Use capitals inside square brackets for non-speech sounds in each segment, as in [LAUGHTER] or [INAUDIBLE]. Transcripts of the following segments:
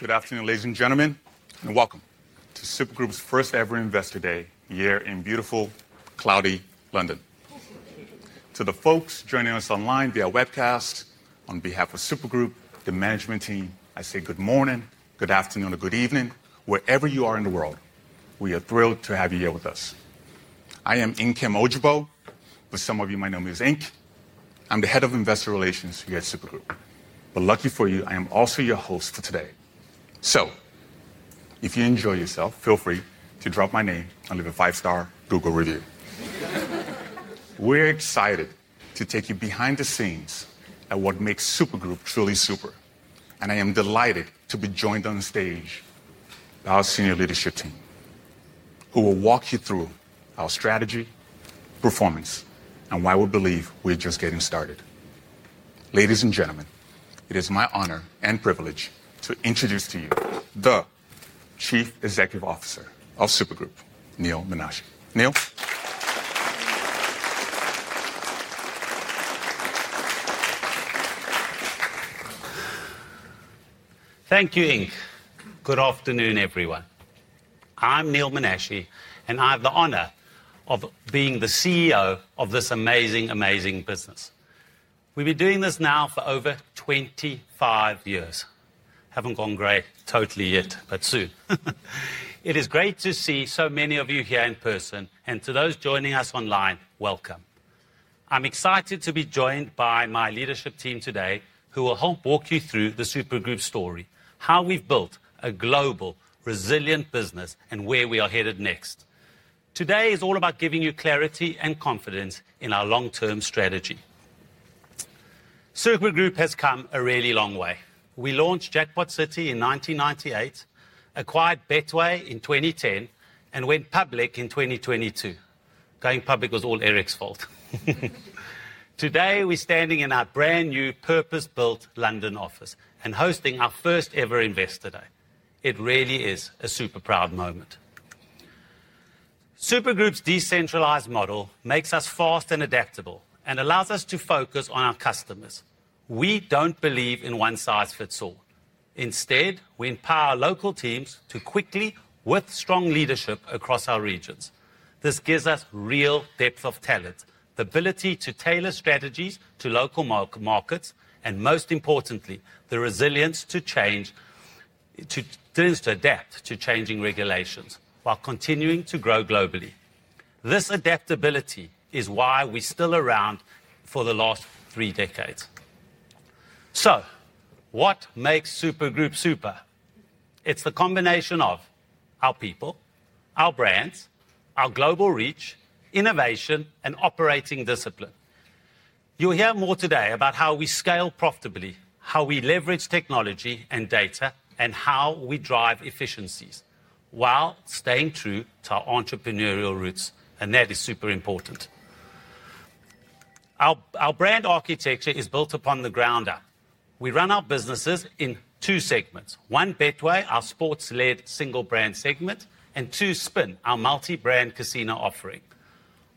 Good afternoon, ladies and gentlemen, and welcome to Super Group's first ever Investor Day, here in beautiful, cloudy London. To the folks joining us online via webcast, on behalf of Super Group, the management team, I say good morning, good afternoon, or good evening, wherever you are in the world. We are thrilled to have you here with us. I am Nkem Ojougboh. For some of you, my name is Ink. I'm the Head of Investor Relations here at Super Group. Lucky for you, I am also your host for today. If you enjoy yourself, feel free to drop my name and leave a five-star Google review. We're excited to take you behind the scenes at what makes Super Group truly super. I am delighted to be joined on stage by our senior leadership team, who will walk you through our strategy, performance, and why we believe we're just getting started. Ladies and gentlemen, it is my honor and privilege to introduce to you the Chief Executive Officer of Super Group, Neal Menashe. Neal. Thank you, Ink. Good afternoon, everyone. I'm Neal Menashe, and I have the honor of being the CEO of this amazing, amazing business. We've been doing this now for over 25 years. Haven't gone great totally yet, but soon. It is great to see so many of you here in person, and to those joining us online, welcome. I'm excited to be joined by my leadership team today, who will help walk you through the Super Group story, how we've built a global, resilient business, and where we are headed next. Today is all about giving you clarity and confidence in our long-term strategy. Super Group has come a really long way. We launched Jackpot City in 1998, acquired Betway in 2010, and went public in 2022. Going public was all Eric's fault. Today, we're standing in our brand new purpose-built London office and hosting our first ever Investor Day. It really is a super proud moment. Super Group's decentralized model makes us fast and adaptable and allows us to focus on our customers. We don't believe in one size fits all. Instead, we empower local teams to quickly work with strong leadership across our regions. This gives us real depth of talent, the ability to tailor strategies to local markets, and most importantly, the resilience to change, to adapt to changing regulations while continuing to grow globally. This adaptability is why we're still around for the last three decades. What makes Super Group super? It's the combination of our people, our brands, our global reach, innovation, and operating discipline. You'll hear more today about how we scale profitably, how we leverage technology and data, and how we drive efficiencies while staying true to our entrepreneurial roots, and that is super important. Our brand architecture is built upon the ground up. We run our businesses in two segments: one, Betway, our sports-led single-brand segment; and two, Spin, our multi-brand casino offering.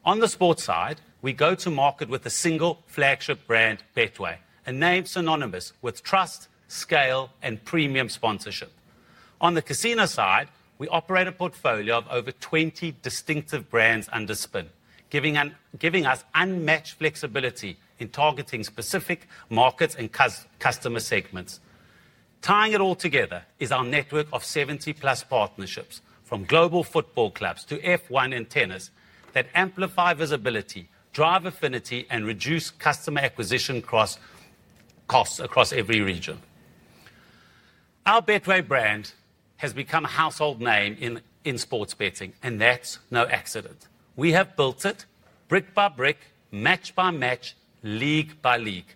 On the sports side, we go to market with a single flagship brand, Betway, a name synonymous with trust, scale, and premium sponsorship. On the casino side, we operate a portfolio of over 20 distinctive brands under Spin, giving us unmatched flexibility in targeting specific markets and customer segments. Tying it all together is our network of 70+ partnerships, from global football clubs to F1 and tennis, that amplify visibility, drive affinity, and reduce customer acquisition costs across every region. Our Betway brand has become a household name in sports betting, and that's no accident. We have built it brick by brick, match by match, league by league.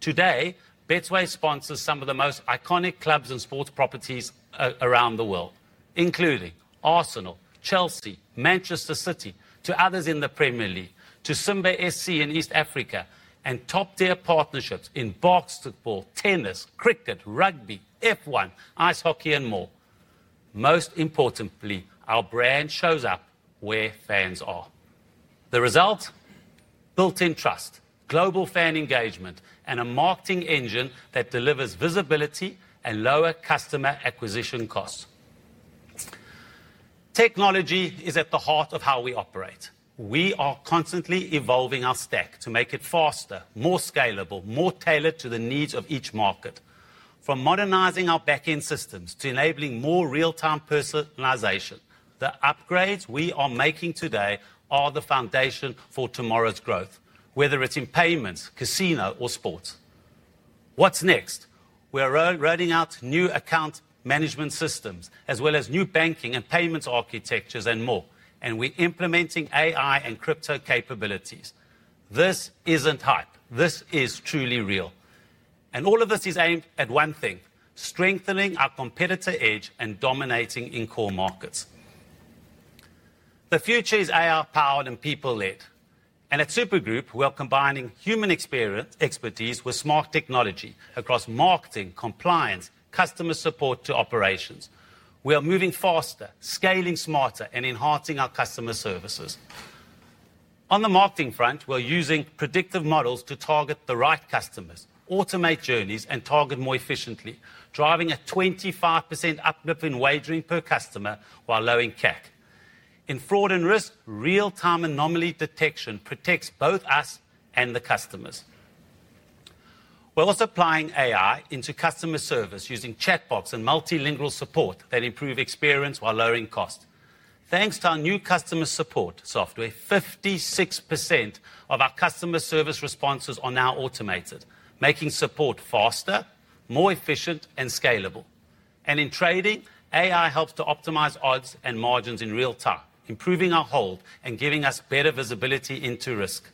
Today, Betway sponsors some of the most iconic clubs and sports properties around the world, including Arsenal, Chelsea, Manchester City, to others in the Premier League, to Simba SC in East Africa, and top-tier partnerships in box football, tennis, cricket, rugby, F1, ice hockey, and more. Most importantly, our brand shows up where fans are. The results? Built-in trust, global fan engagement, and a marketing engine that delivers visibility and low customer acquisition costs. Technology is at the heart of how we operate. We are constantly evolving our stack to make it faster, more scalable, more tailored to the needs of each market. From modernizing our backend systems to enabling more real-time personalization, the upgrades we are making today are the foundation for tomorrow's growth, whether it's in payments, casino, or sports. What's next? We're rolling out new account management systems, as well as new banking and payments architectures and more. We're implementing AI and crypto capabilities. This isn't hype. This is truly real. All of this is aimed at one thing: strengthening our competitor edge and dominating in core markets. The future is AI-powered and people-led. At Super Group, we're combining human experience expertise with smart technology across marketing, compliance, and customer support to operations. We are moving faster, scaling smarter, and enhancing our customer services. On the marketing front, we're using predictive models to target the right customers, automate journeys, and target more efficiently, driving a 25% uplift in wagering per customer while lowering CAC. In fraud and risk, real-time anomaly detection protects both us and the customers. We're also applying AI into customer service using chatbots and multilingual support that improve experience while lowering costs. Thanks to our new customer support software, 56% of our customer service responses are now automated, making support faster, more efficient, and scalable. In trading, AI helps to optimize odds and margins in real time, improving our hold and giving us better visibility into risk.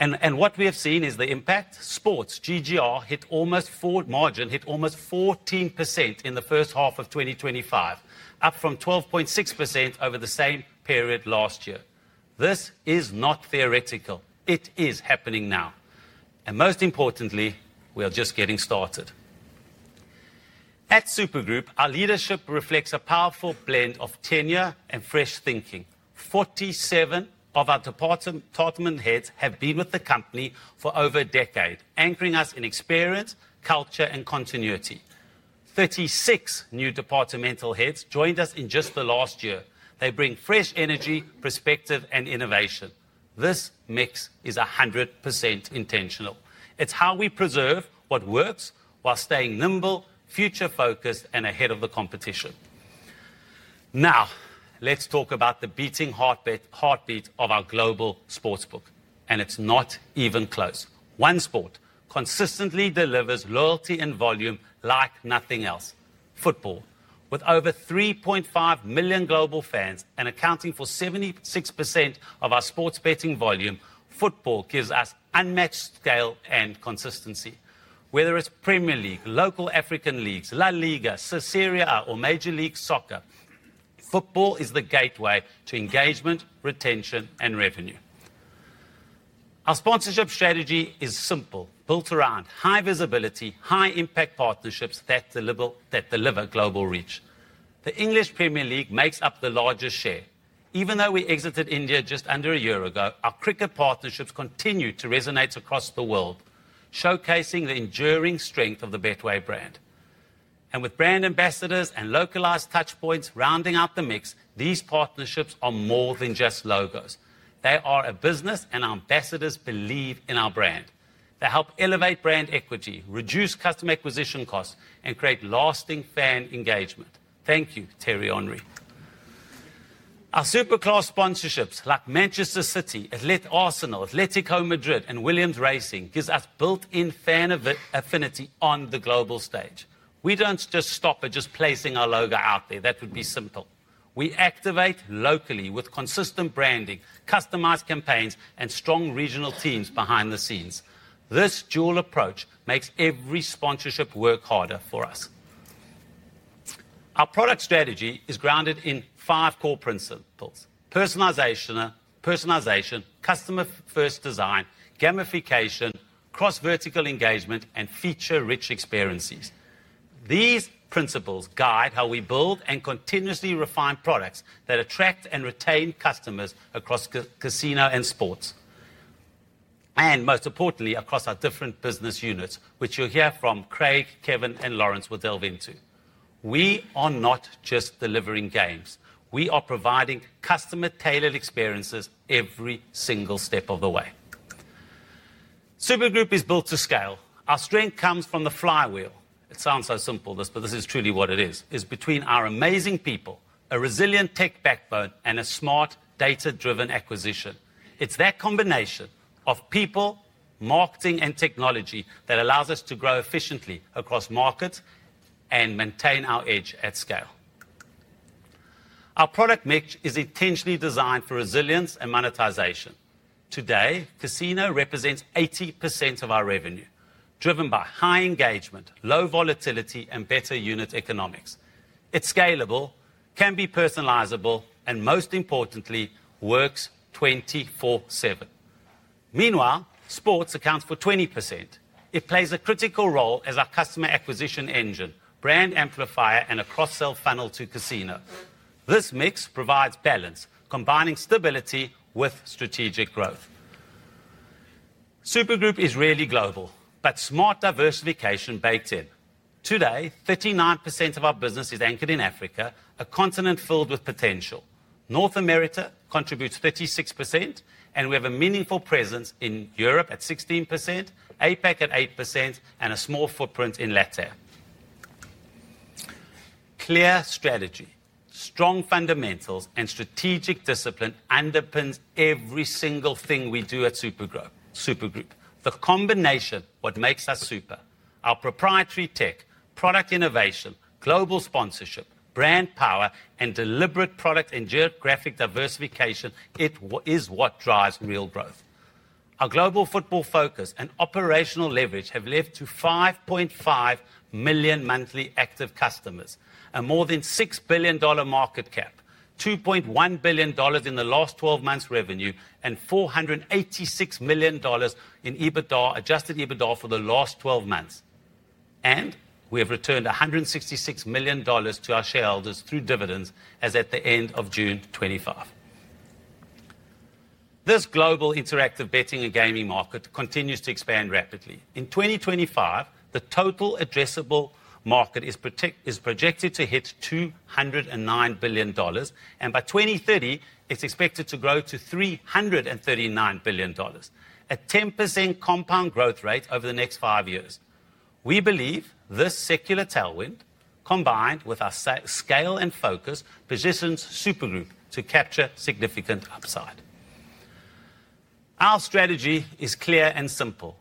What we have seen is the impact. Sports GGR hit almost four margin hit almost 14% in the first half of 2025, up from 12.6% over the same period last year. This is not theoretical. It is happening now. Most importantly, we are just getting started. At Super Group, our leadership reflects a powerful blend of tenure and fresh thinking. 47 of our department heads have been with the company for over a decade, anchoring us in experience, culture, and continuity. 36 new departmental heads joined us in just the last year. They bring fresh energy, perspective, and innovation. This mix is 100% intentional. It's how we preserve what works while staying nimble, future-focused, and ahead of the competition. Now, let's talk about the beating heartbeat of our global sportsbook, and it's not even close. One sport consistently delivers loyalty and volume like nothing else: football. With over 3.5 million global fans and accounting for 76% of our sports betting volume, football gives us unmatched scale and consistency. Whether it's Premier League, local African leagues, La Liga, Caesarea, or Major League Soccer, football is the gateway to engagement, retention, and revenue. Our sponsorship strategy is simple, built around high visibility, high-impact partnerships that deliver global reach. The English Premier League makes up the largest share. Even though we exited India just under a year ago, our cricket partnerships continue to resonate across the world, showcasing the enduring strength of the Betway brand. With brand ambassadors and localized touchpoints rounding up the mix, these partnerships are more than just logos. They are a business, and our ambassadors believe in our brand. They help elevate brand equity, reduce customer acquisition costs, and create lasting fan engagement. Thank you, Thierry Henry. Our super-class sponsorships like Manchester City, Arsenal, Atlético Madrid, and Williams Racing give us built-in fan affinity on the global stage. We don't just stop at just placing our logo out there. That would be simple. We activate locally with consistent branding, customized campaigns, and strong regional teams behind the scenes. This dual approach makes every sponsorship work harder for us. Our product strategy is grounded in five core principles: personalization, customer-first design, gamification, cross-vertical engagement, and feature-rich experiences. These principles guide how we build and continuously refine products that attract and retain customers across casino and sports. Most importantly, across our different business units, which you'll hear from Craig, Kevin, and Laurence will delve into. We are not just delivering games. We are providing customer-tailored experiences every single step of the way. Super Group is built to scale. Our strength comes from the flywheel. It sounds so simple, but this is truly what it is. It's between our amazing people, a resilient tech backbone, and a smart, data-driven acquisition. It's that combination of people, marketing, and technology that allows us to grow efficiently across markets and maintain our edge at scale. Our product mix is intentionally designed for resilience and monetization. Today, casino represents 80% of our revenue, driven by high engagement, low volatility, and better unit economics. It's scalable, can be personalizable, and most importantly, works 24/7. Meanwhile, sports accounts for 20%. It plays a critical role as our customer acquisition engine, brand amplifier, and a cross-sell funnel to casino. This mix provides balance, combining stability with strategic growth. Super Group is really global, but smart diversification baked in. Today, 39% of our business is anchored in Africa, a continent filled with potential. North America contributes 36%, and we have a meaningful presence in Europe at 16%, APAC at 8%, and a small footprint in LATAM. Clear strategy, strong fundamentals, and strategic discipline underpin every single thing we do at Super Group. The combination of what makes us super, our proprietary tech, product innovation, global sponsorship, brand power, and deliberate product and geographic diversification, it is what drives real growth. Our global football focus and operational leverage have led to 5.5 million monthly active customers, a more than $6 billion market cap, $2.1 billion in the last 12 months' revenue, and $486 million in EBITDA, adjusted EBITDA for the last 12 months. We have returned $166 million to our shareholders through dividends as at the end of June 2025. This global interactive betting and gaming market continues to expand rapidly. In 2025, the total addressable market is projected to hit $209 billion, and by 2030, it's expected to grow to $339 billion, a 10% compound growth rate over the next five years. We believe this secular tailwind, combined with our scale and focus, positions Super Group to capture significant upside. Our strategy is clear and simple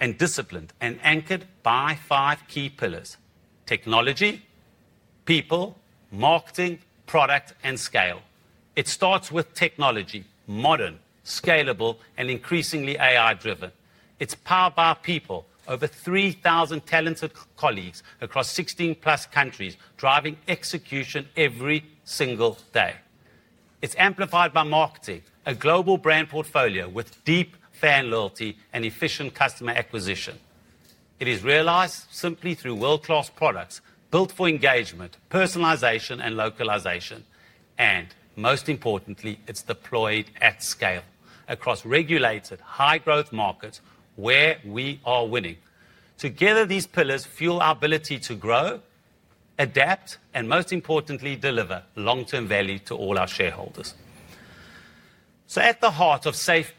and disciplined and anchored by five key pillars: technology, people, marketing, product, and scale. It starts with technology, modern, scalable, and increasingly AI-driven. It's powered by people, over 3,000 talented colleagues across 16+ countries, driving execution every single day. It's amplified by marketing, a global brand portfolio with deep fan loyalty and efficient customer acquisition. It is realized simply through world-class products, built for engagement, personalization, and localization. Most importantly, it's deployed at scale across regulated, high-growth markets where we are winning. Together, these pillars fuel our ability to grow, adapt, and most importantly, deliver long-term value to all our shareholders. At the heart of Safe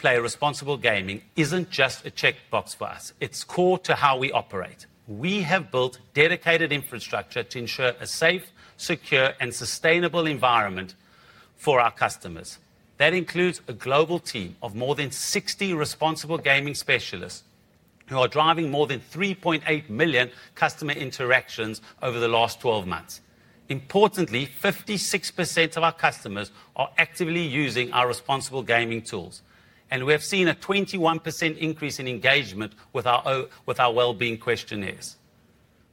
Play, responsible gaming isn't just a checkbox for us. It's core to how we operate. We have built dedicated infrastructure to ensure a safe, secure, and sustainable environment for our customers. That includes a global team of more than 60 responsible gaming specialists who are driving more than 3.8 million customer interactions over the last 12 months. Importantly, 56% of our customers are actively using our Responsible Gaming tools. We have seen a 21% increase in engagement with our well-being questionnaires.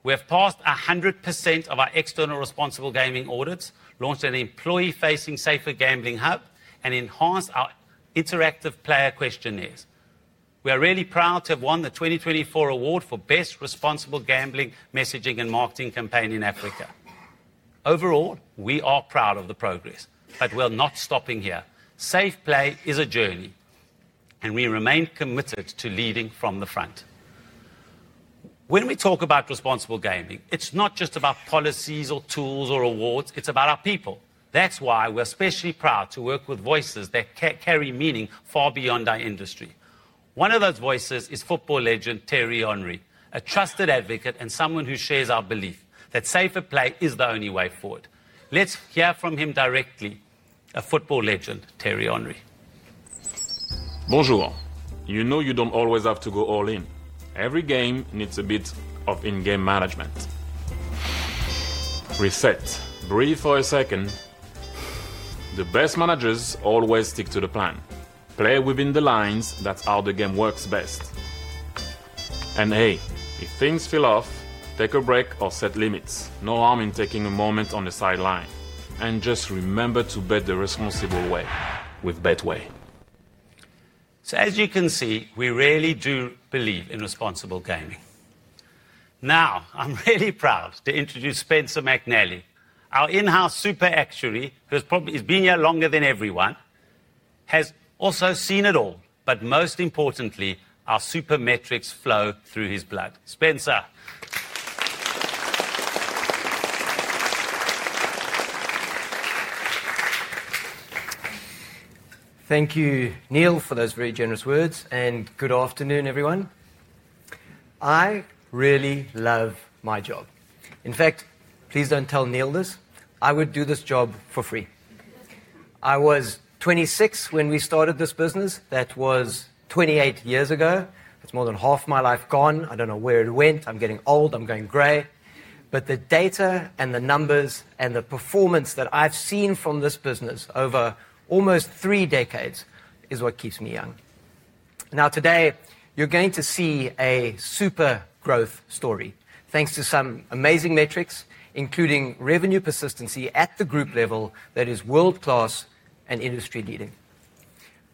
We have passed 100% of our external responsible gaming audits, launched an employee-facing Safer Gambling Hub, and enhanced our interactive player questionnaires. We are really proud to have won the 2024 award for Best Responsible Gambling Messaging and Marketing Campaign in Africa. Overall, we are proud of the progress, but we're not stopping here. Safe Play is a journey, and we remain committed to leading from the front. When we talk about responsible gaming, it's not just about policies or tools or awards. It's about our people. That's why we're especially proud to work with voices that carry meaning far beyond our industry. One of those voices is football legend Thierry Henry, a trusted advocate and someone who shares our belief that Safe Play is the only way forward. Let's hear from him directly, a football legend, Thierry Henry. Bonjour. You know you don't always have to go all in. Every game needs a bit of in-game management. Reset. Breathe for a second. The best managers always stick to the plan. Play within the lines. That's how the game works best. If things feel off, take a break or set limits. No harm in taking a moment on the sideline. Just remember to bet the responsible way with Betway. As you can see, we really do believe in responsible gaming. I'm really proud to introduce Spencer McNally, our in-house super actuary, who's probably been here longer than everyone, has also seen it all. Most importantly, our super metrics flow through his blood. Spencer. Thank you, Neal, for those very generous words, and good afternoon, everyone. I really love my job. In fact, please don't tell Neal this. I would do this job for free. I was 26 when we started this business. That was 28 years ago. That's more than half my life gone. I don't know where it went. I'm getting old. I'm going gray. The data and the numbers and the performance that I've seen from this business over almost three decades is what keeps me young. Today, you're going to see a super growth story thanks to some amazing metrics, including revenue persistency at the group level that is world-class and industry-leading.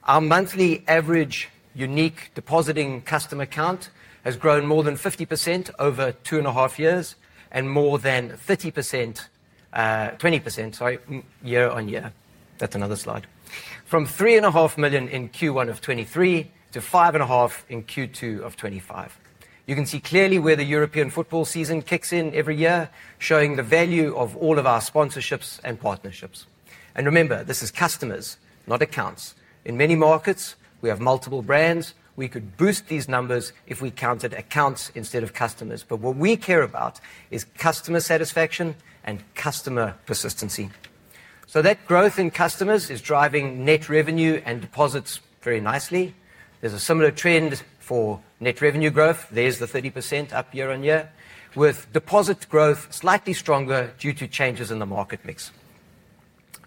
Our monthly average unique depositing customer count has grown more than 50% over two and a half years and more than 30%, 20%, sorry, year on year. That's another slide. From 3.5 million in Q1 of 2023 to 5.5 million in Q2 of 2025. You can see clearly where the European football season kicks in every year, showing the value of all of our sponsorships and partnerships. Remember, this is customers, not accounts. In many markets, we have multiple brands. We could boost these numbers if we counted accounts instead of customers. What we care about is customer satisfaction and customer persistency. That growth in customers is driving net revenue and deposits very nicely. There's a similar trend for net revenue growth. There's the 30% up year on year, with deposit growth slightly stronger due to changes in the market mix.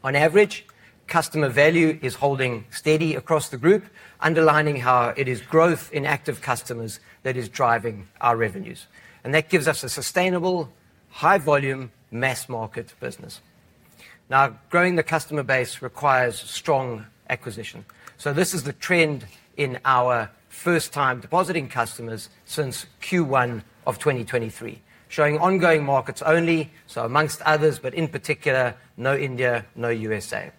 On average, customer value is holding steady across the group, underlining how it is growth in active customers that is driving our revenues. That gives us a sustainable, high-volume, mass-market business. Growing the customer base requires strong acquisition. This is the trend in our first-time depositing customers since Q1 of 2023, showing ongoing markets only, so amongst others, but in particular, no India, no U.S.A.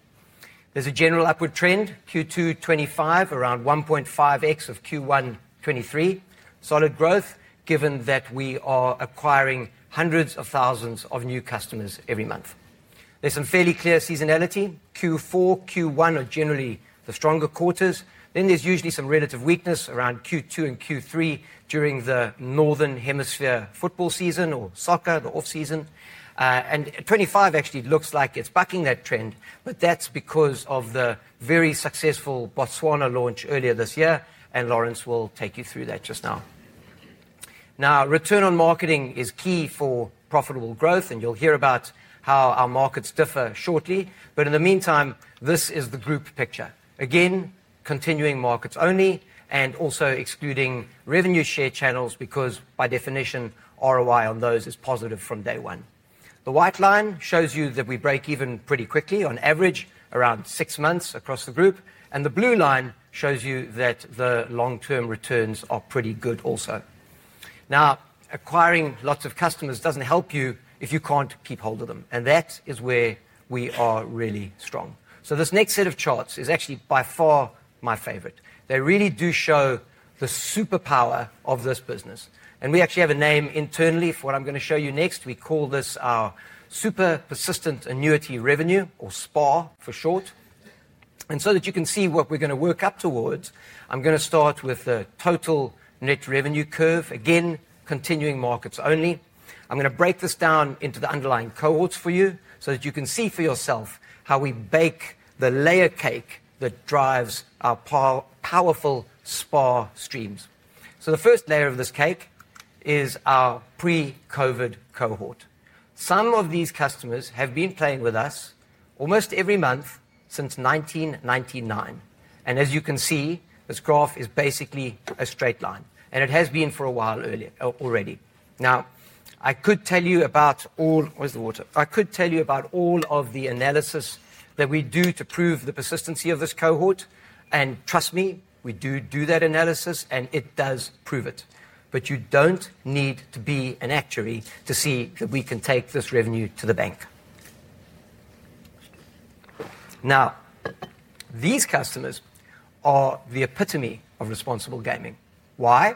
There's a general upward trend, Q2 2025, around 1.5x of Q1 2023. Solid growth, given that we are acquiring hundreds of thousands of new customers every month. There's some fairly clear seasonality. Q4, Q1 are generally the stronger quarters. There's usually some relative weakness around Q2 and Q3 during the Northern Hemisphere football season or soccer, the off-season. 2025 actually looks like it's backing that trend, but that's because of the very successful Botswana launch earlier this year, and Laurence will take you through that just now. Now, return on marketing is key for profitable growth, and you'll hear about how our markets differ shortly. In the meantime, this is the group picture. Again, continuing markets only and also excluding revenue share channels because, by definition, ROI on those is positive from day one. The white line shows you that we break even pretty quickly on average, around six months across the group. The blue line shows you that the long-term returns are pretty good also. Acquiring lots of customers doesn't help you if you can't keep hold of them. That is where we are really strong. This next set of charts is actually by far my favorite. They really do show the superpower of this business. We actually have a name internally for what I'm going to show you next. We call this our super persistent annuity revenue, or SPAR for short. So that you can see what we're going to work up towards, I'm going to start with the total net revenue curve, again, continuing markets only. I'm going to break this down into the underlying cohorts for you so that you can see for yourself how we bake the layer cake that drives our powerful SPAR streams. The first layer of this cake is our pre-COVID cohort. Some of these customers have been playing with us almost every month since 1999. As you can see, this graph is basically a straight line. It has been for a while already. I could tell you about all of the analysis that we do to prove the persistency of this cohort. Trust me, we do do that analysis, and it does prove it. You don't need to be an actuary to see that we can take this revenue to the bank. These customers are the epitome of responsible gaming. Why?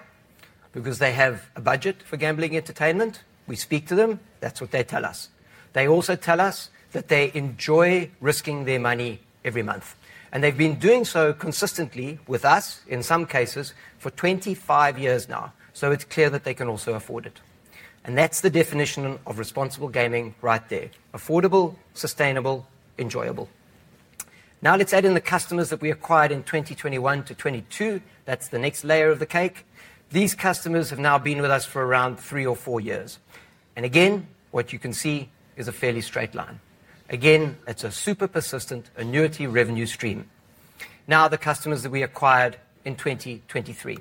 Because they have a budget for gambling entertainment. We speak to them. That's what they tell us. They also tell us that they enjoy risking their money every month. They've been doing so consistently with us, in some cases, for 25 years now. It's clear that they can also afford it. That's the definition of responsible gaming right there: affordable, sustainable, enjoyable. Let's add in the customers that we acquired in 2021 to 2022. That's the next layer of the cake. These customers have now been with us for around three or four years. What you can see is a fairly straight line. Again, it's a super persistent annuity revenue stream. The customers that we acquired in 2023.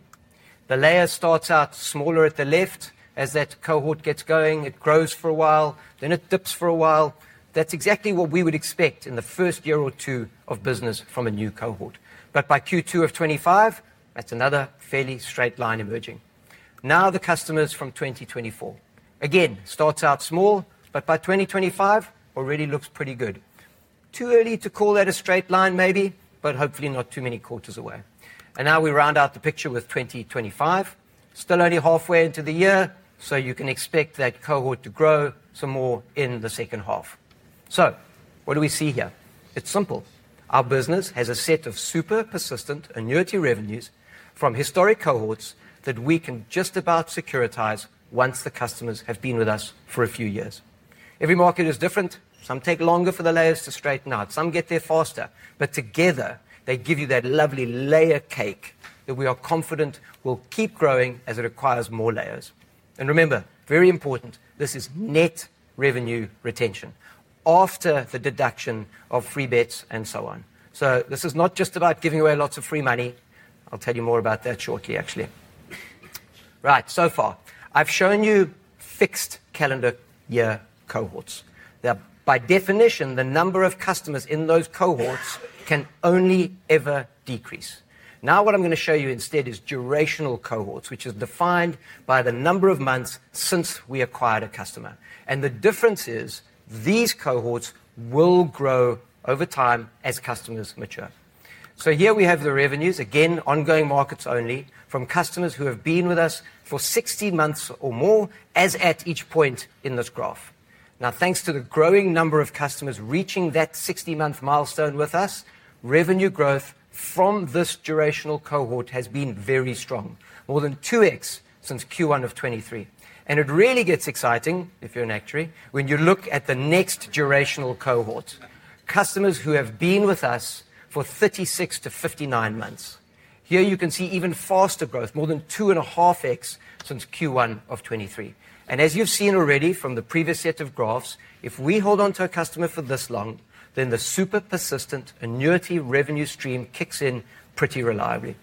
The layer starts out smaller at the left. As that cohort gets going, it grows for a while. Then it dips for a while. That's exactly what we would expect in the first year or two of business from a new cohort. By Q2 of 2025, that's another fairly straight line emerging. Now, the customers from 2024 again start out small, but by 2025, already look pretty good. Too early to call that a straight line, maybe, but hopefully not too many quarters away. Now we round out the picture with 2025. Still only halfway into the year, you can expect that cohort to grow some more in the second half. What do we see here? It's simple. Our business has a set of super persistent annuity revenues from historic cohorts that we can just about securitize once the customers have been with us for a few years. Every market is different. Some take longer for the layers to straighten out. Some get there faster. Together, they give you that lovely layer cake that we are confident will keep growing as it acquires more layers. Remember, very important, this is net revenue retention after the deduction of free bets and so on. This is not just about giving away lots of free money. I'll tell you more about that shortly, actually. Right, so far, I've shown you fixed calendar year cohorts. By definition, the number of customers in those cohorts can only ever decrease. What I'm going to show you instead is durational cohorts, which are defined by the number of months since we acquired a customer. The difference is these cohorts will grow over time as customers mature. Here we have the revenues, again, ongoing markets only, from customers who have been with us for 60 months or more, as at each point in this graph. Thanks to the growing number of customers reaching that 60-month milestone with us, revenue growth from this durational cohort has been very strong, more than 2x since Q1 of 2023. It really gets exciting if you're an actuary when you look at the next durational cohort, customers who have been with us for 36 to 59 months. Here, you can see even faster growth, more than 2.5x since Q1 of 2023. As you've seen already from the previous set of graphs, if we hold onto a customer for this long, then the super persistent annuity revenue stream kicks in pretty reliably.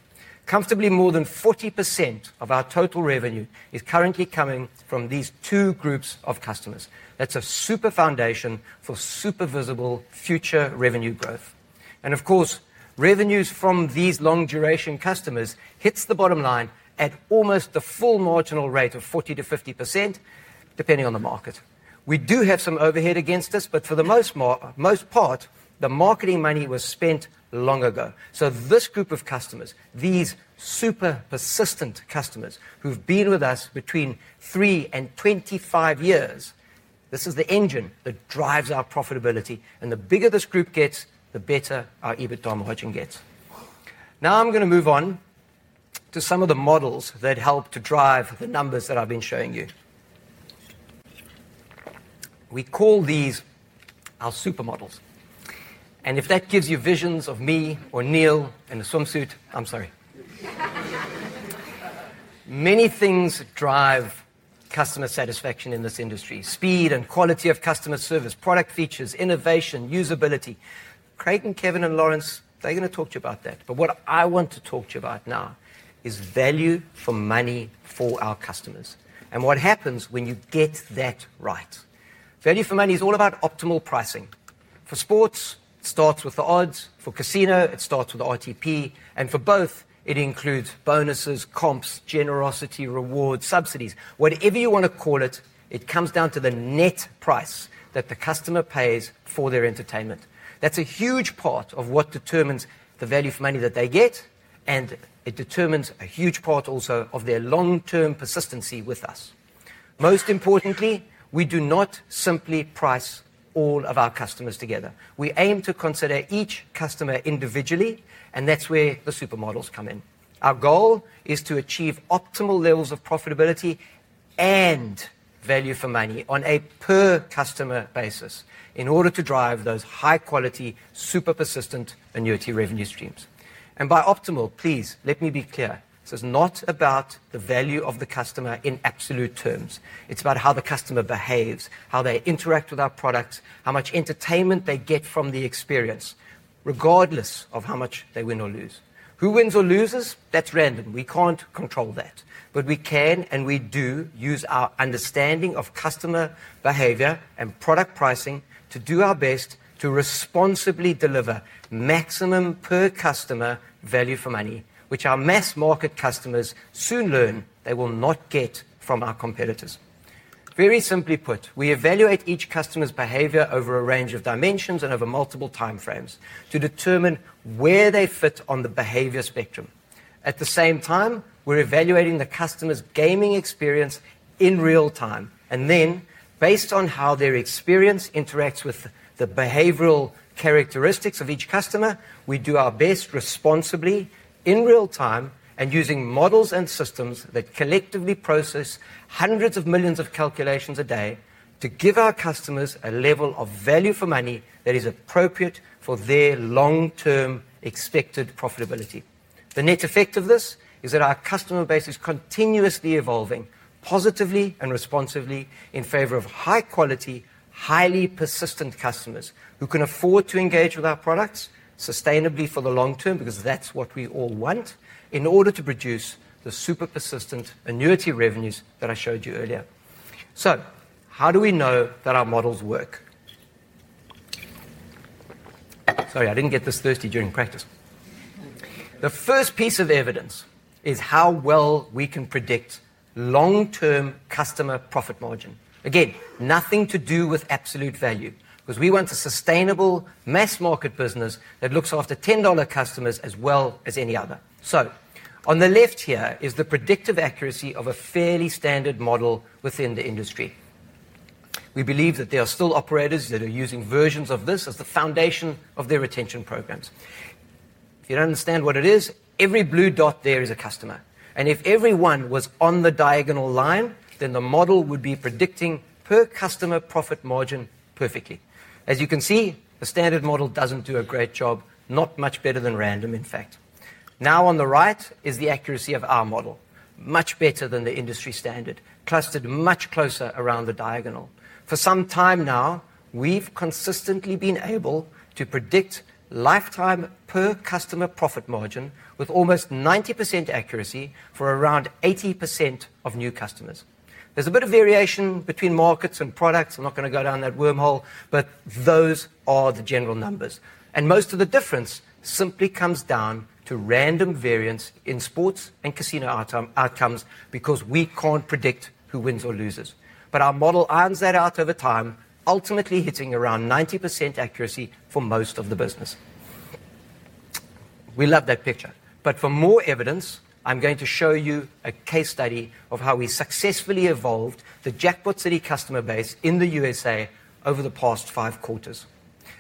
Comfortably, more than 40% of our total revenue is currently coming from these two groups of customers. That's a super foundation for super visible future revenue growth. Of course, revenues from these long-duration customers hit the bottom line at almost the full marginal rate of 40%-50%, depending on the market. We do have some overhead against this, but for the most part, the marketing money was spent long ago. This group of customers, these super persistent customers who've been with us between three and 25 years, is the engine that drives our profitability. The bigger this group gets, the better our EBITDA margin gets. Now, I'm going to move on to some of the models that help to drive the numbers that I've been showing you. We call these our super models. If that gives you visions of me or Neal in a swimsuit, I'm sorry. Many things drive customer satisfaction in this industry: speed and quality of customer service, product features, innovation, usability. Craig, Kevin, and Laurence are going to talk to you about that. What I want to talk to you about now is value for money for our customers and what happens when you get that right. Value for money is all about optimal pricing. For sports, it starts with the odds. For casino, it starts with the ITP. For both, it includes bonuses, comps, generosity, rewards, subsidies, whatever you want to call it. It comes down to the net price that the customer pays for their entertainment. That's a huge part of what determines the value for money that they get, and it determines a huge part also of their long-term persistency with us. Most importantly, we do not simply price all of our customers together. We aim to consider each customer individually, and that's where the super models come in. Our goal is to achieve optimal levels of profitability and value for money on a per-customer basis in order to drive those high-quality super persistent annuity revenue streams. By optimal, please, let me be clear. This is not about the value of the customer in absolute terms. It's about how the customer behaves, how they interact with our products, how much entertainment they get from the experience, regardless of how much they win or lose. Who wins or loses, that's random. We can't control that. We can, and we do use our understanding of customer behavior and product pricing to do our best to responsibly deliver maximum per-customer value for money, which our mass-market customers soon learn they will not get from our competitors. Very simply put, we evaluate each customer's behavior over a range of dimensions and over multiple time frames to determine where they fit on the behavior spectrum. At the same time, we're evaluating the customer's gaming experience in real time. Then, based on how their experience interacts with the behavioral characteristics of each customer, we do our best responsibly in real time and using models and systems that collectively process hundreds of millions of calculations a day to give our customers a level of value for money that is appropriate for their long-term expected profitability. The net effect of this is that our customer base is continuously evolving positively and responsively in favor of high-quality, highly persistent customers who can afford to engage with our products sustainably for the long term because that's what we all want in order to produce the super persistent annuity revenues that I showed you earlier. How do we know that our models work? Sorry, I didn't get this thirsty during practice. The first piece of evidence is how well we can predict long-term customer profit margin. Again, nothing to do with absolute value because we want a sustainable mass-market business that looks after $10 customers as well as any other. On the left here is the predictive accuracy of a fairly standard model within the industry. We believe that there are still operators that are using versions of this as the foundation of their retention programs. If you don't understand what it is, every blue dot there is a customer. If everyone was on the diagonal line, then the model would be predicting per-customer profit margin perfectly. As you can see, the standard model doesn't do a great job, not much better than random, in fact. On the right is the accuracy of our model, much better than the industry standard, clustered much closer around the diagonal. For some time now, we've consistently been able to predict lifetime per-customer profit margin with almost 90% accuracy for around 80% of new customers. There's a bit of variation between markets and products. I'm not going to go down that wormhole, but those are the general numbers. Most of the difference simply comes down to random variance in sports and casino outcomes because we can't predict who wins or loses. Our model irons that out over time, ultimately hitting around 90% accuracy for most of the business. We love that picture. For more evidence, I'm going to show you a case study of how we successfully evolved the Jackpot City customer base in the U.S.A. over the past five quarters.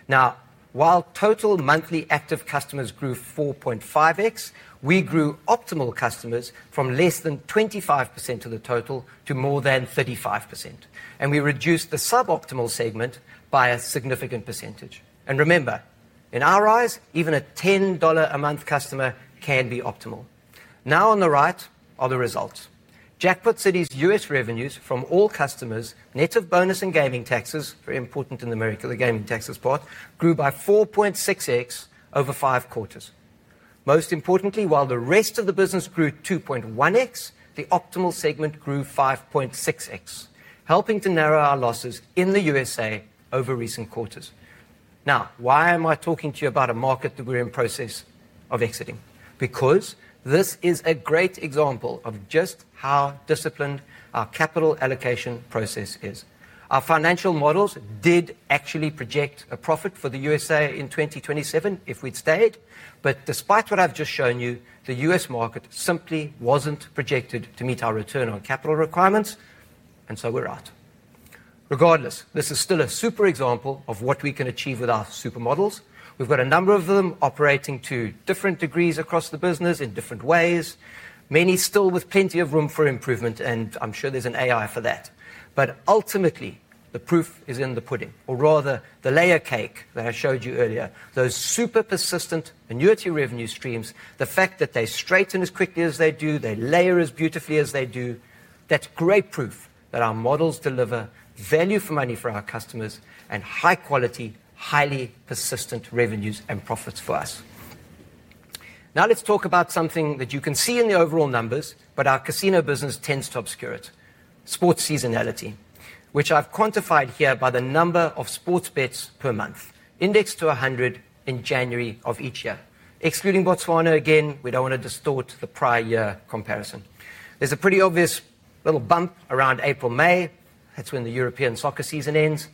Now, while total monthly active customers grew 4.5x, we grew optimal customers from less than 25% of the total to more than 35%. We reduced the suboptimal segment by a significant percentage. Remember, in our eyes, even a $10-a-month customer can be optimal. On the right are the results. Jackpot City's U.S. revenues from all customers, net of bonus and gaming taxes—very important in the miracle of the gaming taxes part—grew by 4.6x over five quarters. Most importantly, while the rest of the business grew 2.1x, the optimal segment grew 5.6x, helping to narrow our losses in the U.S.A over recent quarters. Why am I talking to you about a market that we're in process of exiting? This is a great example of just how disciplined our capital allocation process is. Our financial models did actually project a profit for the U.S. in 2027 if we'd stayed. Despite what I've just shown you, the U.S. market simply wasn't projected to meet our return on capital requirements, and so we're out. Regardless, this is still a super example of what we can achieve with our super models. We've got a number of them operating to different degrees across the business in different ways, many still with plenty of room for improvement, and I'm sure there's an AI for that. Ultimately, the proof is in the pudding, or rather, the layer cake that I showed you earlier, those super persistent annuity revenue streams. The fact that they straighten as quickly as they do, they layer as beautifully as they do, that's great proof that our models deliver value for money for our customers and high-quality, highly persistent revenues and profits for us. Let's talk about something that you can see in the overall numbers, but our casino business tends to obscure it: sports seasonality, which I've quantified here by the number of sports bets per month indexed to 100 in January of each year. Excluding Botswana again, we don't want to distort the prior year comparison. There's a pretty obvious little bump around April, May. That's when the European soccer season ends.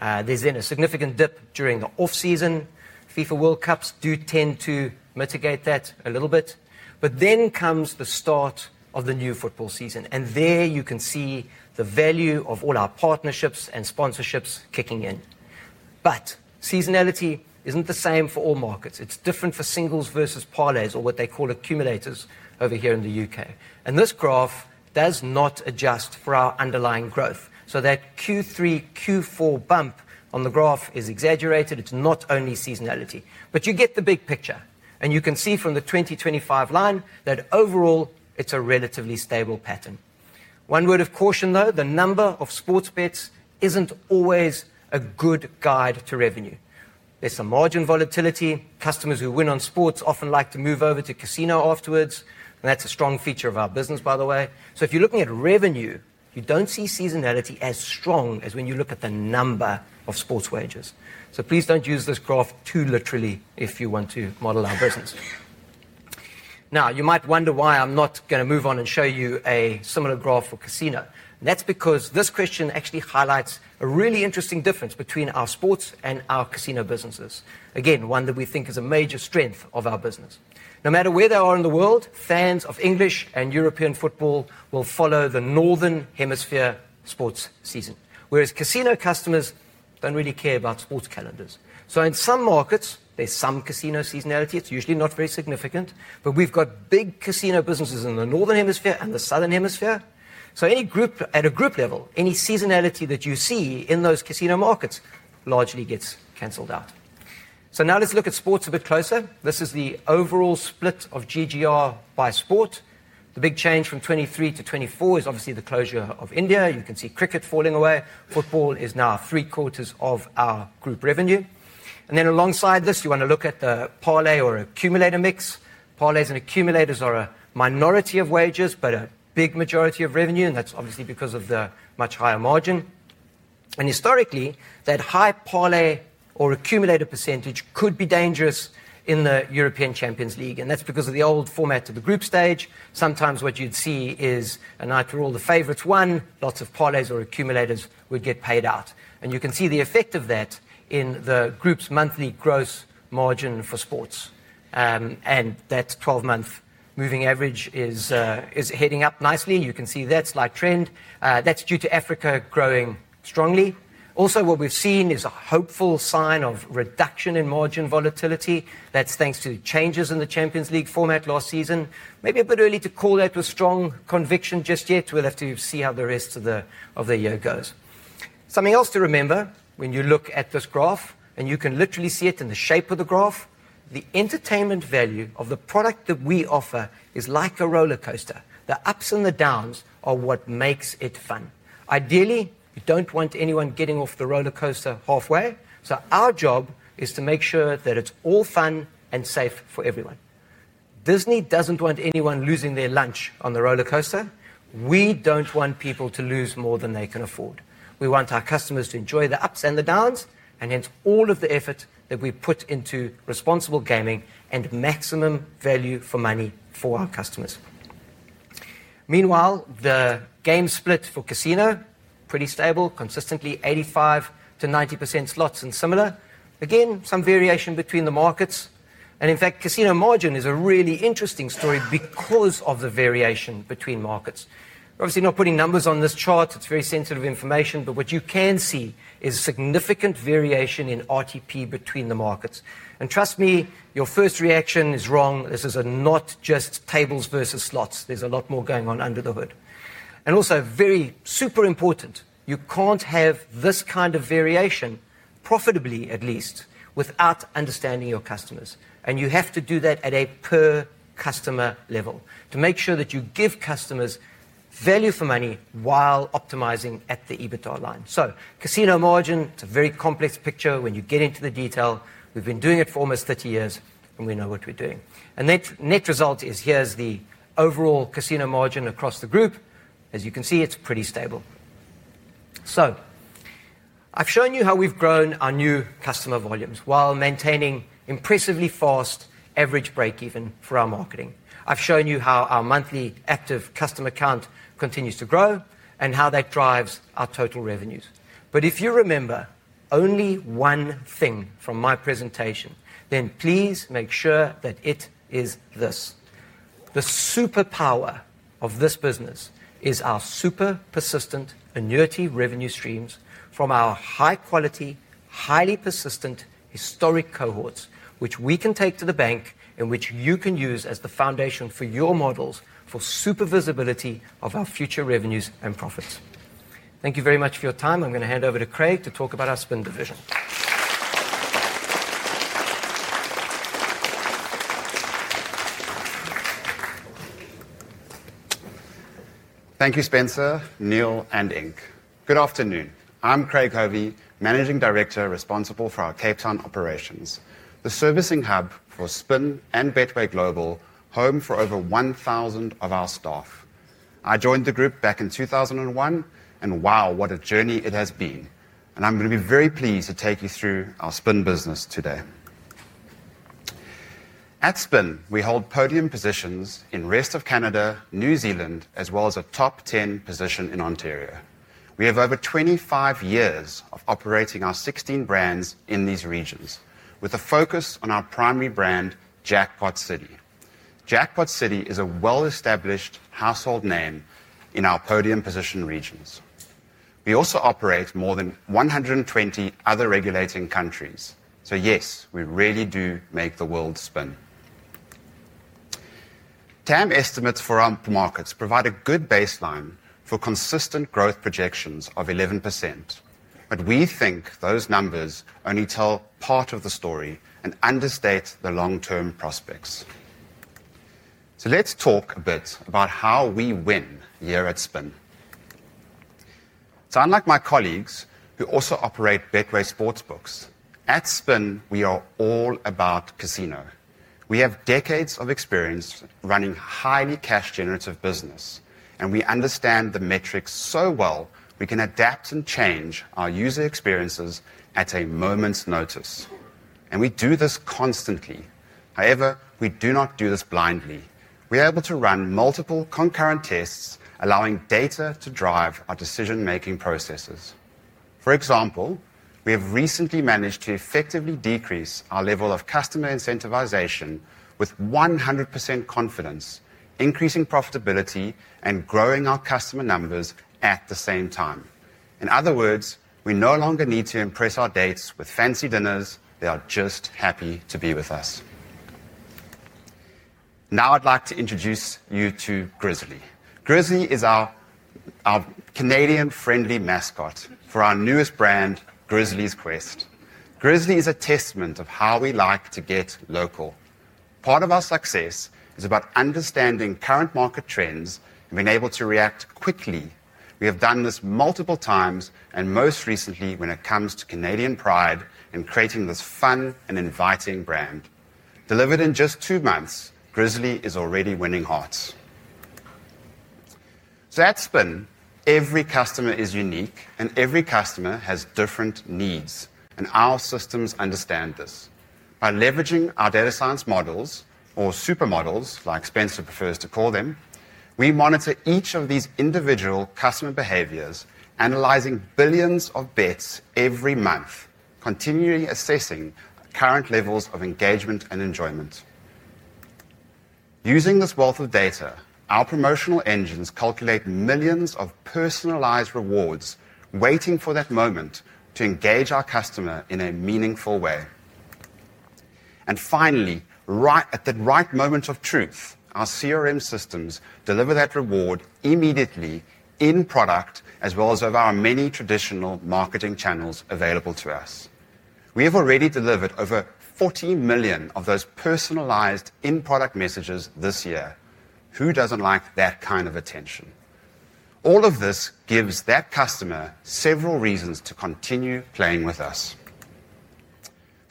There's been a significant dip during the off-season. FIFA World Cups do tend to mitigate that a little bit. Then comes the start of the new football season. There you can see the value of all our partnerships and sponsorships kicking in. Seasonality isn't the same for all markets. It's different for singles versus parlays, or what they call accumulators over here in the U.K. This graph does not adjust for our underlying growth, so that Q3-Q4 bump on the graph is exaggerated. It's not only seasonality, but you get the big picture. You can see from the 2025 line that overall, it's a relatively stable pattern. One word of caution, though, the number of sports bets isn't always a good guide to revenue. There's some margin volatility. Customers who win on sports often like to move over to casino afterwards, and that's a strong feature of our business, by the way. If you're looking at revenue, you don't see seasonality as strong as when you look at the number of sports wagers. Please don't use this graph too literally if you want to model our business. You might wonder why I'm not going to move on and show you a similar graph for casino, and that's because this question actually highlights a really interesting difference between our sports and our casino businesses, again, one that we think is a major strength of our business. No matter where they are in the world, fans of English and European football will follow the Northern Hemisphere sports season, whereas casino customers don't really care about sports calendars. In some markets, there's some casino seasonality. It's usually not very significant, but we've got big casino businesses in the Northern Hemisphere and the Southern Hemisphere. At a group level, any seasonality that you see in those casino markets largely gets canceled out. Now let's look at sports a bit closer. This is the overall split of GGR by sport. The big change from 2023 to 2024 is obviously the closure of India. You can see cricket falling away. Football is now three-quarters of our group revenue. Alongside this, you want to look at the parlay or accumulator mix. Parlays and accumulators are a minority of wagers, but a big majority of revenue, and that's obviously because of the much higher margin. Historically, that high parlay or accumulator percentage could be dangerous in the European Champions League, and that's because of the old format to the group stage. Sometimes what you'd see is a night where all the favorites won, lots of parlays or accumulators would get paid out. You can see the effect of that in the group's monthly gross margin for sports, and that 12-month moving average is heading up nicely. You can see that slight trend. That's due to Africa growing strongly. Also, what we've seen is a hopeful sign of reduction in margin volatility. That's thanks to changes in the Champions League format last season. Maybe a bit early to call that with strong conviction just yet. We'll have to see how the rest of the year goes. Something else to remember when you look at this graph, and you can literally see it in the shape of the graph, the entertainment value of the product that we offer is like a roller coaster. The ups and the downs are what makes it fun. Ideally, you don't want anyone getting off the roller coaster halfway. Our job is to make sure that it's all fun and safe for everyone. Disney doesn't want anyone losing their lunch on the roller coaster. We don't want people to lose more than they can afford. We want our customers to enjoy the ups and the downs, and hence all of the effort that we put into responsible gaming and maximum value for money for our customers. Meanwhile, the game split for casino is pretty stable, consistently 85%-90% slots and similar. Again, some variation between the markets. In fact, casino margin is a really interesting story because of the variation between markets. We're obviously not putting numbers on this chart. It's very sensitive information. What you can see is significant variation in ITP between the markets. Trust me, your first reaction is wrong. This is not just tables versus slots. There's a lot more going on under the hood. Also, very super important, you can't have this kind of variation, profitably at least, without understanding your customers. You have to do that at a per-customer level to make sure that you give customers value for money while optimizing at the EBITDA line. Casino margin is a very complex picture. When you get into the detail, we've been doing it for almost 30 years, and we know what we're doing. The net result is here's the overall casino margin across the group. As you can see, it's pretty stable. I've shown you how we've grown our new customer volumes while maintaining impressively fast average breakeven for our marketing. I've shown you how our monthly active customer count continues to grow and how that drives our total revenues. If you remember only one thing from my presentation, then please make sure that it is this: the superpower of this business is our super persistent annuity revenue streams from our high-quality, highly persistent historic cohorts, which we can take to the bank and which you can use as the foundation for your models for super visibility of our future revenues and profits. Thank you very much for your time. I'm going to hand over to Craig to talk about our Spin division. Thank you, Spencer, Neal, and Ink. Good afternoon. I'm Craig Hovey, Managing Director responsible for our Cape Town operations, the servicing hub for Spin and Betway Global, home for over 1,000 of our staff. I joined the group back in 2001, and wow, what a journey it has been. I'm going to be very pleased to take you through our Spin business today. At Spin, we hold podium positions in the rest of Canada, New Zealand, as well as a top 10 position in Ontario. We have over 25 years of operating our 16 brands in these regions, with a focus on our primary brand, Jackpot City. Jackpot City is a well-established household name in our podium position regions. We also operate in more than 120 other regulating countries. Yes, we really do make the world spin. TAM estimates for our markets provide a good baseline for consistent growth projections of 11%. We think those numbers only tell part of the story and understate the long-term prospects. Let's talk a bit about how we win a year at Spin. Unlike my colleagues who also operate Betway sportsbooks, at Spin, we are all about casino. We have decades of experience running a highly cash-generative business, and we understand the metrics so well we can adapt and change our user experiences at a moment's notice. We do this constantly. However, we do not do this blindly. We are able to run multiple concurrent tests, allowing data to drive our decision-making processes. For example, we have recently managed to effectively decrease our level of customer incentivization with 100% confidence, increasing profitability and growing our customer numbers at the same time. In other words, we no longer need to impress our dates with fancy dinners. They are just happy to be with us. Now, I'd like to introduce you to Grizzly. Grizzly is our Canadian-friendly mascot for our newest brand, Grizzly's Quest. Grizzly is a testament of how we like to get local. Part of our success is about understanding current market trends and being able to react quickly. We have done this multiple times, most recently when it comes to Canadian pride and creating this fun and inviting brand. Delivered in just two months, Grizzly is already winning hearts. At Spin, every customer is unique, and every customer has different needs, and our systems understand this. By leveraging our data science models, or super models, like Spencer prefers to call them, we monitor each of these individual customer behaviors, analyzing billions of bets every month, continually assessing current levels of engagement and enjoyment. Using this wealth of data, our promotional engines calculate millions of personalized rewards, waiting for that moment to engage our customer in a meaningful way. Finally, right at that right moment of truth, our CRM systems deliver that reward immediately in product, as well as over our many traditional marketing channels available to us. We have already delivered over 40 million of those personalized in-product messages this year. Who doesn't like that kind of attention? All of this gives that customer several reasons to continue playing with us.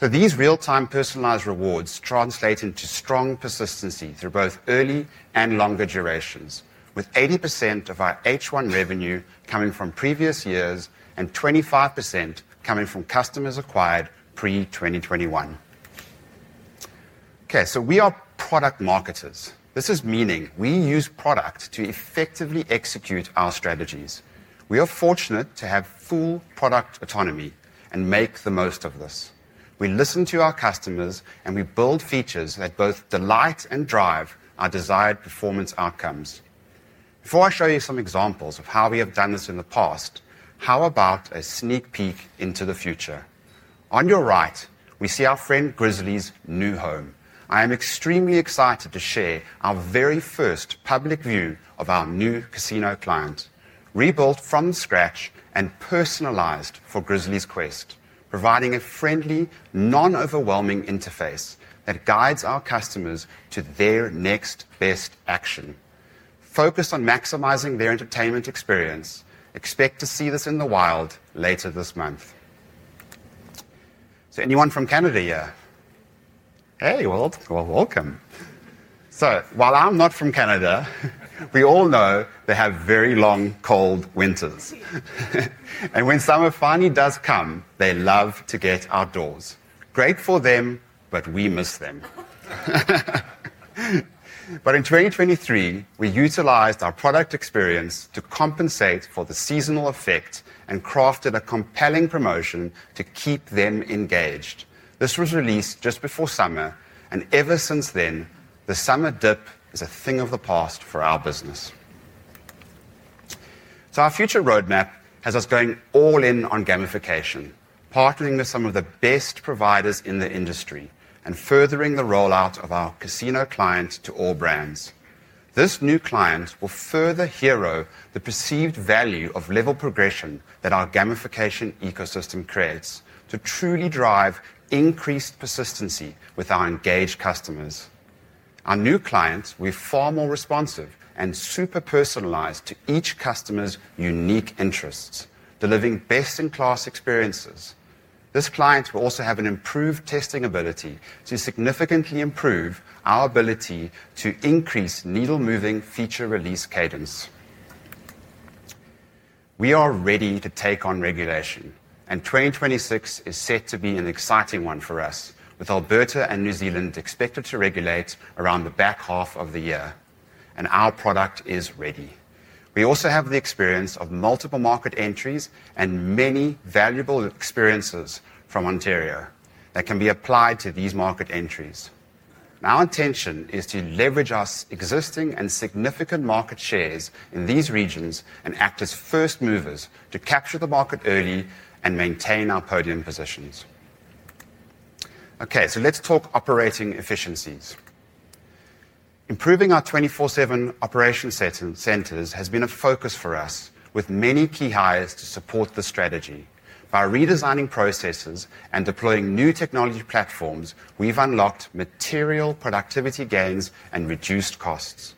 These real-time personalized rewards translate into strong persistency through both early and longer durations, with 80% of our H1 revenue coming from previous years and 25% coming from customers acquired pre-2021. Okay, we are product marketers. This is meaning we use product to effectively execute our strategies. We are fortunate to have full product autonomy and make the most of this. We listen to our customers, and we build features that both delight and drive our desired performance outcomes. Before I show you some examples of how we have done this in the past, how about a sneak peek into the future? On your right, we see our friend Grizzly's new home. I am extremely excited to share our very first public view of our new casino client, rebuilt from scratch and personalized for Grizzly's Quest, providing a friendly, non-overwhelming interface that guides our customers to their next best action. Focused on maximizing their entertainment experience, expect to see this in the wild later this month. Anyone from Canada here? Hey, welcome. While I'm not from Canada, we all know they have very long, cold winters. When summer finally does come, they love to get outdoors. Great for them, but we miss them. In 2023, we utilized our product experience to compensate for the seasonal effect and crafted a compelling promotion to keep them engaged. This was released just before summer, and ever since then, the summer dip is a thing of the past for our business. Our future roadmap has us going all in on gamification, partnering with some of the best providers in the industry, and furthering the rollout of our casino client to all brands. This new client will further hero the perceived value of level progression that our gamification ecosystem creates to truly drive increased persistency with our engaged customers. Our new clients will be far more responsive and super personalized to each customer's unique interests, delivering best-in-class experiences. This client will also have an improved testing ability, so we significantly improve our ability to increase needle-moving feature release cadence. We are ready to take on regulation, and 2026 is set to be an exciting one for us, with Alberta and New Zealand expected to regulate around the back half of the year, and our product is ready. We also have the experience of multiple market entries and many valuable experiences from Ontario that can be applied to these market entries. Our intention is to leverage our existing and significant market shares in these regions and act as first movers to capture the market early and maintain our podium positions. Okay, let's talk operating efficiencies. Improving our 24/7 operation centers has been a focus for us, with many key hires to support the strategy. By redesigning processes and deploying new technology platforms, we've unlocked material productivity gains and reduced costs.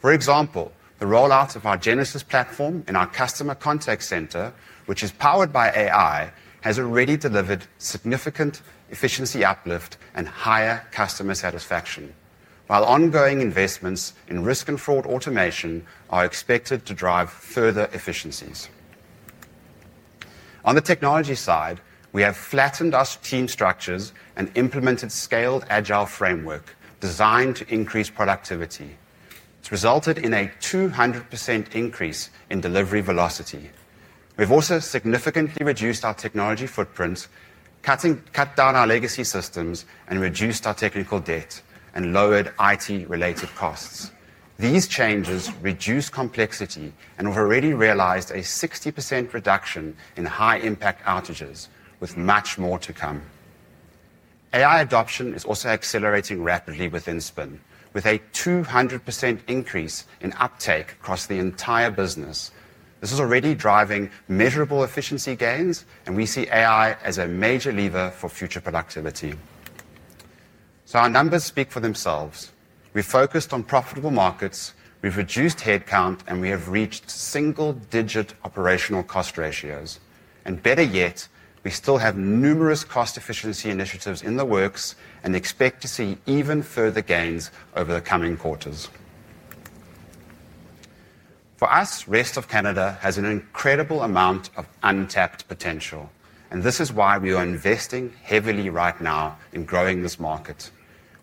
For example, the rollouts of our Genesys platform in our customer contact center, which is powered by AI, has already delivered significant efficiency uplift and higher customer satisfaction, while ongoing investments in risk and fraud automation are expected to drive further efficiencies. On the technology side, we have flattened our team structures and implemented a scaled agile framework designed to increase productivity. It's resulted in a 200% increase in delivery velocity. We've also significantly reduced our technology footprints, cut down our legacy systems, and reduced our technical debt and lowered IT-related costs. These changes reduce complexity, and we've already realized a 60% reduction in high-impact outages, with much more to come. AI adoption is also accelerating rapidly within Spin, with a 200% increase in uptake across the entire business. This is already driving measurable efficiency gains, and we see AI as a major lever for future productivity. Our numbers speak for themselves. We've focused on profitable markets, we've reduced headcount, and we have reached single-digit operational cost ratios. Better yet, we still have numerous cost efficiency initiatives in the works and expect to see even further gains over the coming quarters. For us, the rest of Canada has an incredible amount of untapped potential, which is why we are investing heavily right now in growing this market.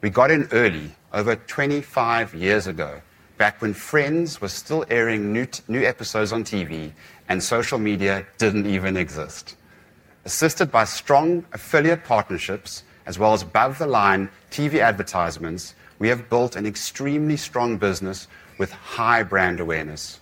We got in early, over 25 years ago, back when Friends was still airing new episodes on TV and social media didn't even exist. Assisted by strong affiliate partnerships, as well as above-the-line TV advertisements, we have built an extremely strong business with high brand awareness.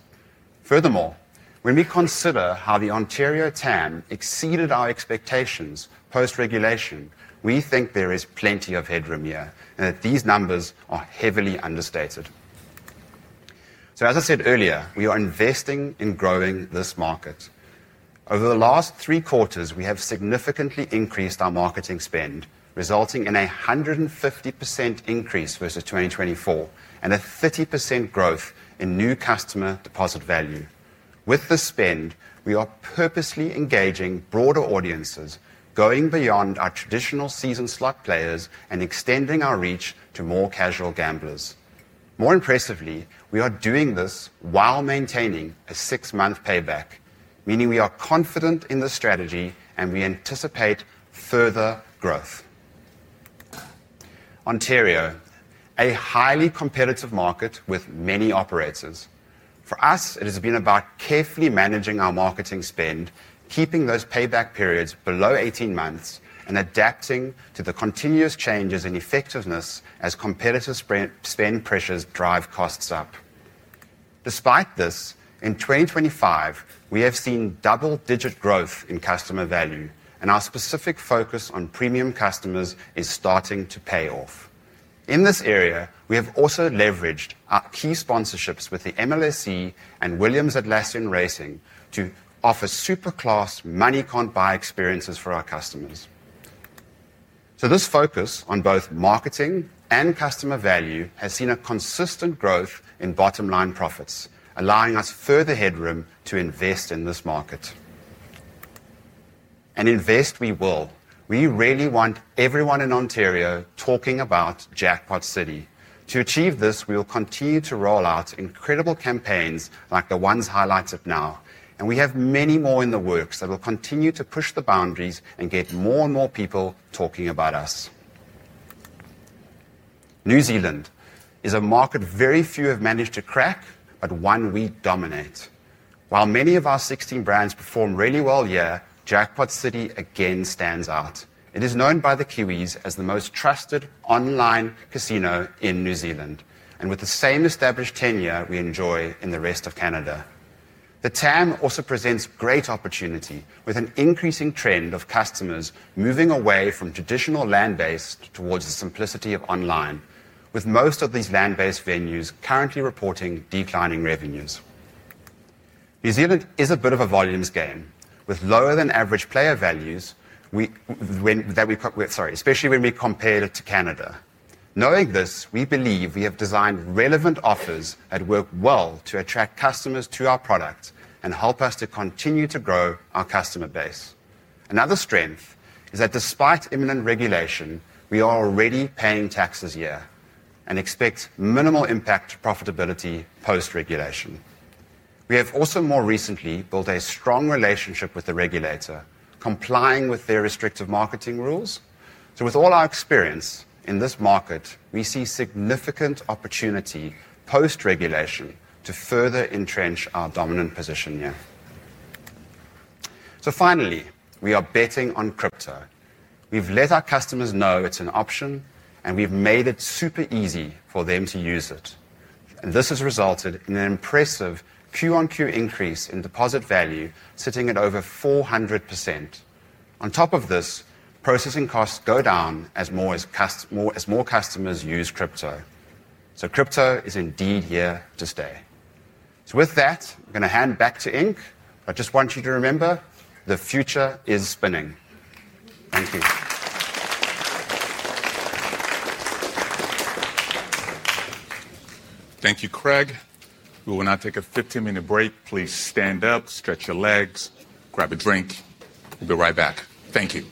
Furthermore, when we consider how the Ontario TAM exceeded our expectations post-regulation, we think there is plenty of headroom here, and that these numbers are heavily understated. As I said earlier, we are investing in growing this market. Over the last three quarters, we have significantly increased our marketing spend, resulting in a 150% increase versus 2024 and a 30% growth in new customer deposit value. With this spend, we are purposely engaging broader audiences, going beyond our traditional seasoned slot players, and extending our reach to more casual gamblers. More impressively, we are doing this while maintaining a six-month payback, meaning we are confident in the strategy and we anticipate further growth. Ontario is a highly competitive market with many operators. For us, it has been about carefully managing our marketing spend, keeping those payback periods below 18 months, and adapting to the continuous changes in effectiveness as competitive spend pressures drive costs up. Despite this, in 2025, we have seen double-digit growth in customer value, and our specific focus on premium customers is starting to pay off. In this area, we have also leveraged our key sponsorships with the MLSC and [Atlassian Williams Racing] to offer super-class money-can't-buy experiences for our customers. This focus on both marketing and customer value has seen a consistent growth in bottom-line profits, allowing us further headroom to invest in this market. Invest we will. We really want everyone in Ontario talking about Jackpot City. To achieve this, we will continue to roll out incredible campaigns like the ones highlighted now. We have many more in the works that will continue to push the boundaries and get more and more people talking about us. New Zealand is a market very few have managed to crack, but one we dominate. While many of our 16 brands perform really well here, Jackpot City again stands out. It is known by the Kiwis as the most trusted online casino in New Zealand, and with the same established tenure we enjoy in the rest of Canada. The TAM also presents great opportunity, with an increasing trend of customers moving away from traditional land-based towards the simplicity of online, with most of these land-based venues currently reporting declining revenues. New Zealand is a bit of a volumes game, with lower than average player values that we cope with, especially when we compare it to Canada. Knowing this, we believe we have designed relevant offers that work well to attract customers to our products and help us to continue to grow our customer base. Another strength is that despite imminent regulation, we are already paying taxes here and expect minimal impact to profitability post-regulation. We have also more recently built a strong relationship with the regulator, complying with their restrictive marketing rules. With all our experience in this market, we see significant opportunity post-regulation to further entrench our dominant position here. Finally, we are betting on crypto. We've let our customers know it's an option, and we've made it super easy for them to use it. This has resulted in an impressive Q1Q increase in deposit value, sitting at over 400%. On top of this, processing costs go down as more customers use crypto. Crypto is indeed here to stay. With that, I'm going to hand back to Ink. I just want you to remember, the future is spinning. Thank you. Thank you, Craig. We will now take a 15-minute break. Please stand up, stretch your legs, grab a drink. We'll be right back. Thank you.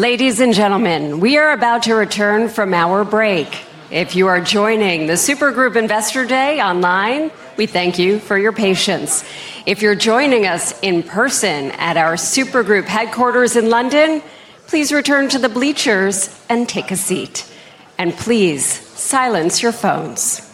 Ladies and gentlemen, we are about to return from our break. If you are joining the Super Group Investor Day online, we thank you for your patience. If you're joining us in person at our Super Group headquarters in London, please return to the bleachers and take a seat. Please silence your phones.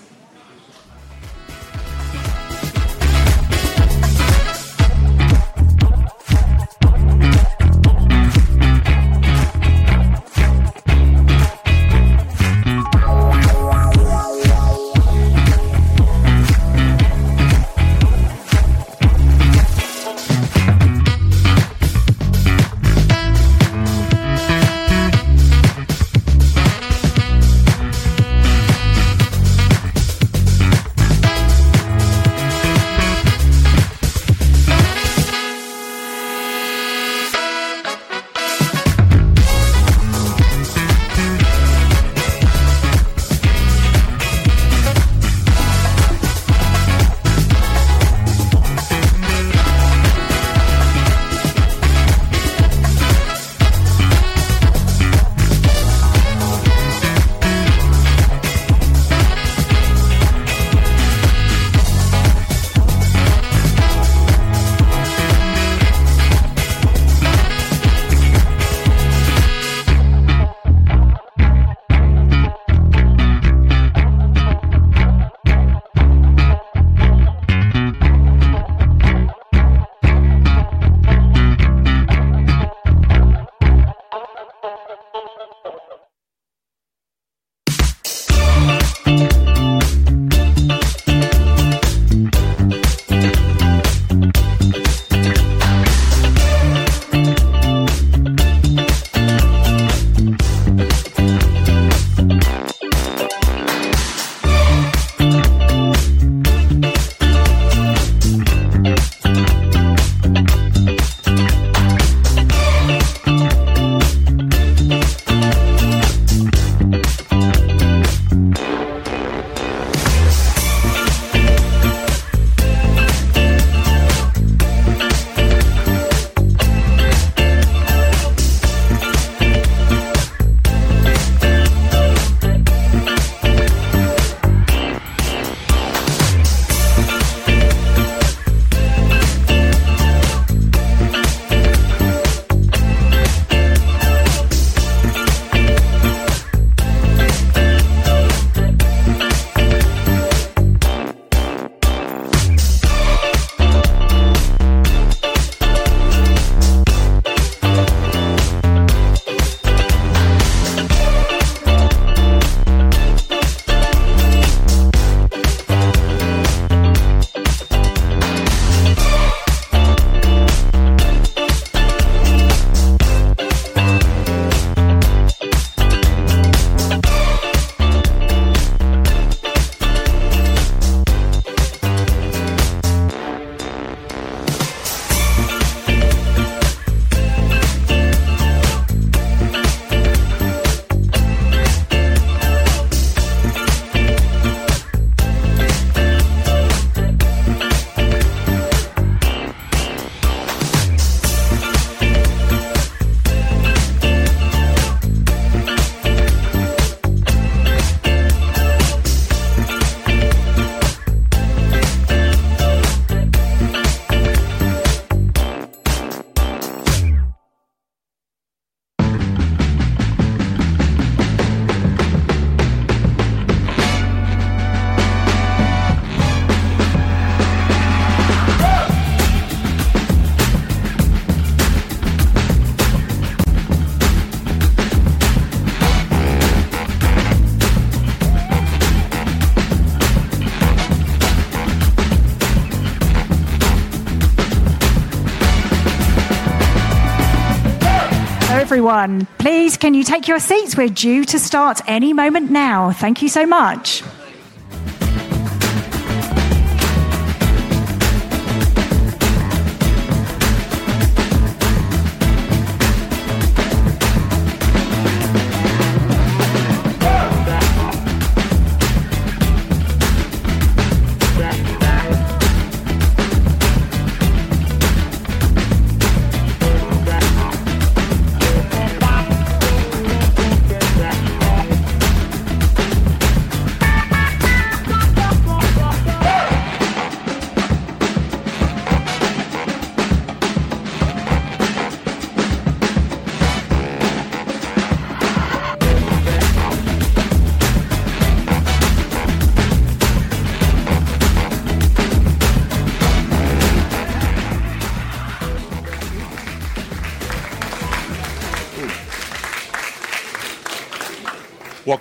Everyone, please can you take your seats? We're due to start any moment now. Thank you so much.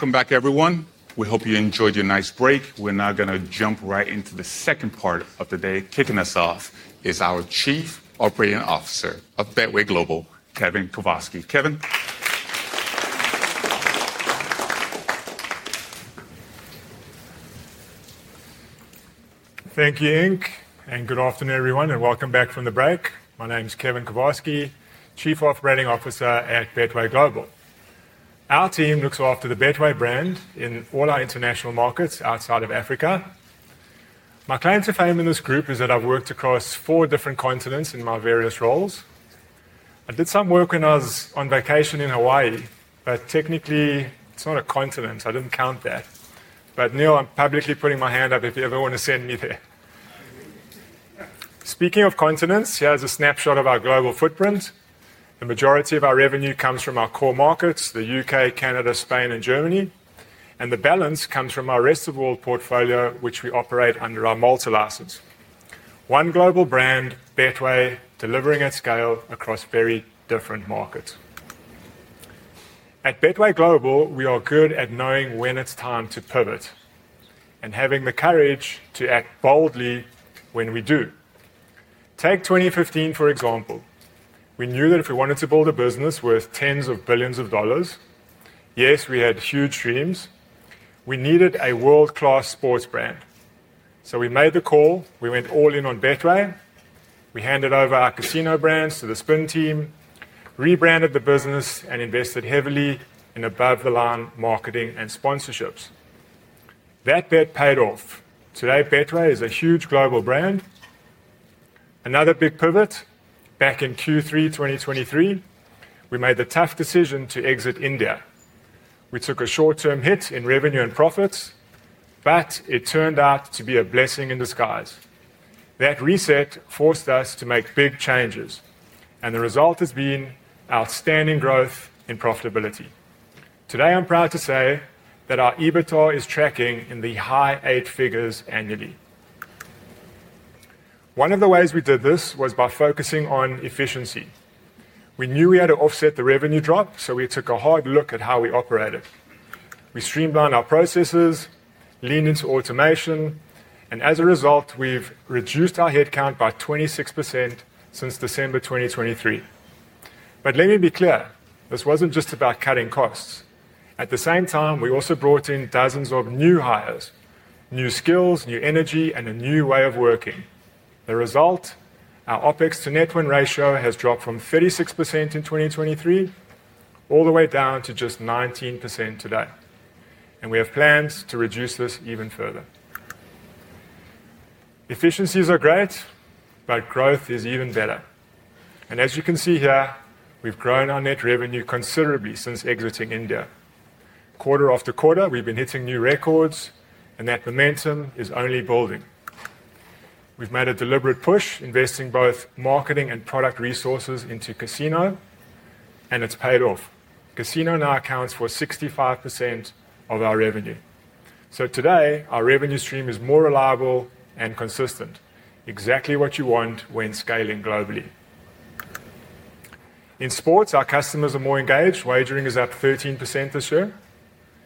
Welcome back, everyone. We hope you enjoyed your nice break. We're now going to jump right into the second part of the day. Kicking us off is our Chief Operating Officer of Betway Global, Kevin Kovarsky. Kevin. Thank you, Ink. Good afternoon, everyone, and welcome back from the break. My name is Kevin Kovarsky, Chief Operating Officer at Betway Global. Our team looks after the Betway brand in all our international markets outside of Africa. My claim to fame in this group is that I've worked across four different continents in my various roles. I did some work when I was on vacation in Hawaii, but technically, it's not a continent, so I didn't count that. Now I'm publicly putting my hand up if you ever want to send me there. Speaking of continents, here's a snapshot of our global footprint. The majority of our revenue comes from our core markets, the U.K., Canada, Spain, and Germany. The balance comes from our rest of the world portfolio, which we operate under our multi-license. One global brand, Betway, delivering at scale across very different markets. At Betway Global, we are good at knowing when it's time to pivot and having the courage to act boldly when we do. Take 2015, for example. We knew that if we wanted to build a business worth tens of billions of dollars, yes, we had huge dreams. We needed a world-class sports brand. We made the call. We went all in on Betway. We handed over our casino brands to the Spin team, rebranded the business, and invested heavily in above-the-line marketing and sponsorships. That bet paid off. Today, Betway is a huge global brand. Another big pivot back in Q3 2023. We made the tough decision to exit India. We took a short-term hit in revenue and profits, but it turned out to be a blessing in disguise. That reset forced us to make big changes, and the result has been outstanding growth and profitability. Today, I'm proud to say that our EBITDA is tracking in the high eight figures annually. One of the ways we did this was by focusing on efficiency. We knew we had to offset the revenue drop, so we took a hard look at how we operated. We streamlined our processes, leaned into automation, and as a result, we've reduced our headcount by 26% since December 2023. Let me be clear, this wasn't just about cutting costs. At the same time, we also brought in dozens of new hires, new skills, new energy, and a new way of working. The result? Our OpEx-to-net-worth ratio has dropped from 36% in 2023 all the way down to just 19% today. We have plans to reduce this even further. Efficiencies are great, growth is even better. As you can see here, we've grown our net revenue considerably since exiting India. Quarter after quarter, we've been hitting new records, and that momentum is only building. We've made a deliberate push, investing both marketing and product resources into casino, and it's paid off. Casino now accounts for 65% of our revenue. Today, our revenue stream is more reliable and consistent, exactly what you want when scaling globally. In sports, our customers are more engaged. Wagering is up 13% this year,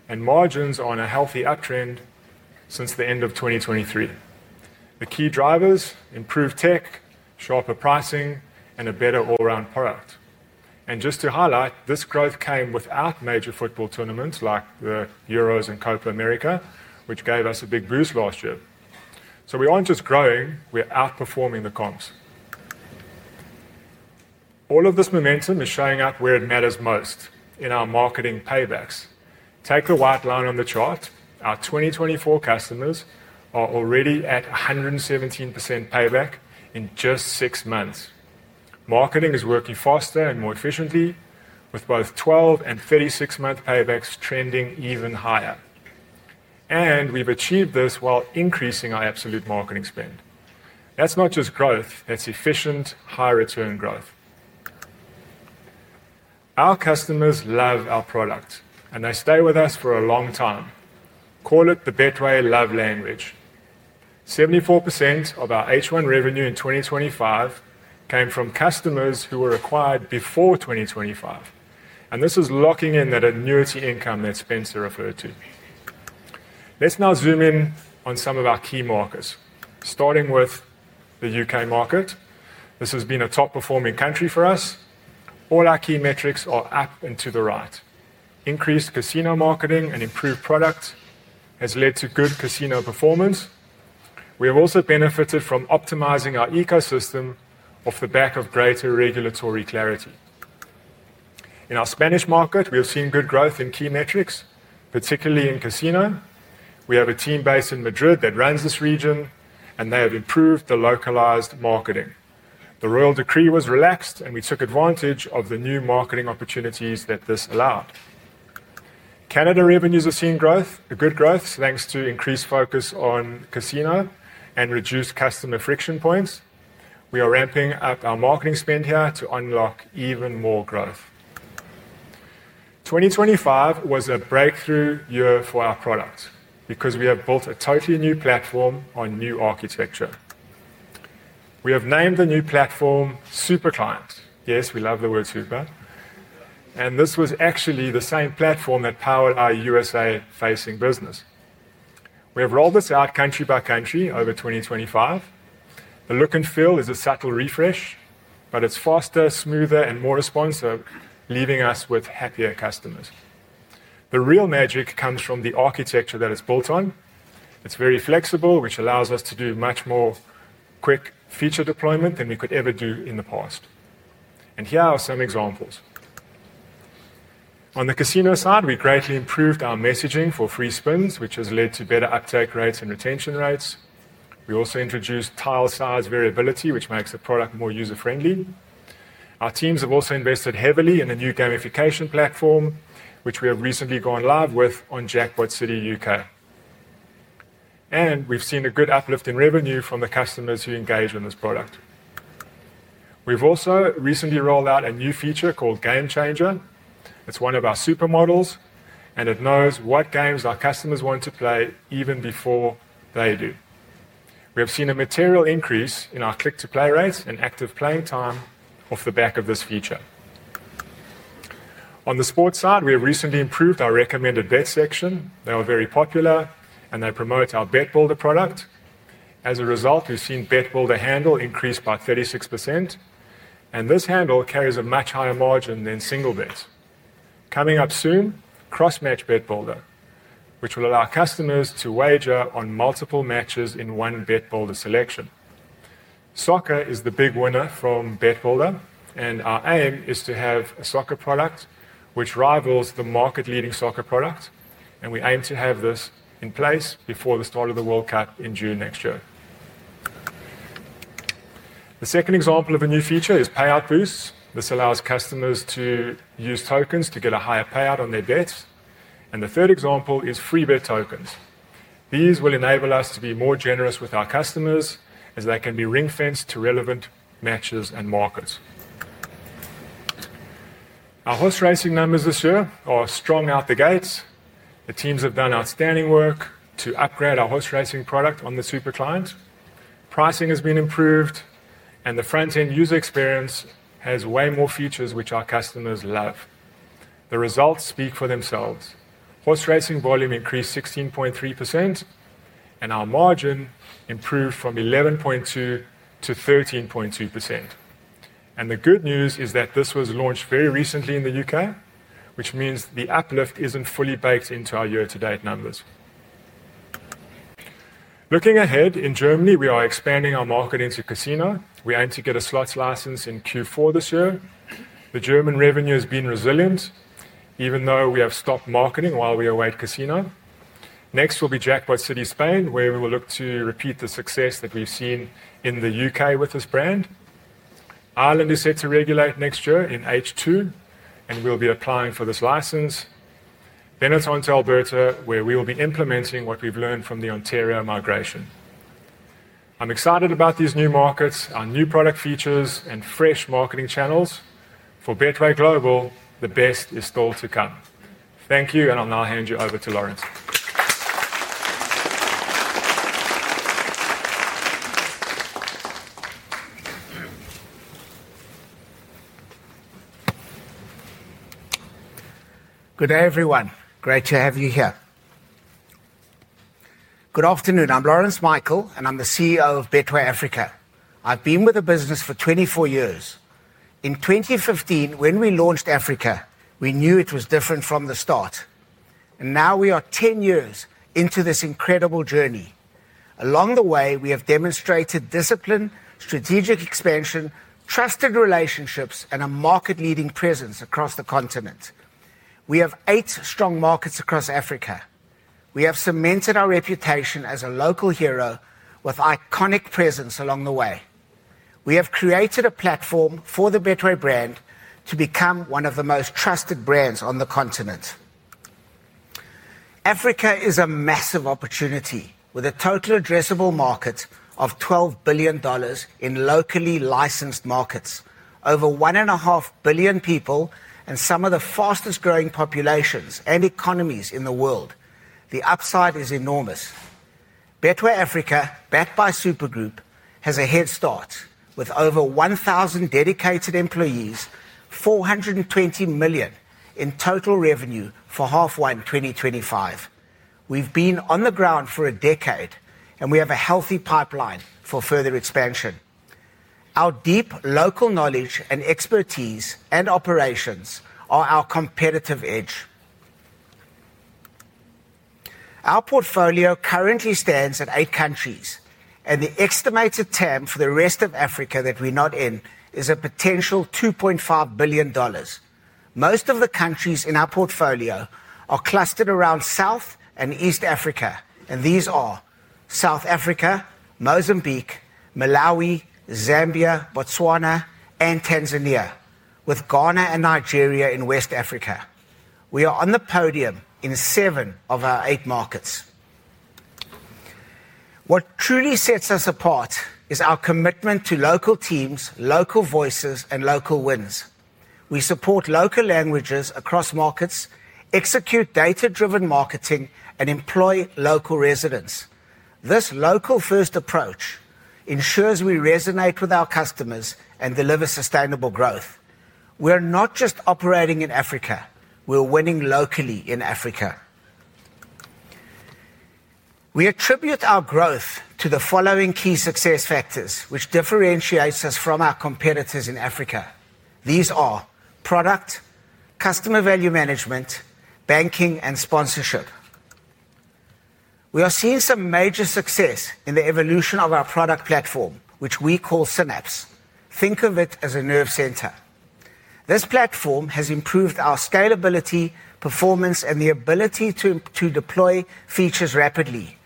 and margins are on a healthy uptrend since the end of 2023. The key drivers: improved tech, sharper pricing, and a better all-round product. Just to highlight, this growth came without major football tournaments like the Euros and Copa America, which gave us a big boost last year. We aren't just growing; we're outperforming the comps. All of this momentum is showing up where it matters most: in our marketing paybacks. Take the white line on the chart. Our 2024 customers are already at 117% payback in just six months. Marketing is working faster and more efficiently, with both 12 and 36-month paybacks trending even higher. We've achieved this while increasing our absolute marketing spend. That's not just growth; that's efficient, high-return growth. Our customers love our products, and they stay with us for a long time. Call it the Betway love language. 74% of our H1 revenue in 2025 came from customers who were acquired before 2025. This is locking in that annuity income that Spencer referred to. Let's now zoom in on some of our key markers, starting with the U.K. market. This has been a top-performing country for us. All our key metrics are up and to the right. Increased casino marketing and improved product have led to good casino performance. We have also benefited from optimizing our ecosystem off the back of greater regulatory clarity. In our Spanish market, we have seen good growth in key metrics, particularly in casino. We have a team based in Madrid that runs this region, and they have improved the localized marketing. The Royal Decree was relaxed, and we took advantage of the new marketing opportunities that this allowed. Canada revenues have seen growth, a good growth thanks to increased focus on casino and reduced customer friction points. We are ramping up our marketing spend here to unlock even more growth. 2025 was a breakthrough year for our products because we have built a totally new platform on new architecture. We have named the new platform SuperClient. Yes, we love the word super. This was actually the same platform that powered our U.S.A.-facing business. We have rolled this out country by country over 2025. The look and feel is a subtle refresh, but it's faster, smoother, and more responsive, leaving us with happier customers. The real magic comes from the architecture that it's built on. It's very flexible, which allows us to do much more quick feature deployment than we could ever do in the past. Here are some examples. On the casino side, we greatly improved our messaging for free spins, which has led to better uptake rates and retention rates. We also introduced tile size variability, which makes the product more user-friendly. Our teams have also invested heavily in a new gamification platform, which we have recently gone live with on Jackpot City U.K.. We've seen a good uplift in revenue from the customers who engage in this product. We've also recently rolled out a new feature called Game Changer. It's one of our super models, and it knows what games our customers want to play even before they do. We have seen a material increase in our click-to-play rates and active playing time off the back of this feature. On the sports side, we have recently improved our recommended bets section. They are very popular, and they promote our BetBuilder product. As a result, we've seen BetBuilder handle increase by 36%, and this handle carries a much higher margin than single bets. Coming up soon, Cross Match BetBuilder, which will allow customers to wager on multiple matches in one BetBuilder selection. Soccer is the big winner from BetBuilder, and our aim is to have a soccer product which rivals the market-leading soccer products. We aim to have this in place before the start of the World Cup in June next year. The second example of a new feature is payout boosts. This allows customers to use tokens to get a higher payout on their bets. The third example is free bet tokens. These will enable us to be more generous with our customers, as they can be ring-fenced to relevant matches and markets. Our horse racing numbers this year are strong out the gates. The teams have done outstanding work to upgrade our horse racing product on the SuperClient. Pricing has been improved, and the front-end user experience has way more features which our customers love. The results speak for themselves. Horse racing volume increased 16.3%, and our margin improved from 11.2% to 13.2%. The good news is that this was launched very recently in the U.K., which means the uplift isn't fully baked into our year-to-date numbers. Looking ahead, in Germany, we are expanding our market into casino. We aim to get a slots license in Q4 this year. The German revenue has been resilient, even though we have stopped marketing while we await casino. Next will be Jackpot City Spain, where we will look to repeat the success that we've seen in the U.K. with this brand. Ireland is set to regulate next year in H2, and we'll be applying for this license. After that, it's on to Alberta, where we will be implementing what we've learned from the Ontario migration. I'm excited about these new markets, our new product features, and fresh marketing channels. For Betway Global, the best is still to come. Thank you, and I'll now hand you over to Laurence. Good day, everyone. Great to have you here. Good afternoon. I'm Laurence Michel, and I'm the CEO of Betway Africa. I've been with the business for 24 years. In 2015, when we launched Africa, we knew it was different from the start. Now we are 10 years into this incredible journey. Along the way, we have demonstrated discipline, strategic expansion, trusted relationships, and a market-leading presence across the continent. We have eight strong markets across Africa. We have cemented our reputation as a local hero with an iconic presence along the way. We have created a platform for the Betway brand to become one of the most trusted brands on the continent. Africa is a massive opportunity, with a total addressable market of $12 billion in locally licensed markets, over 1.5 billion people, and some of the fastest growing populations and economies in the world. The upside is enormous. Betway Africa, backed by Super Group, has a head start with over 1,000 dedicated employees, $420 million in total revenue for halfway in 2025. We've been on the ground for a decade, and we have a healthy pipeline for further expansion. Our deep local knowledge and expertise and operations are our competitive edge. Our portfolio currently stands at eight countries, and the estimated TAM for the rest of Africa that we're not in is a potential $2.5 billion. Most of the countries in our portfolio are clustered around South and East Africa, and these are South Africa, Mozambique, Malawi, Zambia, Botswana, and Tanzania, with Ghana and Nigeria in West Africa. We are on the podium in seven of our eight markets. What truly sets us apart is our commitment to local teams, local voices, and local wins. We support local languages across markets, execute data-driven marketing, and employ local residents. This local-first approach ensures we resonate with our customers and deliver sustainable growth. We're not just operating in Africa; we're winning locally in Africa. We attribute our growth to the following key success factors, which differentiate us from our competitors in Africa. These are product, customer value management, banking, and sponsorship. We are seeing some major success in the evolution of our product platform, which we call Synapse. Think of it as a nerve center. This platform has improved our scalability, performance, and the ability to deploy features rapidly.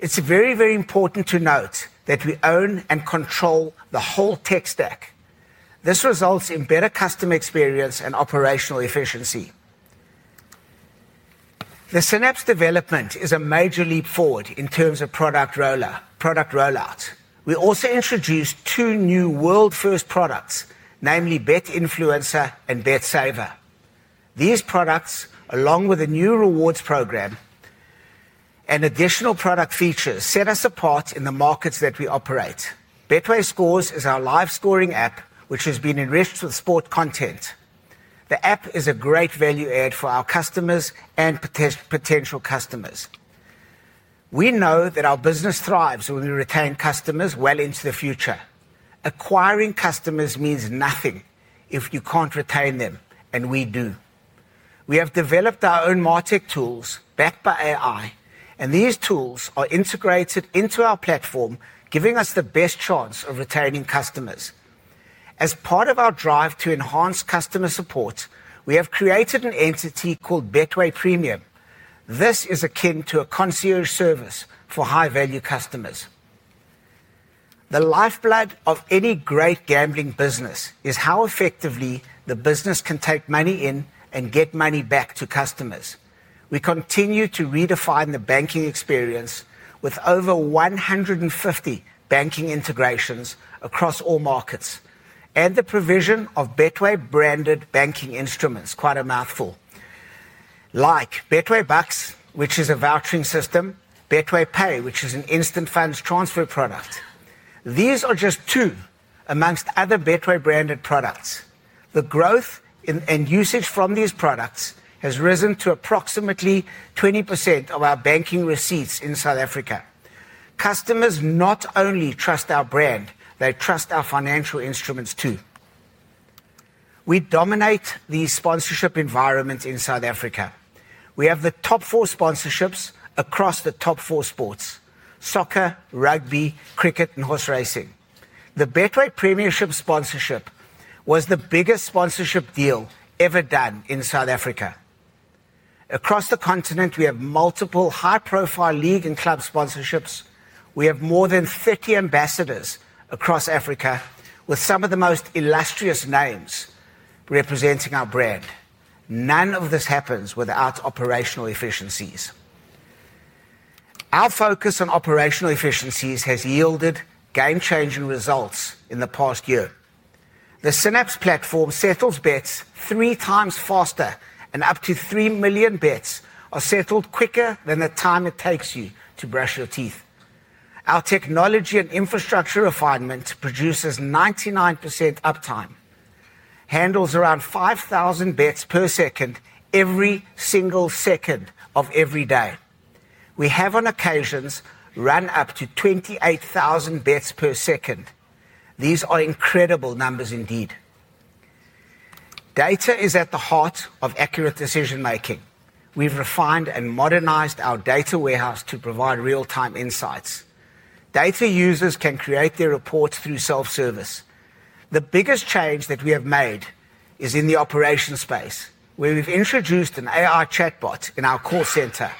It's very, very important to note that we own and control the whole tech stack. This results in better customer experience and operational efficiency. The Synapse development is a major leap forward in terms of product rollout. We also introduced two new world-first products, namely Bet Influencer and Bet Saver. These products, along with a new rewards program and additional product features, set us apart in the markets that we operate. Betway Scores is our live scoring app, which has been enriched with sport content. The app is a great value add for our customers and potential customers. We know that our business thrives when we retain customers well into the future. Acquiring customers means nothing if you can't retain them, and we do. We have developed our own marketing tools backed by AI, and these tools are integrated into our platform, giving us the best chance of retaining customers. As part of our drive to enhance customer support, we have created an entity called Betway Premium. This is akin to a concierge service for high-value customers. The lifeblood of any great gambling business is how effectively the business can take money in and get money back to customers. We continue to redefine the banking experience with over 150 banking integrations across all markets and the provision of Betway-branded banking instruments, quite a mouthful, like Betway Bucks, which is a vouchering system, and Betway Pay, which is an instant funds transfer product. These are just two amongst other Betway-branded products. The growth and usage from these products has risen to approximately 20% of our banking receipts in South Africa. Customers not only trust our brand, they trust our financial instruments too. We dominate the sponsorship environment in South Africa. We have the top four sponsorships across the top four sports: soccer, rugby, cricket, and horse racing. The Betway Premium sponsorship was the biggest sponsorship deal ever done in South Africa. Across the continent, we have multiple high-profile league and club sponsorships. We have more than 30 ambassadors across Africa, with some of the most illustrious names representing our brand. None of this happens without operational efficiencies. Our focus on operational efficiencies has yielded game-changing results in the past year. The Synapse platform settles bets three times faster, and up to 3 million bets are settled quicker than the time it takes you to brush your teeth. Our technology and infrastructure refinement produces 99% uptime, handles around 5,000 bets per second every single second of every day. We have, on occasions, run up to 28,000 bets per second. These are incredible numbers indeed. Data is at the heart of accurate decision-making. We've refined and modernized our data warehouse to provide real-time insights. Data users can create their reports through self-service. The biggest change that we have made is in the operations space, where we've introduced an AI chatbot in our call center.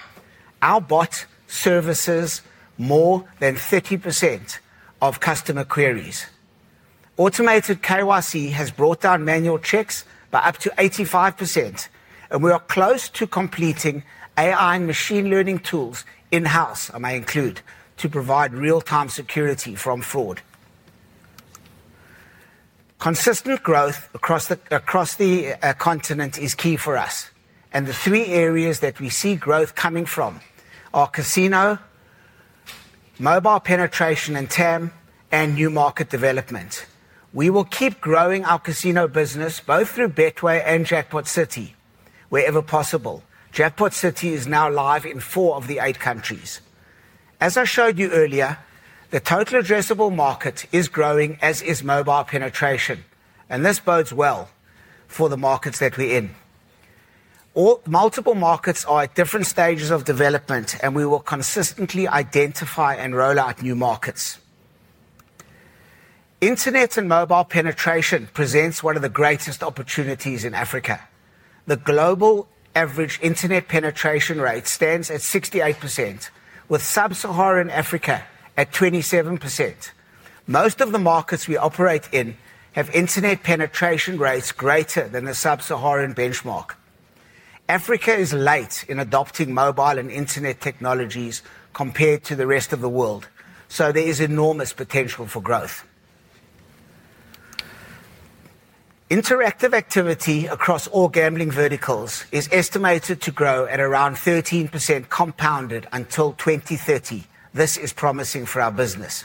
Our bot services more than 30% of customer queries. Automated KYC has brought down manual checks by up to 85%, and we are close to completing AI and machine learning tools in-house, I may include, to provide real-time security from fraud. Consistent growth across the continent is key for us, and the three areas that we see growth coming from are casino, mobile penetration and TAM, and new market development. We will keep growing our casino business both through Betway and Jackpot City wherever possible. Jackpot City is now live in four of the eight countries. As I showed you earlier, the total addressable market is growing, as is mobile penetration, and this bodes well for the markets that we're in. Multiple markets are at different stages of development, and we will consistently identify and roll out new markets. Internet and mobile penetration presents one of the greatest opportunities in Africa. The global average Internet penetration rate stands at 68%, with Sub-Saharan Africa at 27%. Most of the markets we operate in have Internet penetration rates greater than the Sub-Saharan benchmark. Africa is late in adopting mobile and Internet technologies compared to the rest of the world, so there is enormous potential for growth. Interactive activity across all gambling verticals is estimated to grow at around 13% compounded until 2030. This is promising for our business.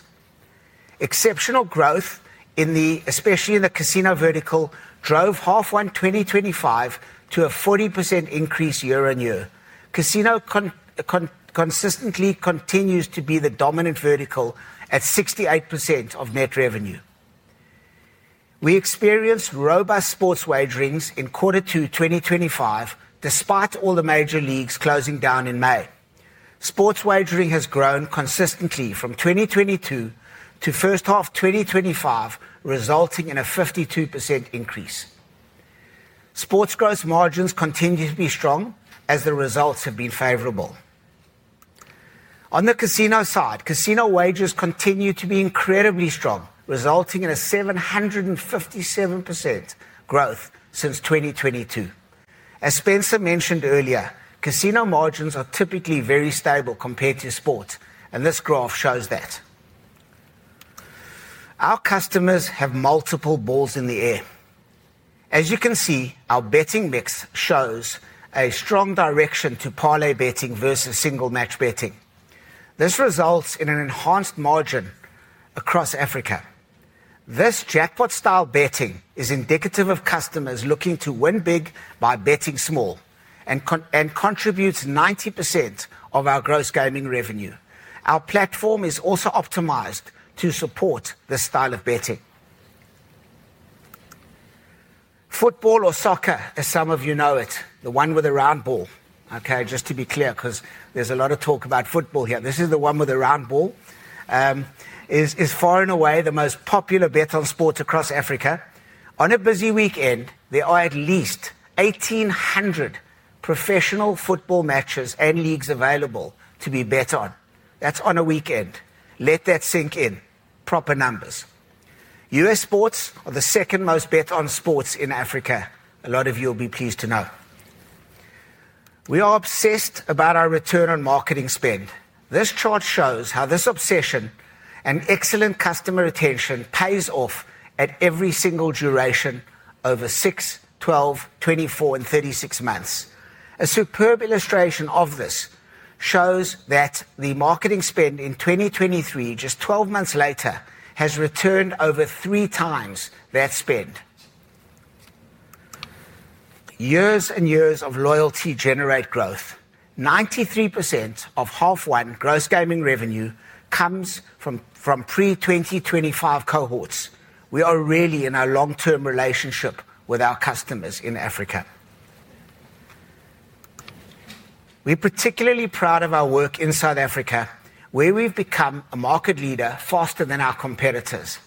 Exceptional growth, especially in the casino vertical, drove halfway in 2025 to a 40% increase year on year. Casino consistently continues to be the dominant vertical at 68% of net revenue. We experienced robust sports wagering in Q2 2025, despite all the major leagues closing down in May. Sports wagering has grown consistently from 2022 to first half 2025, resulting in a 52% increase. Sports gross margins continue to be strong as the results have been favorable. On the casino side, casino wagers continue to be incredibly strong, resulting in a 757% growth since 2022. As Spencer mentioned earlier, casino margins are typically very stable compared to sports, and this graph shows that. Our customers have multiple balls in the air. As you can see, our betting mix shows a strong direction to parlay betting versus single-match betting. This results in an enhanced margin across Africa. This jackpot-style betting is indicative of customers looking to win big by betting small and contributes 90% of our gross gaming revenue. Our platform is also optimized to support this style of betting. Football or soccer, as some of you know it, the one with a round ball, okay, just to be clear, because there's a lot of talk about football here. This is the one with a round ball. It is far and away the most popular bet on sports across Africa. On a busy weekend, there are at least 1,800 professional football matches and leagues available to be bet on. That's on a weekend. Let that sink in. Proper numbers. U.S. sports are the second most bet on sports in Africa. A lot of you will be pleased to know. We are obsessed about our return on marketing spend. This chart shows how this obsession and excellent customer retention pays off at every single duration over 6, 12, 24, and 36 months. A superb illustration of this shows that the marketing spend in 2023, just 12 months later, has returned over three times that spend. Years and years of loyalty generate growth. 93% of half one gross gaming revenue comes from pre-2025 cohorts. We are really in a long-term relationship with our customers in Africa. We're particularly proud of our work in South Africa, where we've become a market leader faster than our competitors.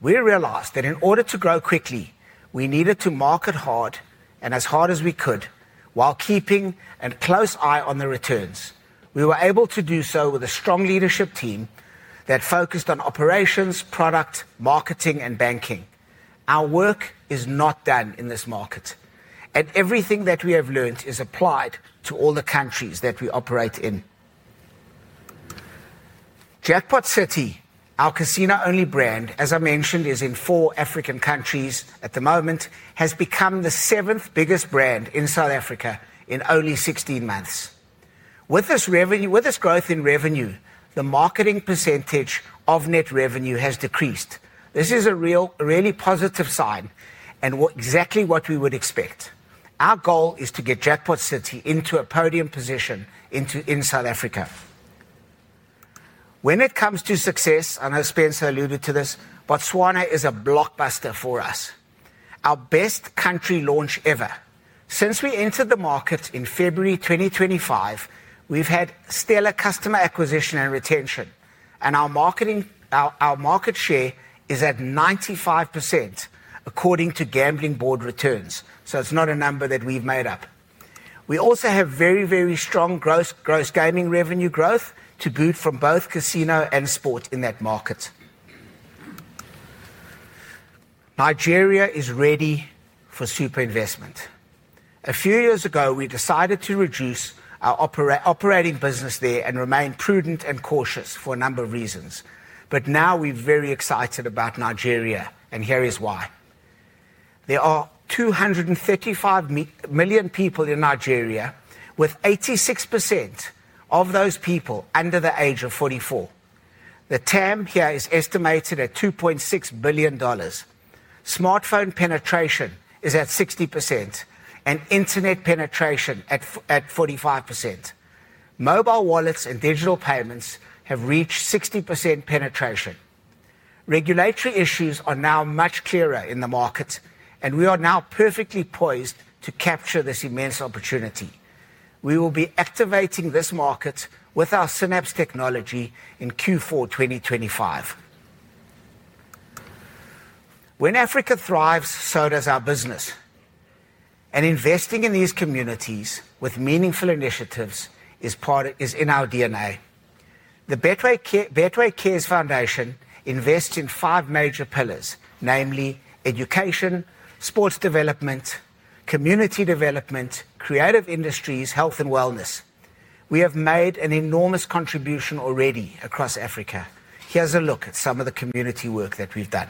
We realized that in order to grow quickly, we needed to market hard and as hard as we could, while keeping a close eye on the returns. We were able to do so with a strong leadership team that focused on operations, product, marketing, and banking. Our work is not done in this market, and everything that we have learned is applied to all the countries that we operate in. Jackpot City, our casino-only brand, as I mentioned, is in four African countries at the moment, has become the seventh biggest brand in South Africa in only 16 months. With this growth in revenue, the marketing percentage of net revenue has decreased. This is a really positive sign and exactly what we would expect. Our goal is to get Jackpot City into a podium position in South Africa. When it comes to success, I know Spencer alluded to this, Botswana is a blockbuster for us. Our best country launch ever. Since we entered the markets in February 2025, we've had stellar customer acquisition and retention, and our market share is at 95% according to Gambling Board returns. It's not a number that we've made up. We also have very, very strong gross gaming revenue growth to boot from both casino and sport in that market. Nigeria is ready for super investment. A few years ago, we decided to reduce our operating business there and remain prudent and cautious for a number of reasons. Now we're very excited about Nigeria, and here is why. There are 235 million people in Nigeria, with 86% of those people under the age of 44. The TAM here is estimated at $2.6 billion. Smartphone penetration is at 60%, and Internet penetration at 45%. Mobile wallets and digital payments have reached 60% penetration. Regulatory issues are now much clearer in the market, and we are now perfectly poised to capture this immense opportunity. We will be activating this market with our Synapse technology in Q4 2025. When Africa thrives, so does our business. Investing in these communities with meaningful initiatives is in our DNA. The Betway Cares Foundation invests in five major pillars, namely education, sports development, community development, creative industries, health, and wellness. We have made an enormous contribution already across Africa. Here's a look at some of the community work that we've done.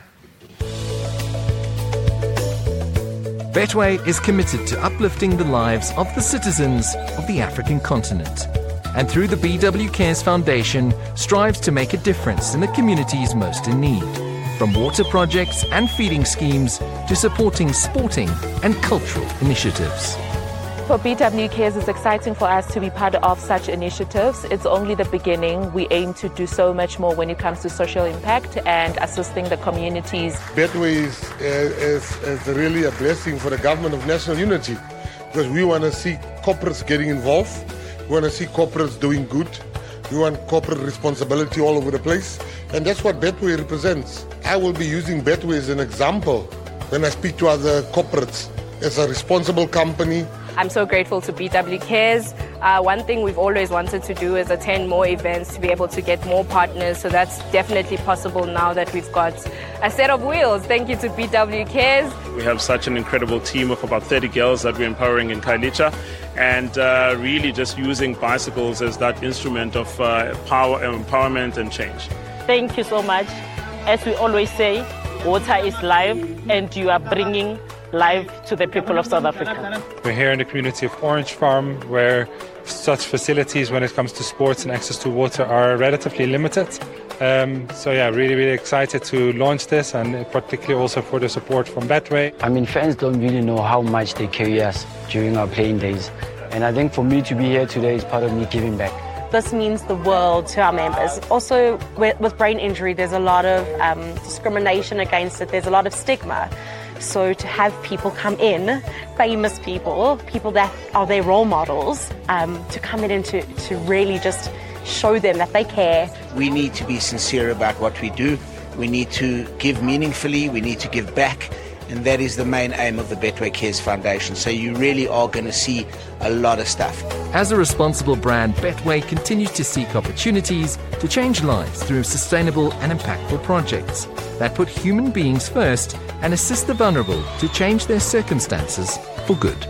Betway is committed to uplifting the lives of the citizens of the African continent, and through the BW Cares Foundation, strives to make a difference in the communities most in need, from water projects and feeding schemes to supporting sporting and cultural initiatives. For BW Cares, it's exciting for us to be part of such initiatives. It's only the beginning. We aim to do so much more when it comes to social impact and assisting the communities. Betway is really a blessing for the government of national unity because we want to see corporates getting involved. We want to see corporates doing good. We want corporate responsibility all over the place, and that's what Betway represents. I will be using Betway as an example when I speak to other corporates. It's a responsible company. I'm so grateful to BW Cares. One thing we've always wanted to do is attend more events to be able to get more partners. That's definitely possible now that we've got a set of wheels. Thank you to BW Cares. We have such an incredible team of about 30 girls that we're empowering in Khayelitsha, and really just using bicycles as that instrument of empowerment and change. Thank you so much. As we always say, water is life, and you are bringing life to the people of South Africa. We're here in the community of Orange Farm, where such facilities, when it comes to sports and access to water, are relatively limited. Really, really excited to launch this, and particularly also for the support from Betway. Fans don't really know how much they carry us during our playing days, and I think for me to be here today is part of me giving back. This means the world to our members. Also, with brain injury, there's a lot of discrimination against it. There's a lot of stigma. To have people come in, famous people, people that are their role models, to come in and to really just show them that they care. We need to be sincere about what we do. We need to give meaningfully. We need to give back, and that is the main aim of the Betway Cares Foundation. You really are going to see a lot of stuff. As a responsible brand, Betway continued to seek opportunities to change lives through sustainable and impactful projects that put human beings first and assist the vulnerable to change their circumstances for good.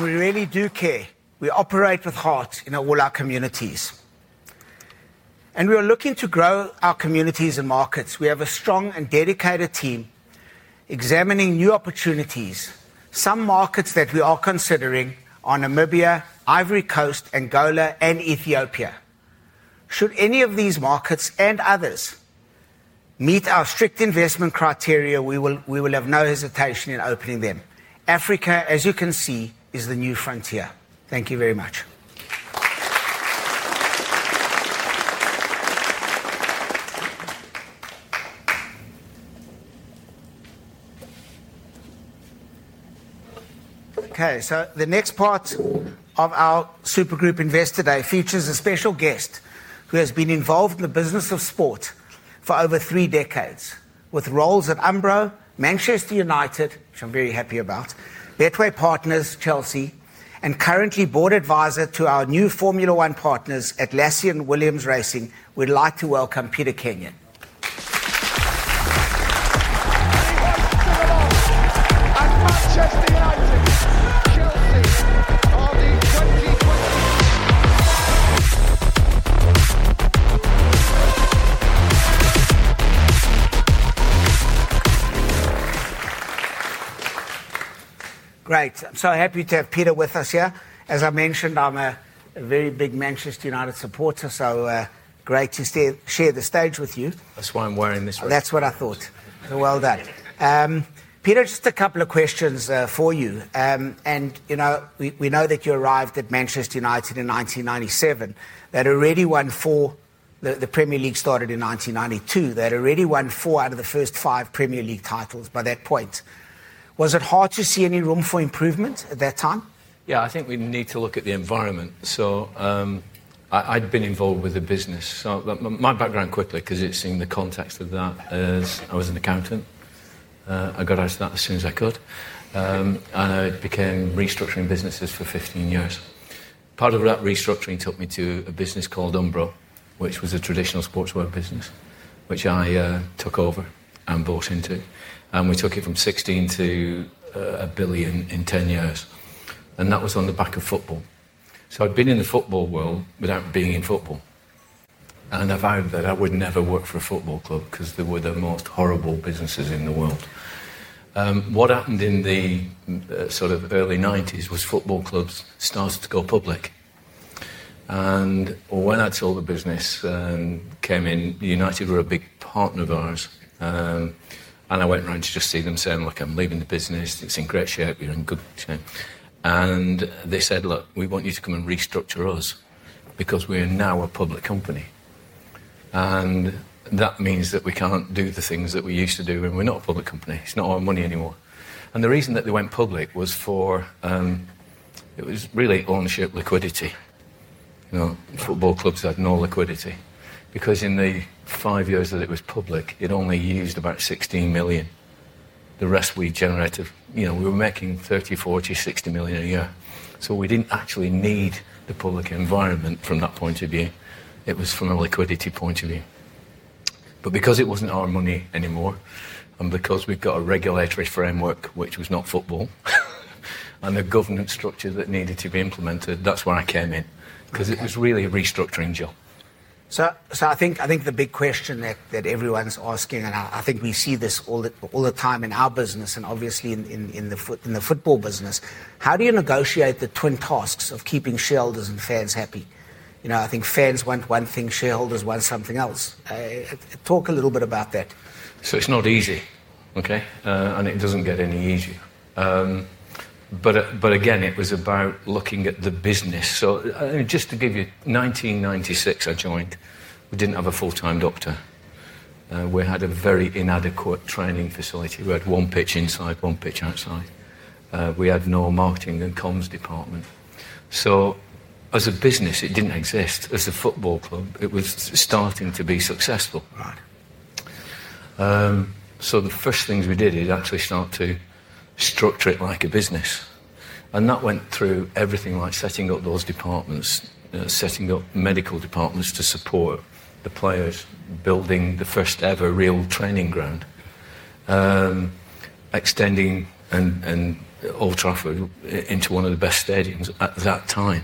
We really do care. We operate with heart in all our communities, and we are looking to grow our communities and markets. We have a strong and dedicated team examining new opportunities. Some markets that we are considering are Namibia, Ivory Coast, Angola, and Ethiopia. Should any of these markets and others meet our strict investment criteria, we will have no hesitation in opening them. Africa, as you can see, is the new frontier. Thank you very much. The next part of our Super Group Investor Day features a special guest who has been involved in the business of sport for over three decades, with roles at Umbro, Manchester United, which I'm very happy about, Betway Partners, Chelsea, and currently Board Advisor to our new Formula One partners, Atlassian Williams Racing. We'd like to welcome Peter Kenyon. Great. I'm so happy to have Peter with us here. As I mentioned, I'm a very big Manchester United supporter, so great to share the stage with you. That's why I'm wearing this one. That's what I thought. Well done. Peter, just a couple of questions for you. You know we know that you arrived at Manchester United in 1997. That already won four. The Premier League started in 1992. That already won four out of the first five Premier League titles by that point. Was it hard to see any room for improvement at that time? Yeah, I think we need to look at the environment. I'd been involved with a business. My background quickly, because it's in the context of that, is I was an accountant. I got out of that as soon as I could. I became restructuring businesses for 15 years. Part of that restructuring took me to a business called Umbro, which was a traditional sportswear business, which I took over and bought into. We took it from $16 million to $1 billion in 10 years. That was on the back of football. I'd been in the football world without being in football. I found that I would never work for a football club because they were the most horrible businesses in the world. What happened in the early 1990s was football clubs started to go public. When I sold the business and came in, United were a big partner of ours. I went around to just see them saying, "Look, I'm leaving the business. It's in great shape. You're in good shape." They said, "Look, we want you to come and restructure us because we are now a public company. That means that we can't do the things that we used to do when we're not a public company. It's not our money anymore." The reason that they went public was really ownership liquidity. Football clubs had no liquidity because in the five years that it was public, it only used about $16 million. The rest we generated, you know, we were making $30 million, $40 million, $60 million a year. We didn't actually need the public environment from that point of view. It was from a liquidity point of view. Because it wasn't our money anymore, and because we've got a regulatory framework which was not football, and the governance structure that needed to be implemented, that's why I came in because it was really a restructuring job. I think the big question that everyone's asking, and I think we see this all the time in our business and obviously in the football business, is how do you negotiate the twin tasks of keeping shareholders and fans happy? I think fans want one thing, shareholders want something else. Talk a little bit about that. It's not easy, okay? It doesn't get any easier. It was about looking at the business. Just to give you, in 1996, I joined. We didn't have a full-time doctor. We had a very inadequate training facility. We had one pitch inside, one pitch outside. We had no marketing and comms department. As a business, it didn't exist. As a football club, it was starting to be successful. The first things we did is actually start to structure it like a business. That went through everything like setting up those departments, setting up medical departments to support the players, building the first ever real training ground, extending Old Trafford into one of the best stadiums at that time.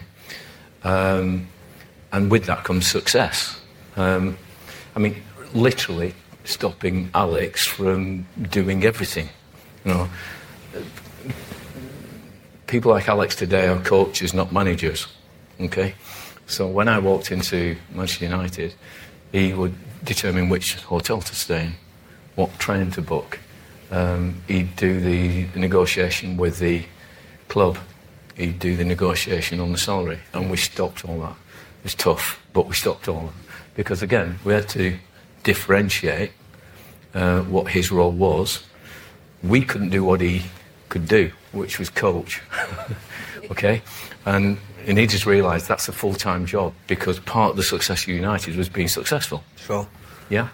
With that comes success. I mean, literally stopping Alex from doing everything. People like Alex today are coaches, not managers, okay? When I walked into Manchester United, he would determine which hotel to stay in, what train to book. He'd do the negotiation with the club. He'd do the negotiation on the salary. We stopped all that. It's tough, but we stopped all that because we had to differentiate what his role was. We couldn't do what he could do, which was coach, okay? You need to realize that's a full-time job because part of the success of United was being successful. Sure. Yeah.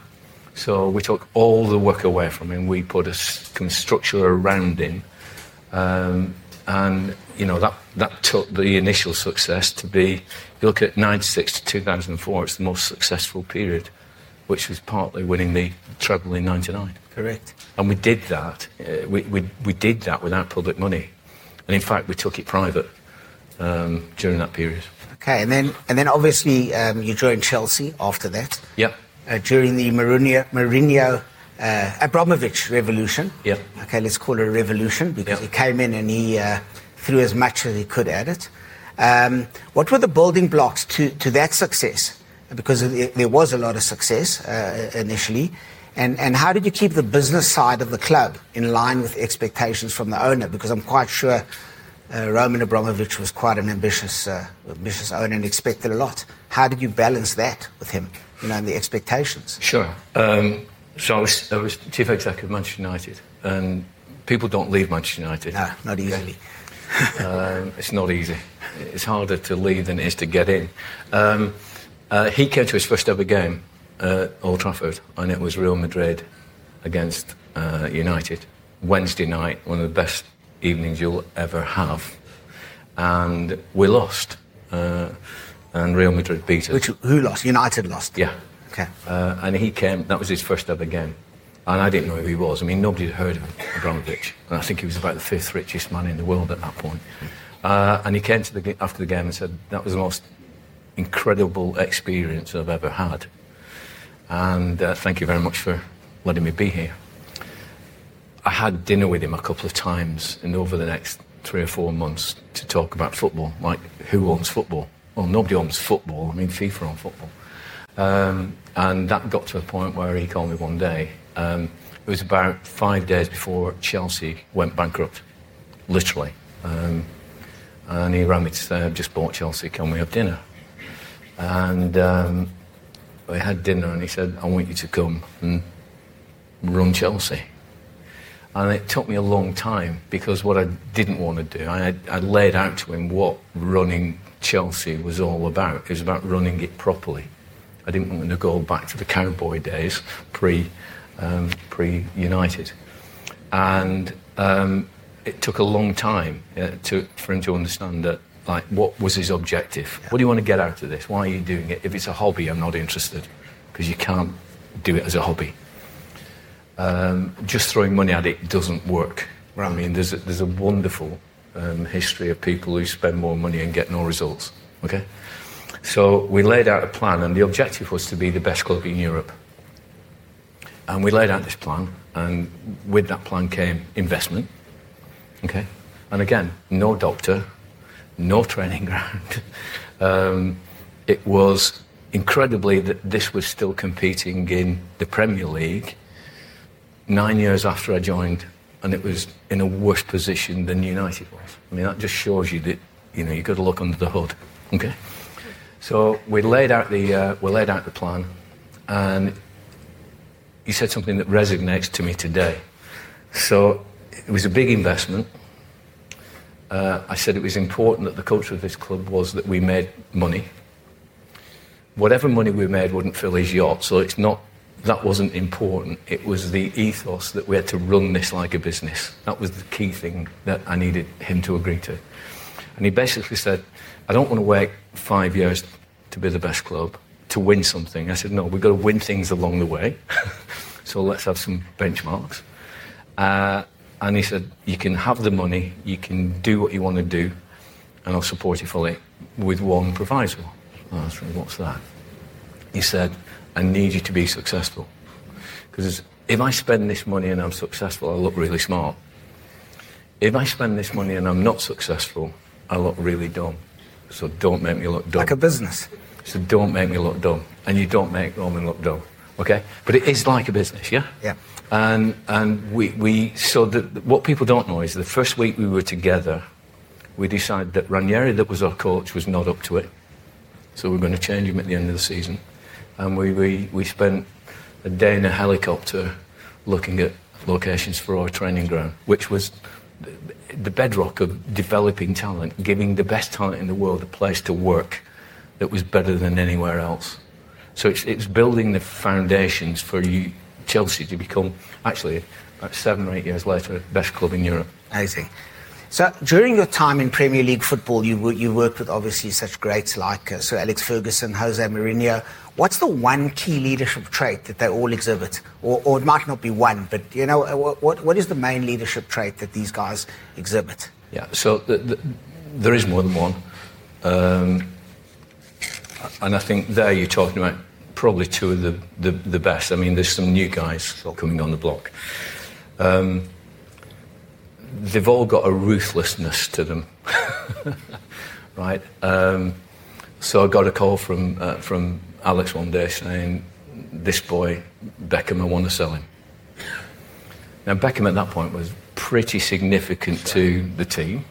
We took all the work away from him. We put a structure around him, and that took the initial success to be, if you look at 1996, 2004, it's the most successful period, which was partly winning the Treble in 1999. Correct. We did that without public money. In fact, we took it private during that period. Okay. Obviously, you joined Chelsea after that. Yeah. During the Mourinho Abramovich revolution. Yeah. Okay, let's call it a revolution because he came in and he threw as much as he could at it. What were the building blocks to that success? There was a lot of success initially. How did you keep the business side of the club in line with expectations from the owner? I'm quite sure Roman Abramovich was quite an ambitious owner and expected a lot. How did you balance that with him and the expectations? Sure. I was Chief Executive of Manchester City, and people don't leave Manchester City. No, not easily. It's not easy. It's harder to leave than it is to get in. He came to his first ever game at Old Trafford, and it was Real Madrid against United Wednesday night, one of the best evenings you'll ever have. We lost, and Real Madrid beat us. Who lost? United lost? Yeah. Okay. He came. That was his first ever game. I didn't know who he was. Nobody had heard of Abramovich. I think he was about the fifth richest man in the world at that point. He came after the game and said, "That was the most incredible experience I've ever had. Thank you very much for letting me be here." I had dinner with him a couple of times over the next three or four months to talk about football, like who owns football? Nobody owns football. FIFA owns football. That got to a point where he called me one day. It was about five days before Chelsea went bankrupt, literally. He rang me to say, "I've just bought Chelsea can we have dinner?" We had dinner, and he said, "I want you to come and run Chelsea." It took me a long time because what I didn't want to do, I laid out to him what running Chelsea was all about. It was about running it properly. I didn't want to go back to the cowboy days pre-United. It took a long time for him to understand that. What was his objective? What do you want to get out of this? Why are you doing it? If it's a hobby, I'm not interested because you can't do it as a hobby. Just throwing money at it doesn't work. There is a wonderful history of people who spend more money and get no results. We laid out a plan, and the objective was to be the best club in Europe. We laid out this plan, and with that plan came investment. No doctor, no training ground. It was incredible that this was still competing in the Premier League nine years after I joined, and it was in a worse position than United was. That just shows you that you've got to look under the hood. We laid out the plan, and he said something that resonates to me today. It was a big investment. I said it was important that the culture of this club was that we made money. Whatever money we made wouldn't fill his yacht. That wasn't important. It was the ethos that we had to run this like a business. That was the key thing that I needed him to agree to. He basically said, "I don't want to wait five years to be the best club to win something." I said, "No, we've got to win things along the way. Let's have some benchmarks." He said, "You can have the money." You can do what you want to do, and I'll support you fully with one proviso. I asked him, "What's that?" He said, "I need you to be successful because if I spend this money and I'm successful, I look really smart. If I spend this money and I'm not successful, I look really dumb. Don't make me look dumb. Like a business. Do not make me look dumb, and you do not make Roman look dumb. It is like a business, yeah? Yeah. What people don't know is the first week we were together, we decided that Ranieri, that was our coach, was not up to it. We were going to change him at the end of the season. We spent a day in a helicopter looking at locations for our training ground, which was the bedrock of developing talent, giving the best talent in the world a place to work that was better than anywhere else. It was building the foundations for Chelsea to become actually seven or eight years later the best club in Europe. Amazing. During your time in Premier League football, you worked with obviously such greats like Sir Alex Ferguson, Jose Mourinho. What's the one key leadership trait that they all exhibit? It might not be one, but you know what is the main leadership trait that these guys exhibit? Yeah, so there is more than one. I think there you're talking about probably two of the best. There are some new guys coming on the block. They've all got a ruthlessness to them, right? I got a call from Alex one day saying, "This boy, Beckham, I want to sell him." Now, Beckham at that point was pretty significant to the team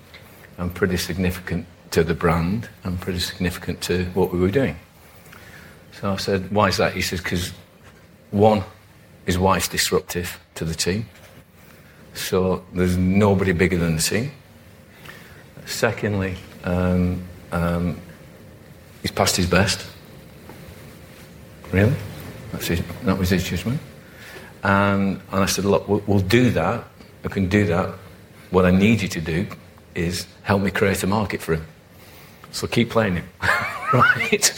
and pretty significant to the brand and pretty significant to what we were doing. I said, "Why is that?" He says, "Because one is why it's disruptive to the team. There's nobody bigger than the team. Secondly, he's past his best." Really? That was his win. I said, "Look, we'll do that. I can do that. What I need you to do is help me create a market for him. Keep playing him," right?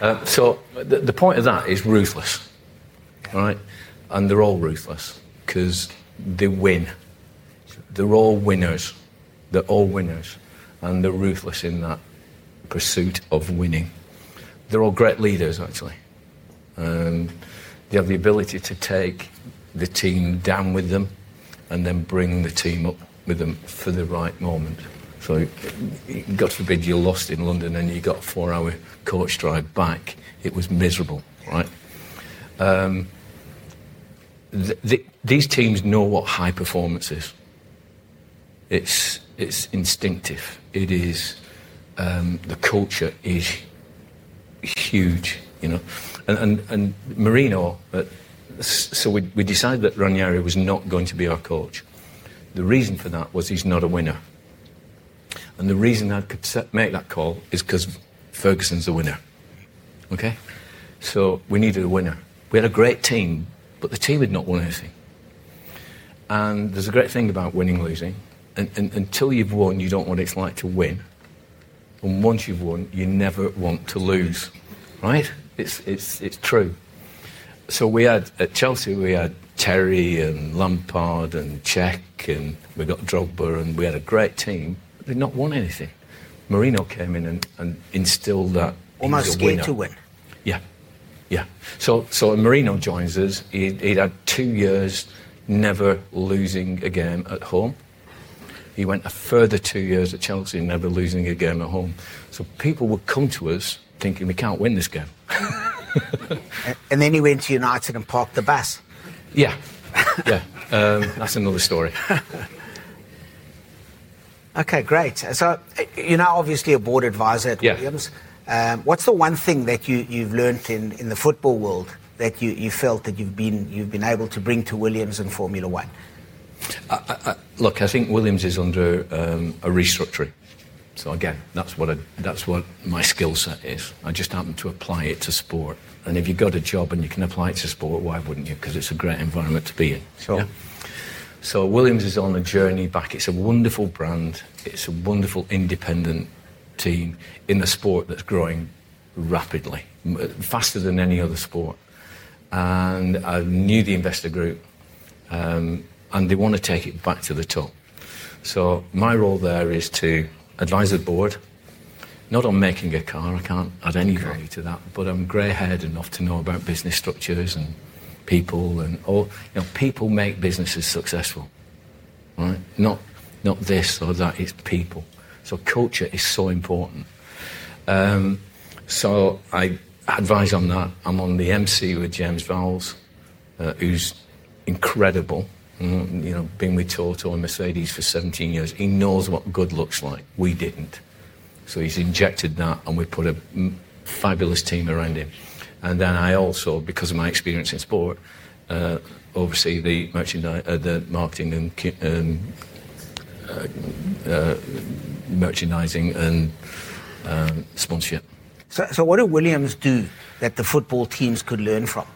The point of that is ruthless, right? They're all ruthless because they win. They're all winners. They're all winners, and they're ruthless in that pursuit of winning. They're all great leaders, actually. You have the ability to take the team down with them and then bring the team up with them for the right moment. God forbid you're lost in London and you've got a four-hour coach drive back. It was miserable, right? These teams know what high performance is. It's instinctive. The culture is huge. You know, and Mourinho. We decided that Ranieri was not going to be our coach. The reason for that was he's not a winner. The reason I could make that call is because Ferguson's a winner. Okay. We needed a winner. We had a great team, but the team had not won anything. There's a great thing about winning and losing. Until you've won, you don't know what it's like to win. Once you've won, you never want to lose, right? It's true. At Chelsea, we had Terry and Lampard and Čech, and we got Drogba, and we had a great team. They'd not won anything. Mourinho came in and instilled that. Almost win to win. Yeah. Mourinho joins us. He'd had two years never losing a game at home. He went a further two years at Chelsea never losing a game at home. People would come to us thinking we can't win this game. He went to United and parked the bus. Yeah, yeah. That's another story. Okay, great. You're now obviously a board advisor at Williams. What's the one thing that you've learned in the football world that you felt that you've been able to bring to Williams and Formula One? I think Williams is under a restructuring. That's what my skill set is. I just happen to apply it to sport. If you've got a job and you can apply it to sport, why wouldn't you? It's a great environment to be in. Sure. Williams is on a journey back. It's a wonderful brand. It's a wonderful independent team in a sport that's growing rapidly, faster than any other sport. I knew the investor group, and they want to take it back to the top. My role there is to advise the board, not on making a car. I can't add any value to that, but I'm grey-haired enough to know about business structures and people. People make businesses successful, right? Not this or that. It's people. Culture is so important. I advise on that. I'm on the MC with James Vowles, who's incredible. You know, being with Toto and Mercedes for 17 years, he knows what good looks like. We didn't. He's injected that, and we put a fabulous team around him. I also, because of my experience in sport, oversee the marketing and merchandising and sponsorship. What did Williams do that the football teams could learn from?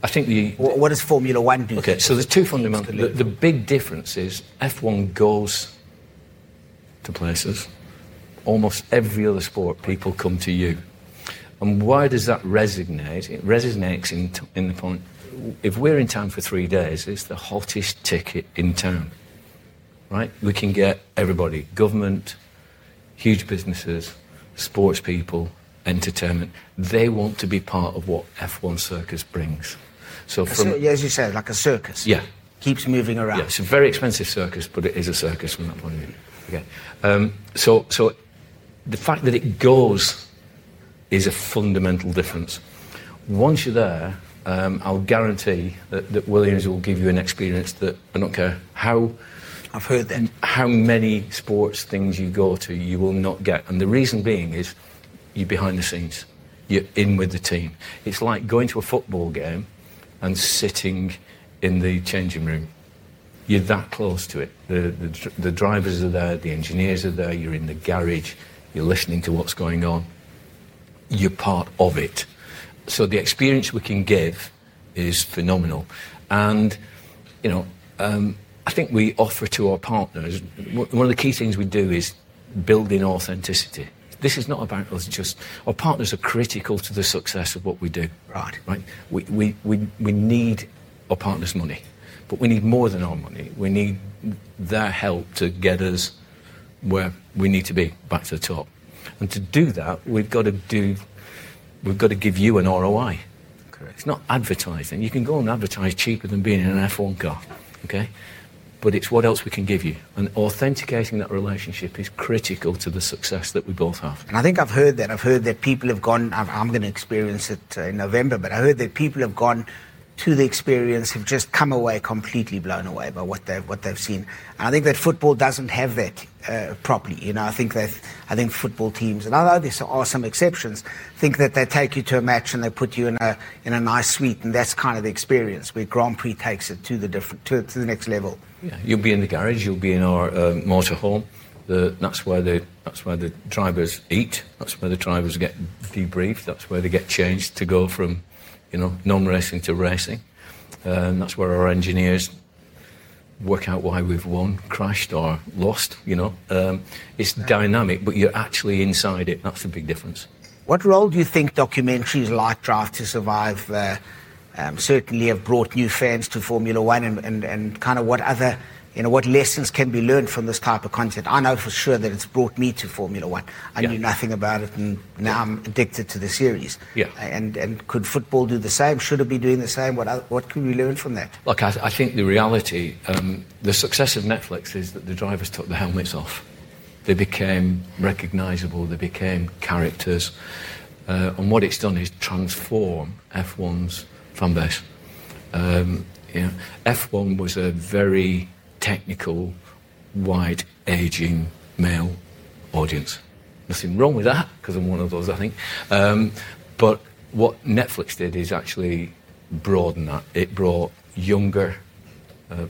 I think the What does Formula One do? Okay, so there's two fundamental things. The big difference is F1 goes to places. Almost every other sport, people come to you. Why does that resonate? It resonates in the point. If we're in town for three days, it's the hottest ticket in town, right? We can get everybody, government, huge businesses, sports people, entertainment. They want to be part of what F1 circus brings. Yeah, as you said, like a circus. Yeah. Keeps moving around. It's a very expensive circus, but it is a circus from that point of view. The fact that it goes is a fundamental difference. Once you're there, I'll guarantee that Williams will give you an experience that I don't care how. I've heard them. How many sports things you go to, you will not get. The reason being is you're behind the scenes. You're in with the team. It's like going to a football game and sitting in the changing room. You're that close to it. The drivers are there. The engineers are there. You're in the garage. You're listening to what's going on. You're part of it. The experience we can give is phenomenal. I think we offer to our partners one of the key things we do is building authenticity. This is not about us just... Our partners are critical to the success of what we do. Right? We need our partners' money, but we need more than our money. We need their help to get us where we need to be back to the top. To do that, we've got to do... We've got to give you an ROI. It's not advertising. You can go and advertise cheaper than being in an F1 car. It's what else we can give you. Authenticating that relationship is critical to the success that we both have. I think I've heard that people have gone to the experience, have just come away completely blown away by what they've seen. I think that football doesn't have that properly. You know, I think football teams, and I know there's some exceptions, think that they take you to a match and they put you in a nice suite, and that's kind of the experience, but Grand Prix takes it to the next level. Yeah, you'll be in the garage. You'll be in our motorhome. That's where the drivers eat, that's where the drivers get debriefed, that's where they get changed to go from, you know, non-racing to racing. That's where our engineers work out why we've won, crashed, or lost. It's dynamic, but you're actually inside it. That's the big difference. What role do you think documentaries like Draft to Survive certainly have brought new fans to Formula One, and what other, you know, what lessons can be learned from this type of content? I know for sure that it's brought me to Formula One. I knew nothing about it, and now I'm addicted to the series. Yeah. Could football do the same? Should it be doing the same? What can we learn from that? Look, I think the reality, the success of Netflix is that the drivers took the helmets off. They became recognizable. They became characters. What it's done is transform F1's fan base. F1 was a very technical, wide-aging male audience. Nothing wrong with that because I'm one of those, I think. What Netflix did is actually broaden that. It brought younger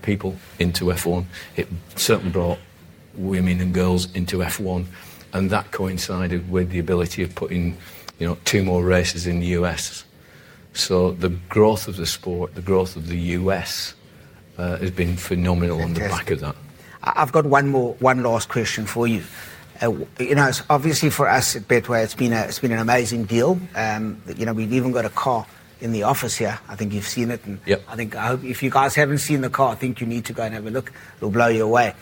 people into F1. It certainly brought women and girls into F1. That coincided with the ability of putting, you know, two more races in the U.S. The growth of the sport, the growth of the U.S. has been phenomenal on the back of that. I've got one more, one last question for you. Obviously for us at Betway, it's been an amazing deal. We've even got a car in the office here. I think you've seen it. Yeah. I think if you guys haven't seen the car, I think you need to go and have a look. It'll blow you away.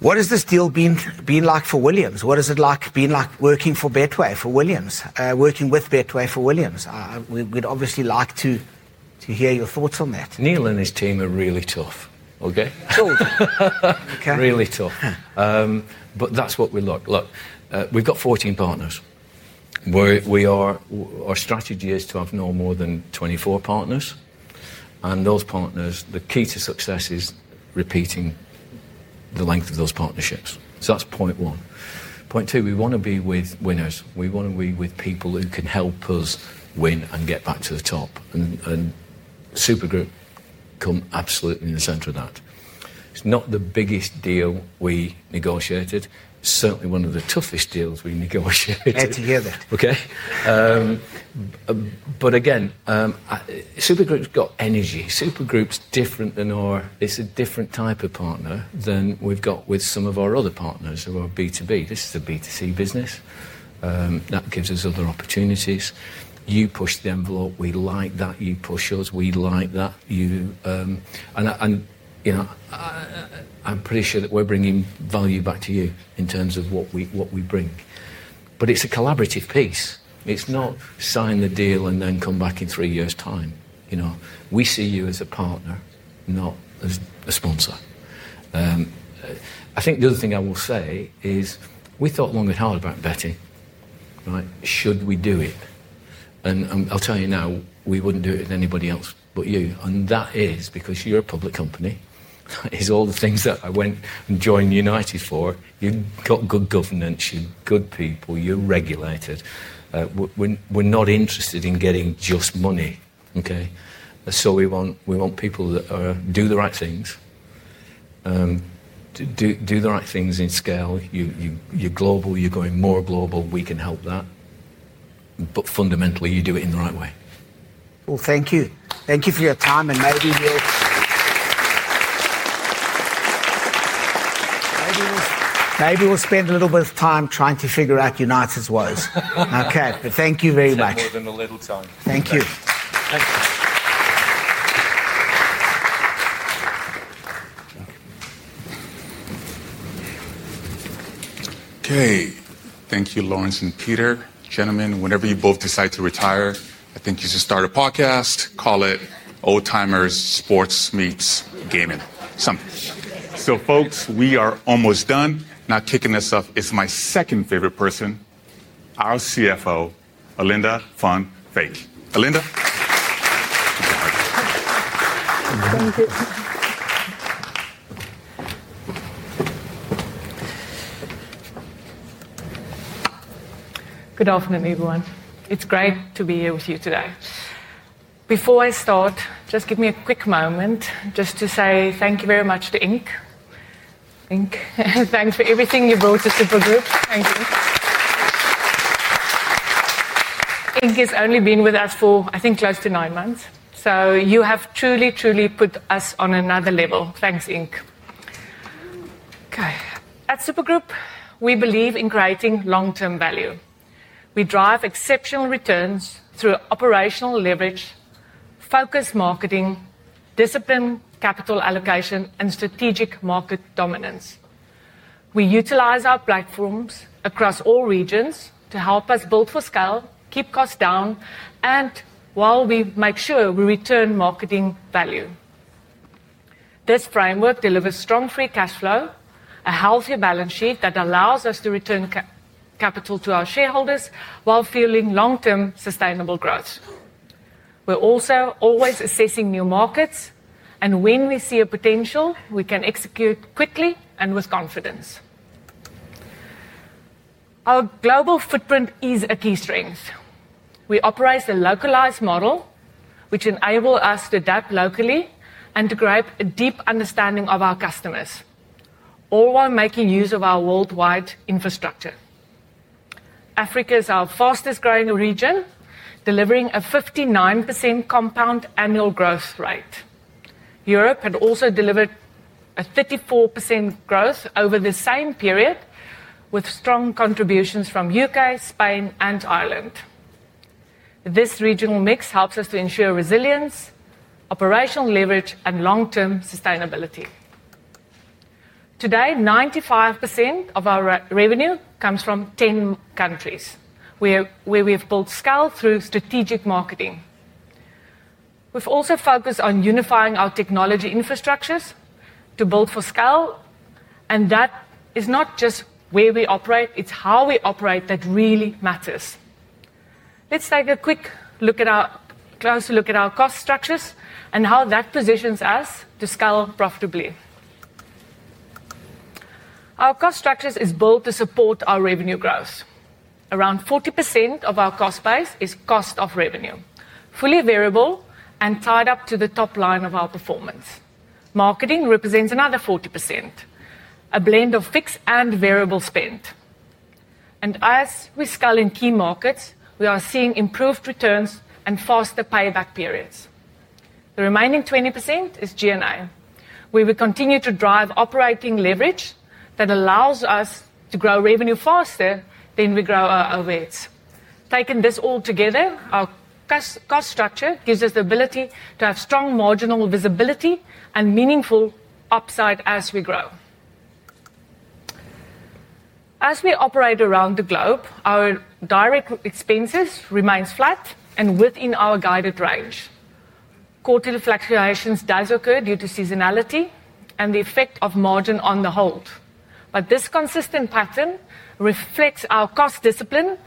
What has this deal been like for Williams? What is it like working for Betway for Williams? Working with Betway for Williams? We'd obviously like to hear your thoughts on that. Neal and his team are really tough. Okay. Cool. Okay. That's what we look for. We've got 14 partners. Our strategy is to have no more than 24 partners, and those partners, the key to success is repeating the length of those partnerships. That's point one. Point two, we want to be with winners. We want to be with people who can help us win and get back to the top. Super Group come absolutely in the center of that. It's not the biggest deal we negotiated, certainly one of the toughest deals we negotiated. Glad to hear that. Okay. Again, Super Group's got energy. Super Group's different than our... It's a different type of partner than we've got with some of our other partners who are B2B. This is a B2C business. That gives us other opportunities. You push the envelope. We like that. You push yours. We like that. I'm pretty sure that we're bringing value back to you in terms of what we bring. It's a collaborative piece. It's not sign the deal and then come back in three years' time. We see you as a partner, not as a sponsor. I think the other thing I will say is we thought long and hard about [Betway]. Right? Should we do it? I'll tell you now, we wouldn't do it with anybody else but you. That is because you're a public company. It's all the things that I went and joined United for. You've got good governance, you've got good people, you're regulated. We're not interested in getting just money. We want people that do the right things, do the right things in scale. You're global. You're going more global. We can help that. Fundamentally, you do it in the right way. Thank you for your time. Maybe we'll spend a little bit of time trying to figure out United's woes. Okay. Thank you very much. I'll give them a little time. Thank you. Okay. Thank you, Laurence and Peter. Gentlemen, whenever you both decide to retire, I think you should start a podcast. Call it Old Timers Sports Meets Gaming. Something. Folks, we are almost done. Now kicking this off is my second favorite person, our CFO, Alinda Van Wyk. Alinda, you should be hugged. Thank you. Good afternoon, everyone. It's great to be here with you today. Before I start, just give me a quick moment to say thank you very much to Ink. Ink, thanks for everything you brought to Super Group. Thank you. Ink has only been with us for, I think, close to nine months. You have truly, truly put us on another level. Thanks, Ink. At Super Group, we believe in creating long-term value. We drive exceptional returns through operational leverage, focused marketing, discipline, capital allocation, and strategic market dominance. We utilize our platforms across all regions to help us build for scale, keep costs down, and make sure we return marketing value. This framework delivers strong free cash flow, a healthy balance sheet that allows us to return capital to our shareholders while fueling long-term sustainable growth. We're also always assessing new markets, and when we see a potential, we can execute quickly and with confidence. Our global footprint is a key strength. We operate a localized model, which enables us to adapt locally and to gain a deep understanding of our customers, all while making use of our worldwide infrastructure. Africa is our fastest growing region, delivering a 59% compound annual growth rate. Europe had also delivered a 34% growth over the same period, with strong contributions from the U.K., Spain, and Ireland. This regional mix helps us to ensure resilience, operational leverage, and long-term sustainability. Today, 95% of our revenue comes from 10 countries, where we have built scale through strategic marketing. We've also focused on unifying our technology infrastructures to build for scale, and that is not just where we operate. It's how we operate that really matters. Let's take a quick look at our cost structures and how that positions us to scale profitably. Our cost structures are built to support our revenue growth. Around 40% of our cost base is cost of revenue, fully variable and tied to the top line of our performance. Marketing represents another 40%, a blend of fixed and variable spend. As we scale in key markets, we are seeing improved returns and faster payback periods. The remaining 20% is GNI, where we continue to drive operating leverage that allows us to grow revenue faster than we grow our weights. Taking this all together, our cost structure gives us the ability to have strong marginal visibility and meaningful upside as we grow. As we operate around the globe, our direct expenses remain flat and within our guided range. Quarterly fluctuations do occur due to seasonality and the effect of margin on the hold. This consistent pattern reflects our cost discipline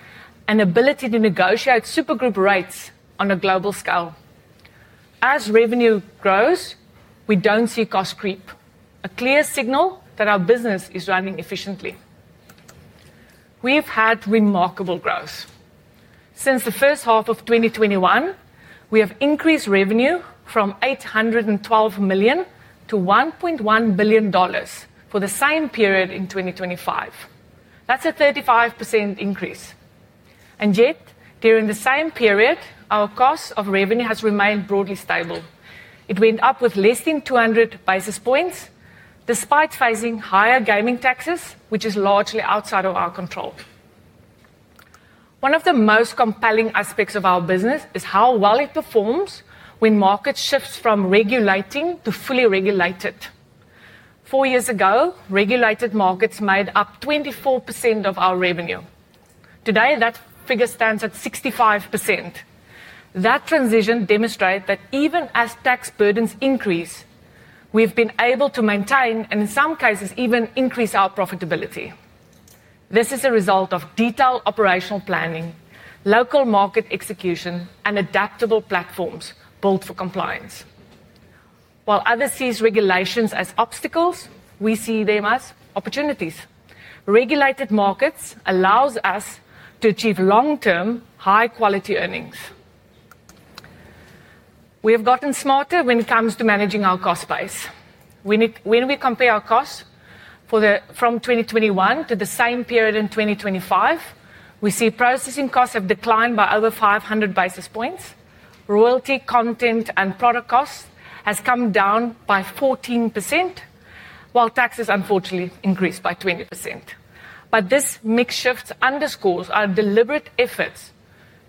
and ability to negotiate Super Group rates on a global scale. As revenue grows, we don't see costs creep, a clear signal that our business is running efficiently. We've had remarkable growth. Since the first half of 2021, we have increased revenue from $812 million to $1.1 billion for the same period in 2025. That's a 35% increase. During the same period, our cost of revenue has remained broadly stable. It went up with less than 200 basis points, despite facing higher gaming taxes, which is largely outside of our control. One of the most compelling aspects of our business is how well it performs when markets shift from regulating to fully regulated. Four years ago, regulated markets made up 24% of our revenue. Today, that figure stands at 65%. That transition demonstrated that even as tax burdens increase, we've been able to maintain and, in some cases, even increase our profitability. This is a result of detailed operational planning, local market execution, and adaptable platforms built for compliance. While other sees regulations s obstacles, we see them as opportunities. Regulated markets allow us to achieve long-term, high-quality earnings. We have gotten smarter when it comes to managing our cost bias. When we compare our costs from 2021 to the same period in 2025, we see processing costs have declined by over 500 basis points. Royalty, content, and product costs have come down by 14%, while taxes unfortunately increased by 20%. This mix shift underscores our deliberate efforts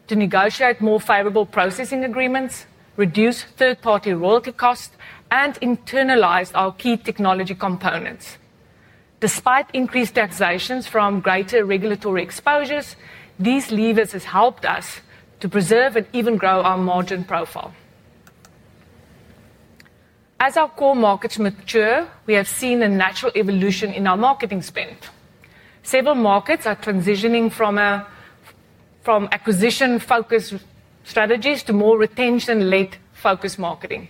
to negotiate more favorable processing agreements, reduce third-party royalty costs, and internalize our key technology components. Despite increased taxations from greater regulatory exposures, these levers have helped us to preserve and even grow our margin profile. As our core markets mature, we have seen a natural evolution in our marketing spend. Several markets are transitioning from acquisition-focused strategies to more retention-led focused marketing.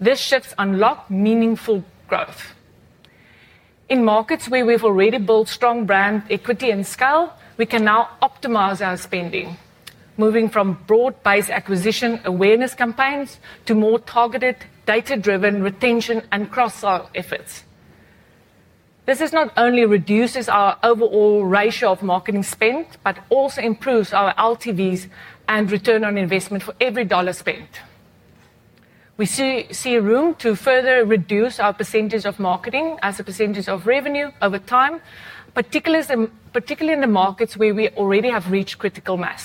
These shifts unlock meaningful growth. In markets where we've already built strong brand equity and scale, we can now optimize our spending, moving from broad-based acquisition awareness campaigns to more targeted, data-driven retention and cross-sell efforts. This not only reduces our overall ratio of marketing spend but also improves our LTVs and return on investment for every dollar spent. We see room to further reduce our percentage of marketing as a percentage of revenue over time, particularly in the markets where we already have reached critical mass.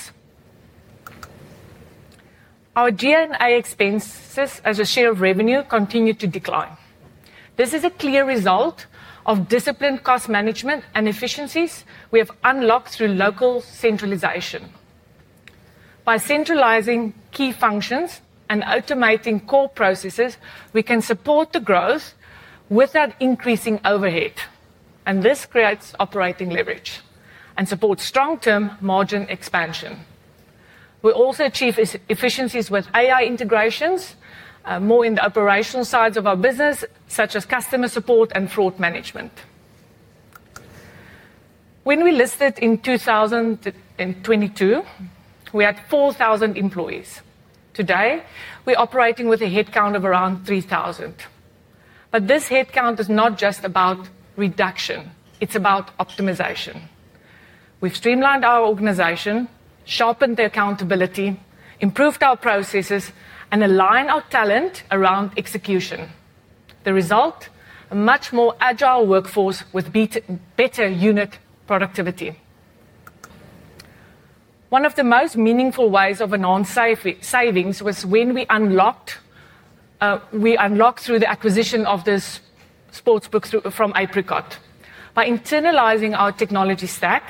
Our GNI expenses as a share of revenue continue to decline. This is a clear result of disciplined cost management and efficiencies we have unlocked through local centralization. By centralizing key functions and automating core processes, we can support the growth without increasing overhead, and this creates operating leverage and supports strong-term margin expansion. We also achieve efficiencies with AI integrations, more in the operational sides of our business, such as customer support and fraud management. When we listed in 2022, we had 4,000 employees. Today, we're operating with a headcount of around 3,000. This headcount is not just about reduction; it's about optimization. We've streamlined our organization, sharpened the accountability, improved our processes, and aligned our talent around execution. The result? A much more agile workforce with better unit productivity. One of the most meaningful ways of announcing savings was when we unlocked through the acquisition of this sportsbook from Apricot. By internalizing our technology stack,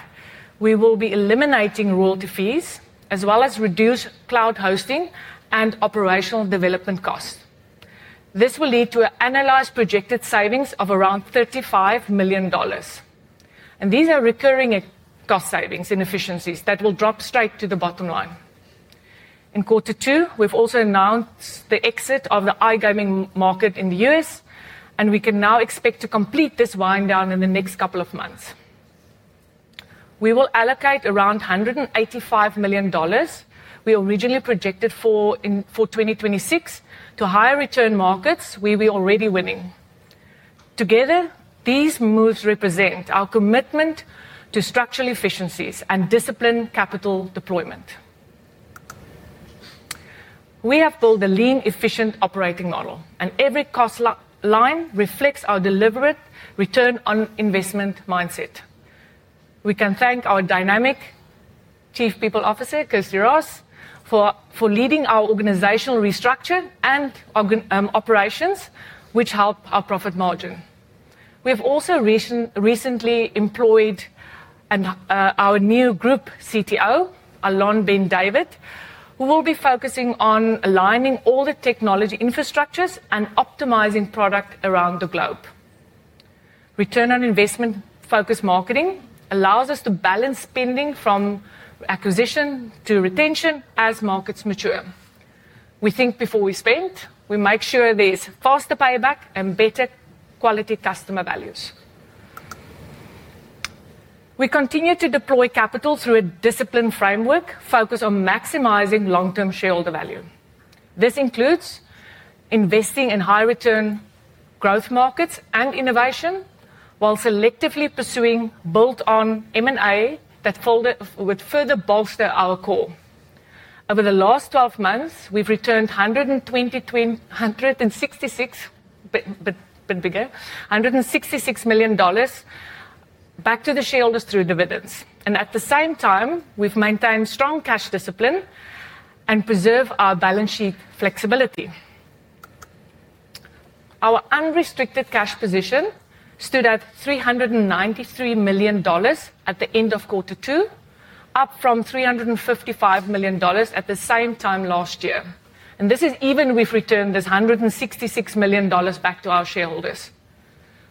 we will be eliminating royalty fees, as well as reduce cloud hosting and operational development costs. This will lead to an annualized projected savings of around $35 million. These are recurring cost savings and efficiencies that will drop straight to the bottom line. In quarter two, we've also announced the exit of the iGaming market in the U.S., and we can now expect to complete this wind-down in the next couple of months. We will allocate around $185 million we originally projected for in 2026 to higher-return markets where we're already winning. Together, these moves represent our commitment to structural efficiencies and disciplined capital deployment. We have built a lean, efficient operating model, and every cost line reflects our deliberate return on investment mindset. We can thank our dynamic Chief People Officer, Kirsty Ross, for leading our organizational restructure and operations, which helped our profit margin. We have also recently employed our new Group CTO, Alon Ben-David, who will be focusing on aligning all the technology infrastructures and optimizing product around the globe. Return on investment-focused marketing allows us to balance spending from acquisition to retention as markets mature. We think before we spend, we make sure there's faster payback and better quality customer values. We continue to deploy capital through a disciplined framework focused on maximizing long-term shareholder value. This includes investing in high-return growth markets and innovation while selectively pursuing built-on M&A that further bolster our core. Over the last 12 months, we've returned $166 million back to the shareholders through dividends. At the same time, we've maintained strong cash discipline and preserved our balance sheet flexibility. Our unrestricted cash position stood at $393 million at the end of quarter two, up from $355 million at the same time last year. This is even we've returned this $166 million back to our shareholders.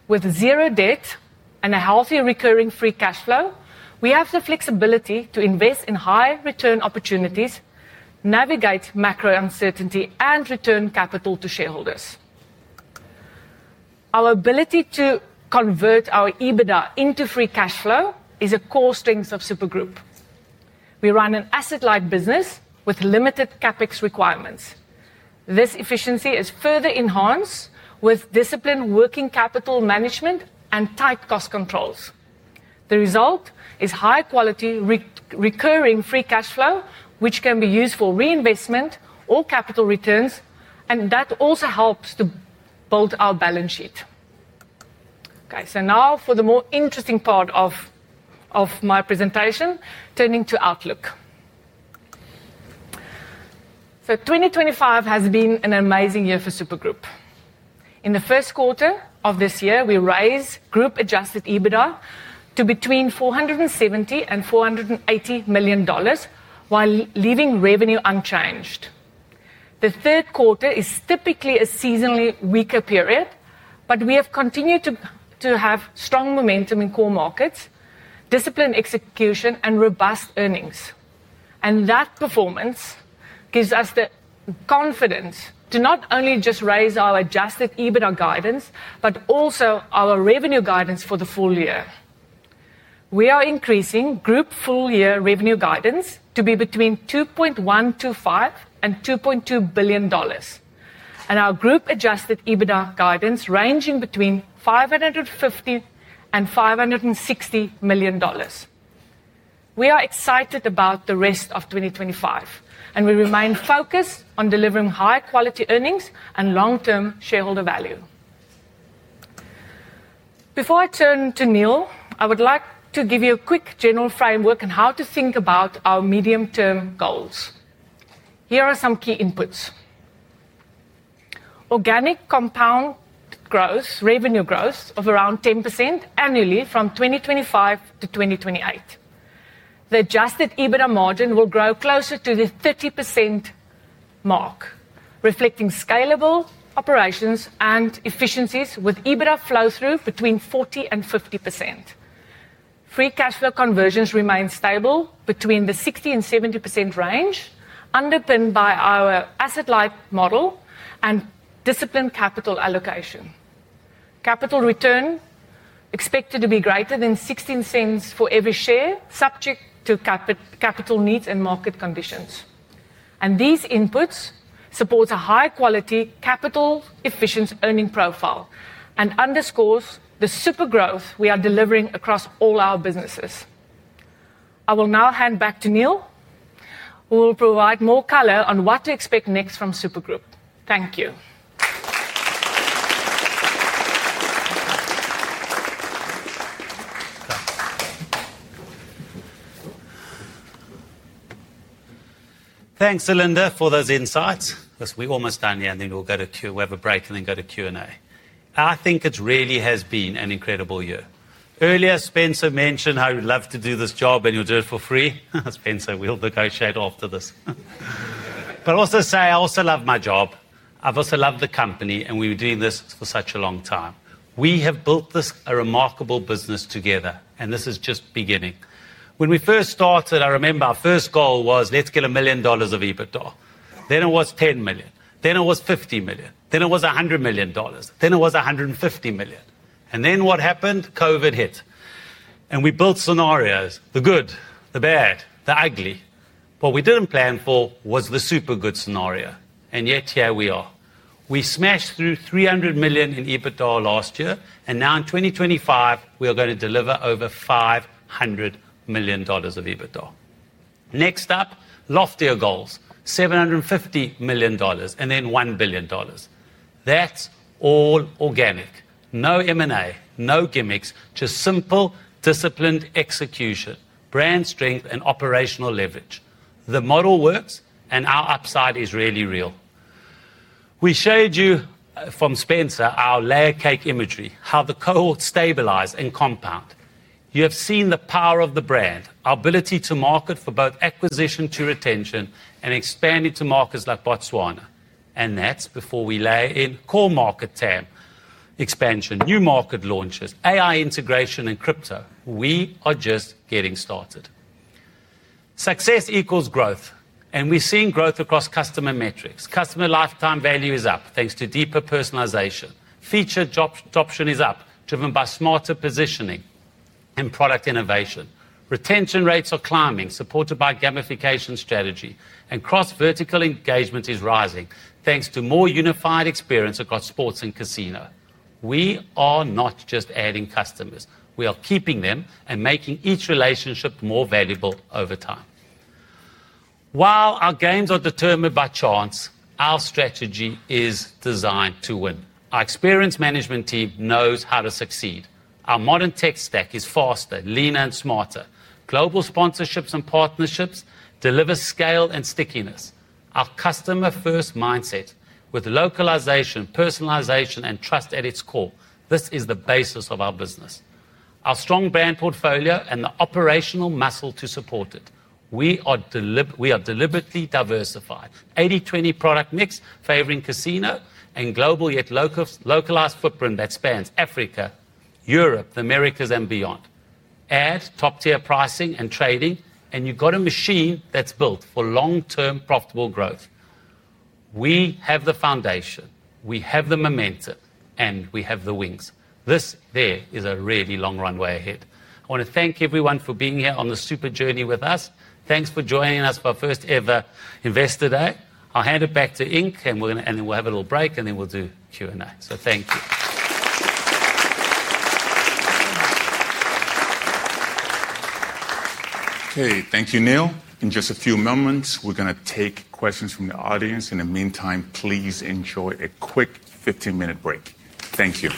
With zero debt and a healthy recurring free cash flow, we have the flexibility to invest in high-return opportunities, navigate macro uncertainty, and return capital to shareholders. Our ability to convert our EBITDA into free cash flow is a core strength of Super Group. We run an asset-light business with limited CapEx requirements. This efficiency is further enhanced with disciplined working capital management and tight cost controls. The result is high-quality recurring free cash flow, which can be used for reinvestment or capital returns, and that also helps to build our balance sheet. Now for the more interesting part of my presentation, turning to outlook. 2025 has been an amazing year for Super Group. In the first quarter of this year, we raised group-adjusted EBITDA to between $470 million and $480 million while leaving revenue unchanged. The third quarter is typically a seasonally weaker period, but we have continued to have strong momentum in core markets, disciplined execution, and robust earnings. That performance gives us the confidence to not only just raise our adjusted EBITDA guidance but also our revenue guidance for the full year. We are increasing group full-year revenue guidance to be between $2.125 billion and $2.2 billion, and our group-adjusted EBITDA guidance ranging between $550 million and $560 million. We are excited about the rest of 2025, and we remain focused on delivering high-quality earnings and long-term shareholder value. Before I turn to Neal, I would like to give you a quick general framework on how to think about our medium-term goals. Here are some key inputs. Organic compound growth, revenue growth of around 10% annually from 2025 to 2028. The adjusted EBITDA margin will grow closer to the 30% mark, reflecting scalable operations and efficiencies with EBITDA flow-through between 40% and 50%. Free cash flow conversions remain stable between the 60% and 70% range, underpinned by our asset-light model and disciplined capital allocation. Capital return expected to be greater than $0.16 for every share, subject to capital needs and market conditions. These inputs support a high-quality capital-efficient earning profile and underscore the super growth we are delivering across all our businesses. I will now hand back to Neal, who will provide more color on what to expect next from Super Group. Thank you. Thanks, Alinda, for those insights. Because we're almost done here, and then we'll go to we have a break, and then go to Q&A. I think it really has been an incredible year. Earlier, Spencer mentioned how he'd love to do this job, and he'll do it for free. Spencer, we'll negotiate after this. I'll also say I also love my job. I've also loved the company, and we've been doing this for such a long time. We have built this remarkable business together, and this is just beginning. When we first started, I remember our first goal was let's get $1 million of EBITDA. Then it was $10 million. Then it was $50 million. Then it was $100 million. Then it was $150 million. What happened? COVID hit. We built scenarios, the good, the bad, the ugly. What we didn't plan for was the super good scenario. Yet here we are. We smashed through $300 million in EBITDA last year, and now in 2025, we are going to deliver over $500 million of EBITDA. Next up, loftier goals, $750 million, and then $1 billion. That's all organic. No M&A, no gimmicks, just simple disciplined execution, brand strength, and operational leverage. The model works, and our upside is really real. We showed you from Spencer our layer cake imagery, how the cohort stabilized and compound. You have seen the power of the brand, our ability to market for both acquisition to retention and expand into markets like Botswana. That's before we lay in core market TAM expansion, new market launches, AI integration, and crypto. We are just getting started. Success equals growth, and we're seeing growth across customer metrics. Customer lifetime value is up thanks to deeper personalization. Feature adoption is up, driven by smarter positioning and product innovation. Retention rates are climbing, supported by gamification strategy, and cross-vertical engagement is rising thanks to more unified experience across sports and casino. We are not just adding customers; we are keeping them and making each relationship more valuable over time. While our gains are determined by chance, our strategy is designed to win. Our experienced management team knows how to succeed. Our modern tech stack is faster, leaner, and smarter. Global sponsorships and partnerships deliver scale and stickiness. Our customer-first mindset with localization, personalization, and trust at its core, this is the basis of our business. Our strong brand portfolio and the operational muscle to support it. We are deliberately diversified, 80/20 product mix favoring casino and global yet localized footprint that spans Africa, Europe, the Americas, and beyond. Add top-tier pricing and trading, and you've got a machine that's built for long-term profitable growth. We have the foundation, we have the momentum, and we have the wings. There is a really long runway ahead. I want to thank everyone for being here on the super journey with us. Thanks for joining us for our first ever Investor Day. I'll hand it back to Ink, and we'll have a little break, and then we'll do Q&A. Thank you. Okay, thank you, Neal. In just a few moments, we're going to take questions from the audience. In the meantime, please enjoy a quick 15-minute break. Thank you.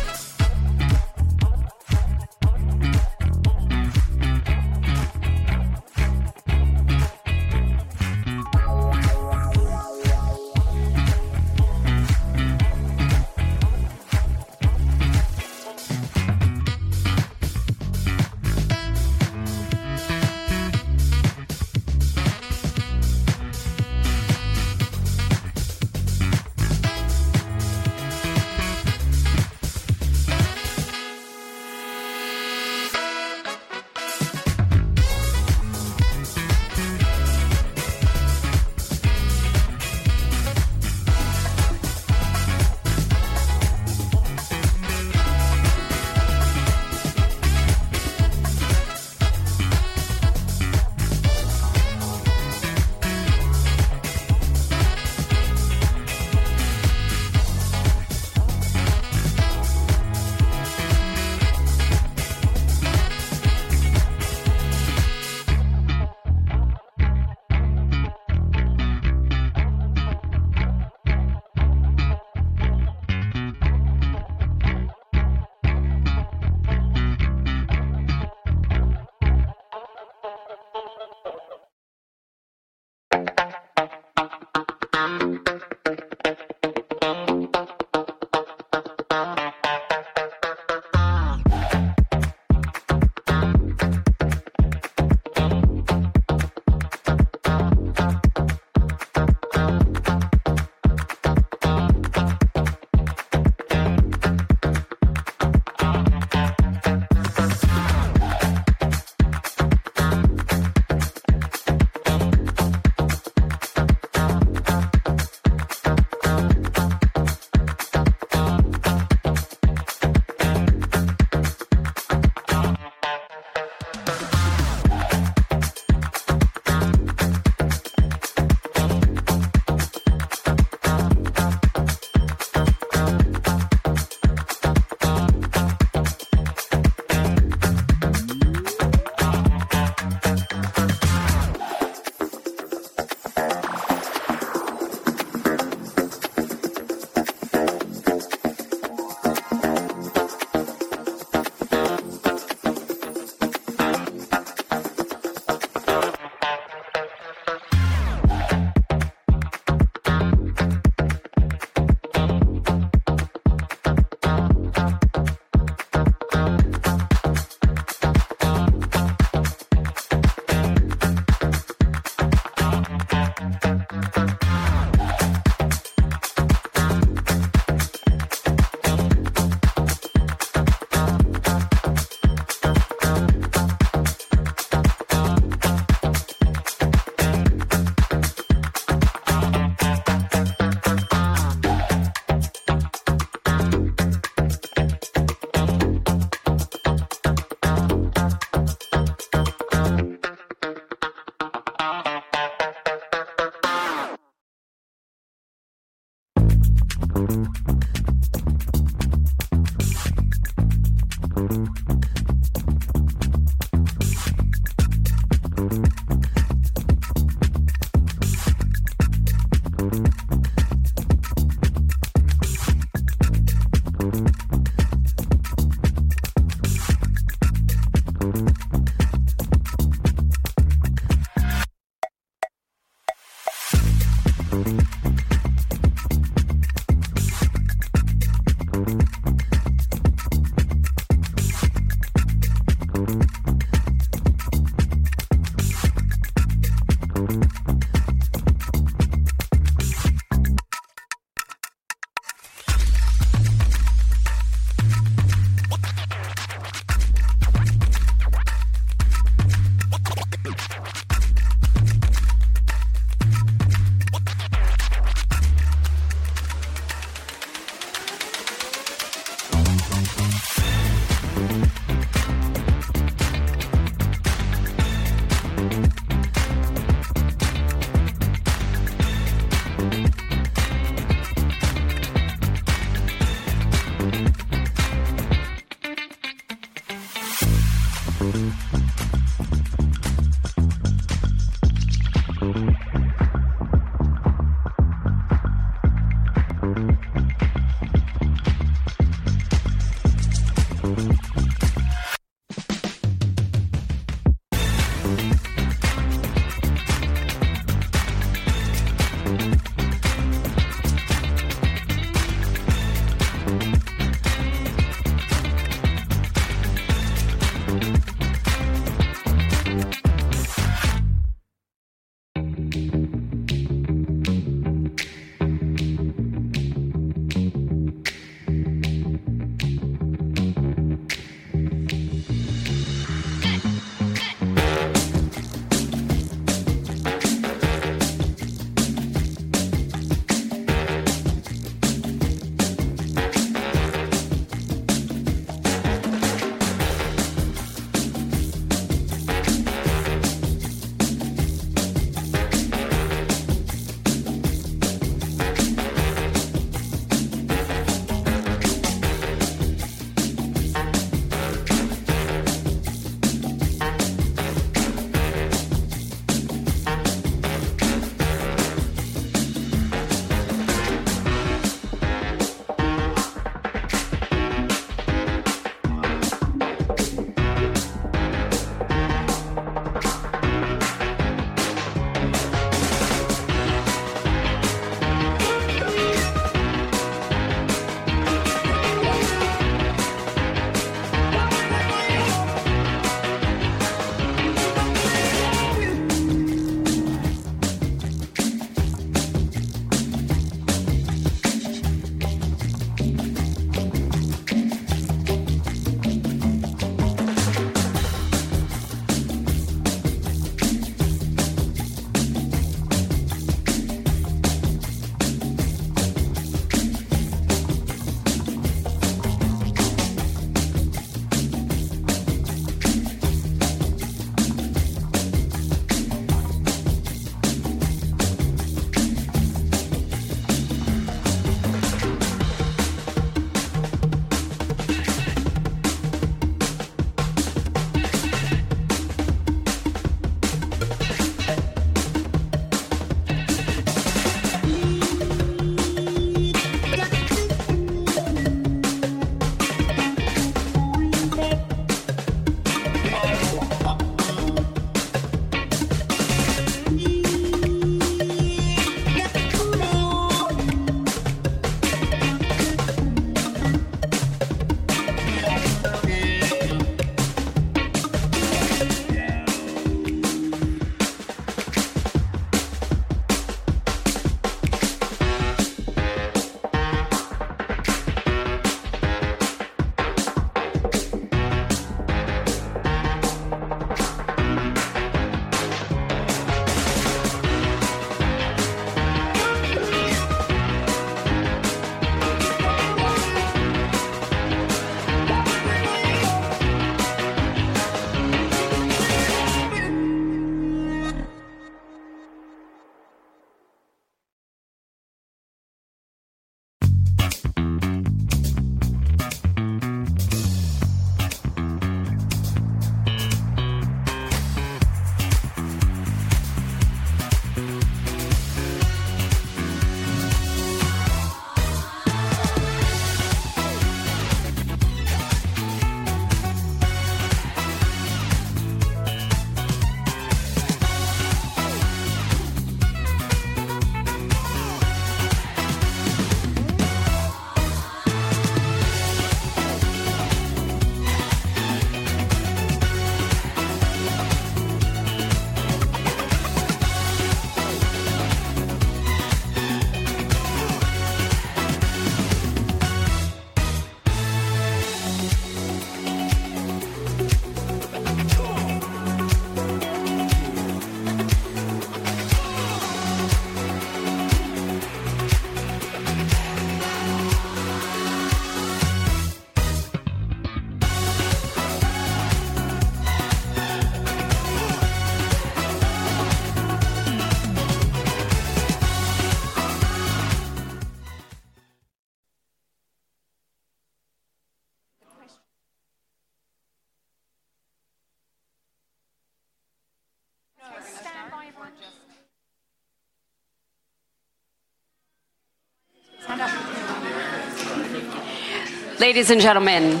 Ladies and gentlemen,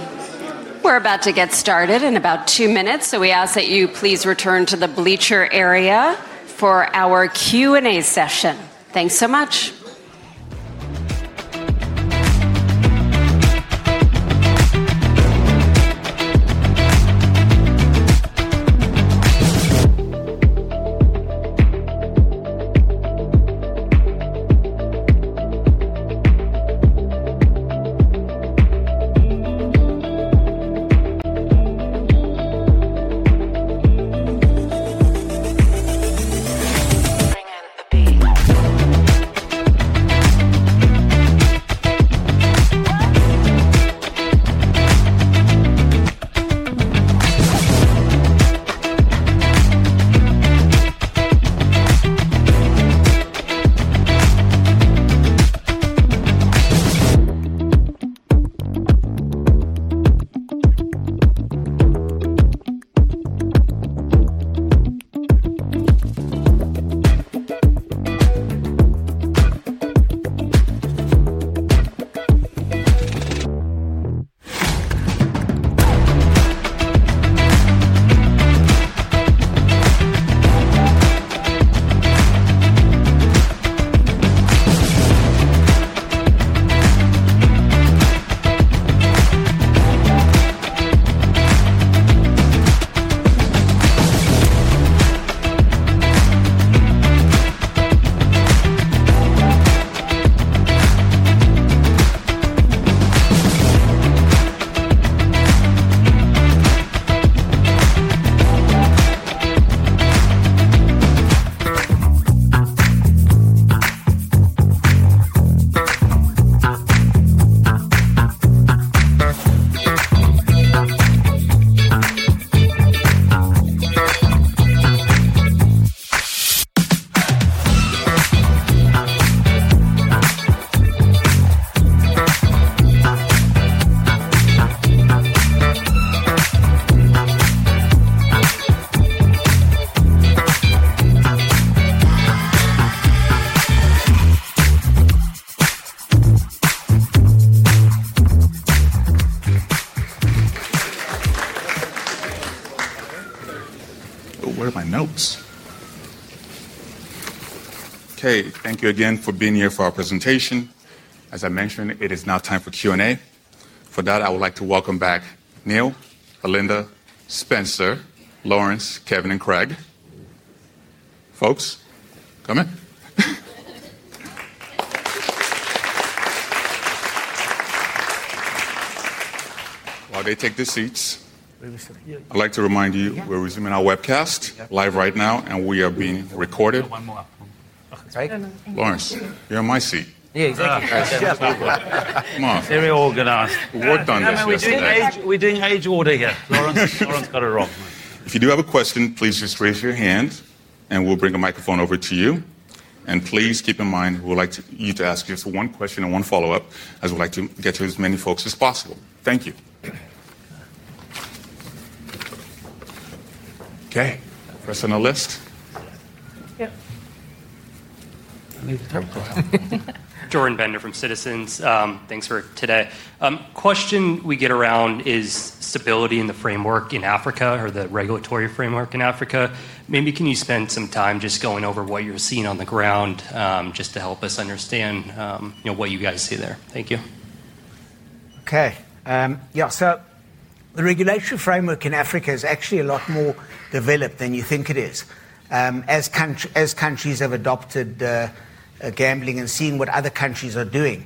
we're about to get started in about two minutes, so we ask that you please return to the bleacher area for our Q&A session. Thanks so much. Oh, where are my notes? Okay, thank you again for being here for our presentation. As I mentioned, it is now time for Q&A. For that, I would like to welcome back Neal, Alinda, Spencer, Laurence, Kevin, and Craig. Folks, come in. While they take their seats, I'd like to remind you we're resuming our webcast live right now, and we are being recorded. Laurence, you're in my seat. Yeah, exactly. Very organized. Done, Spencer. We're doing age order here. Laurence got it wrong. If you do have a question, please just raise your hand, and we'll bring a microphone over to you. Please keep in mind we'd like you to ask just one question and one follow-up, as we'd like to get to as many folks as possible. Thank you. Okay, first on the list. Jordan Bender from Citizens. Thanks for today. Question we get around is stability in the framework in Africa or the regulatory framework in Africa. Maybe can you spend some time just going over what you're seeing on the ground just to help us understand, you know, what you guys see there? Thank you. Okay. Yeah, so the regulation framework in Africa is actually a lot more developed than you think it is. As countries have adopted gambling and seeing what other countries are doing,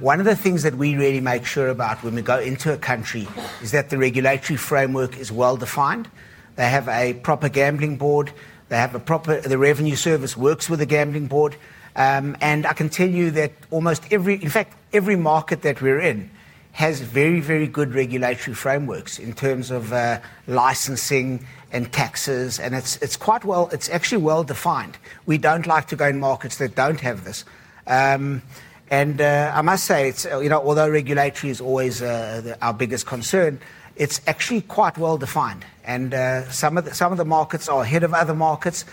one of the things that we really make sure about when we go into a country is that the regulatory framework is well-defined. They have a proper gambling board. They have a proper, the revenue service works with the gambling board. I can tell you that almost every, in fact, every market that we're in has very, very good regulatory frameworks in terms of licensing and taxes, and it's quite well, it's actually well-defined. We don't like to go in markets that don't have this. I must say, you know, although regulatory is always our biggest concern, it's actually quite well-defined. Some of the markets are ahead of other markets.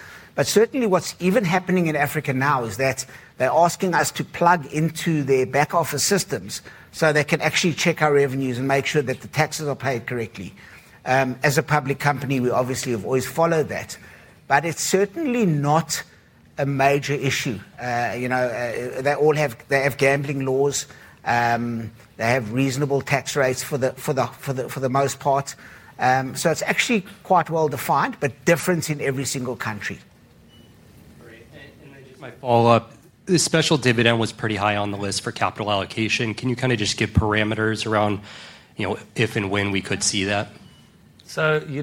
Certainly what's even happening in Africa now is that they're asking us to plug into their back-office systems so they can actually check our revenues and make sure that the taxes are paid correctly. As a public company, we obviously have always followed that. It's certainly not a major issue. You know, they all have, they have gambling laws. They have reasonable tax rates for the most part. It's actually quite well-defined, but different in every single country. All right, follow-up, this special dividend was pretty high on the list for capital allocation. Can you kind of just give parameters around, you know, if and when we could see that? We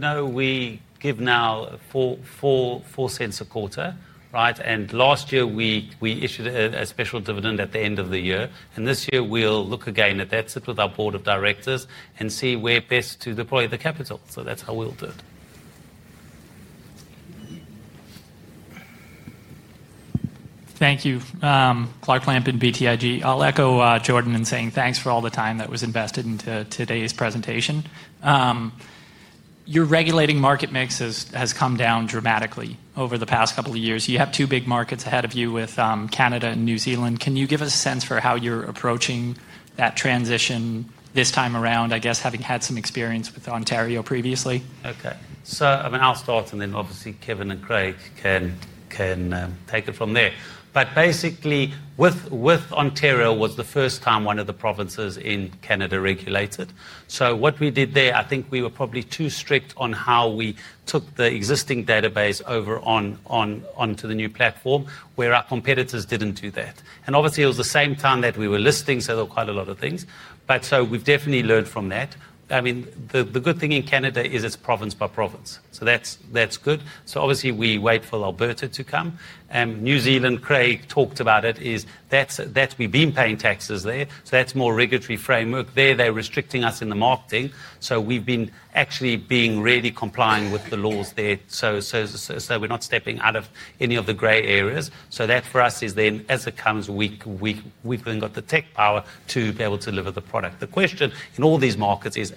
give now $0.04 a quarter, right? Last year we issued a special dividend at the end of the year. This year we'll look again at that, sit with our Board of Directors, and see where best to deploy the capital. That's how we'll do it. Thank you, Clark Lampen, BTIG. I'll echo Jordan in saying thanks for all the time that was invested into today's presentation. Your regulated market mix has come down dramatically over the past couple of years. You have two big markets ahead of you with Canada and New Zealand. Can you give us a sense for how you're approaching that transition this time around, I guess having had some experience with Ontario previously? Okay, so I mean, I'll start and then obviously Kevin and Craig can take it from there. Basically, with Ontario, it was the first time one of the provinces in Canada regulated. What we did there, I think we were probably too strict on how we took the existing database over onto the new platform, where our competitors didn't do that. It was the same time that we were listing, so there were quite a lot of things. We've definitely learned from that. The good thing in Canada is it's province by province. That's good. Obviously, we wait for Alberta to come. In New Zealand, Craig talked about it, we've been paying taxes there. That's more regulatory framework. There, they're restricting us in the marketing. We've been actually being really compliant with the laws there. We're not stepping out of any of the gray areas. For us, as it comes, we've then got the tech power to be able to deliver the product. The question in all these markets is,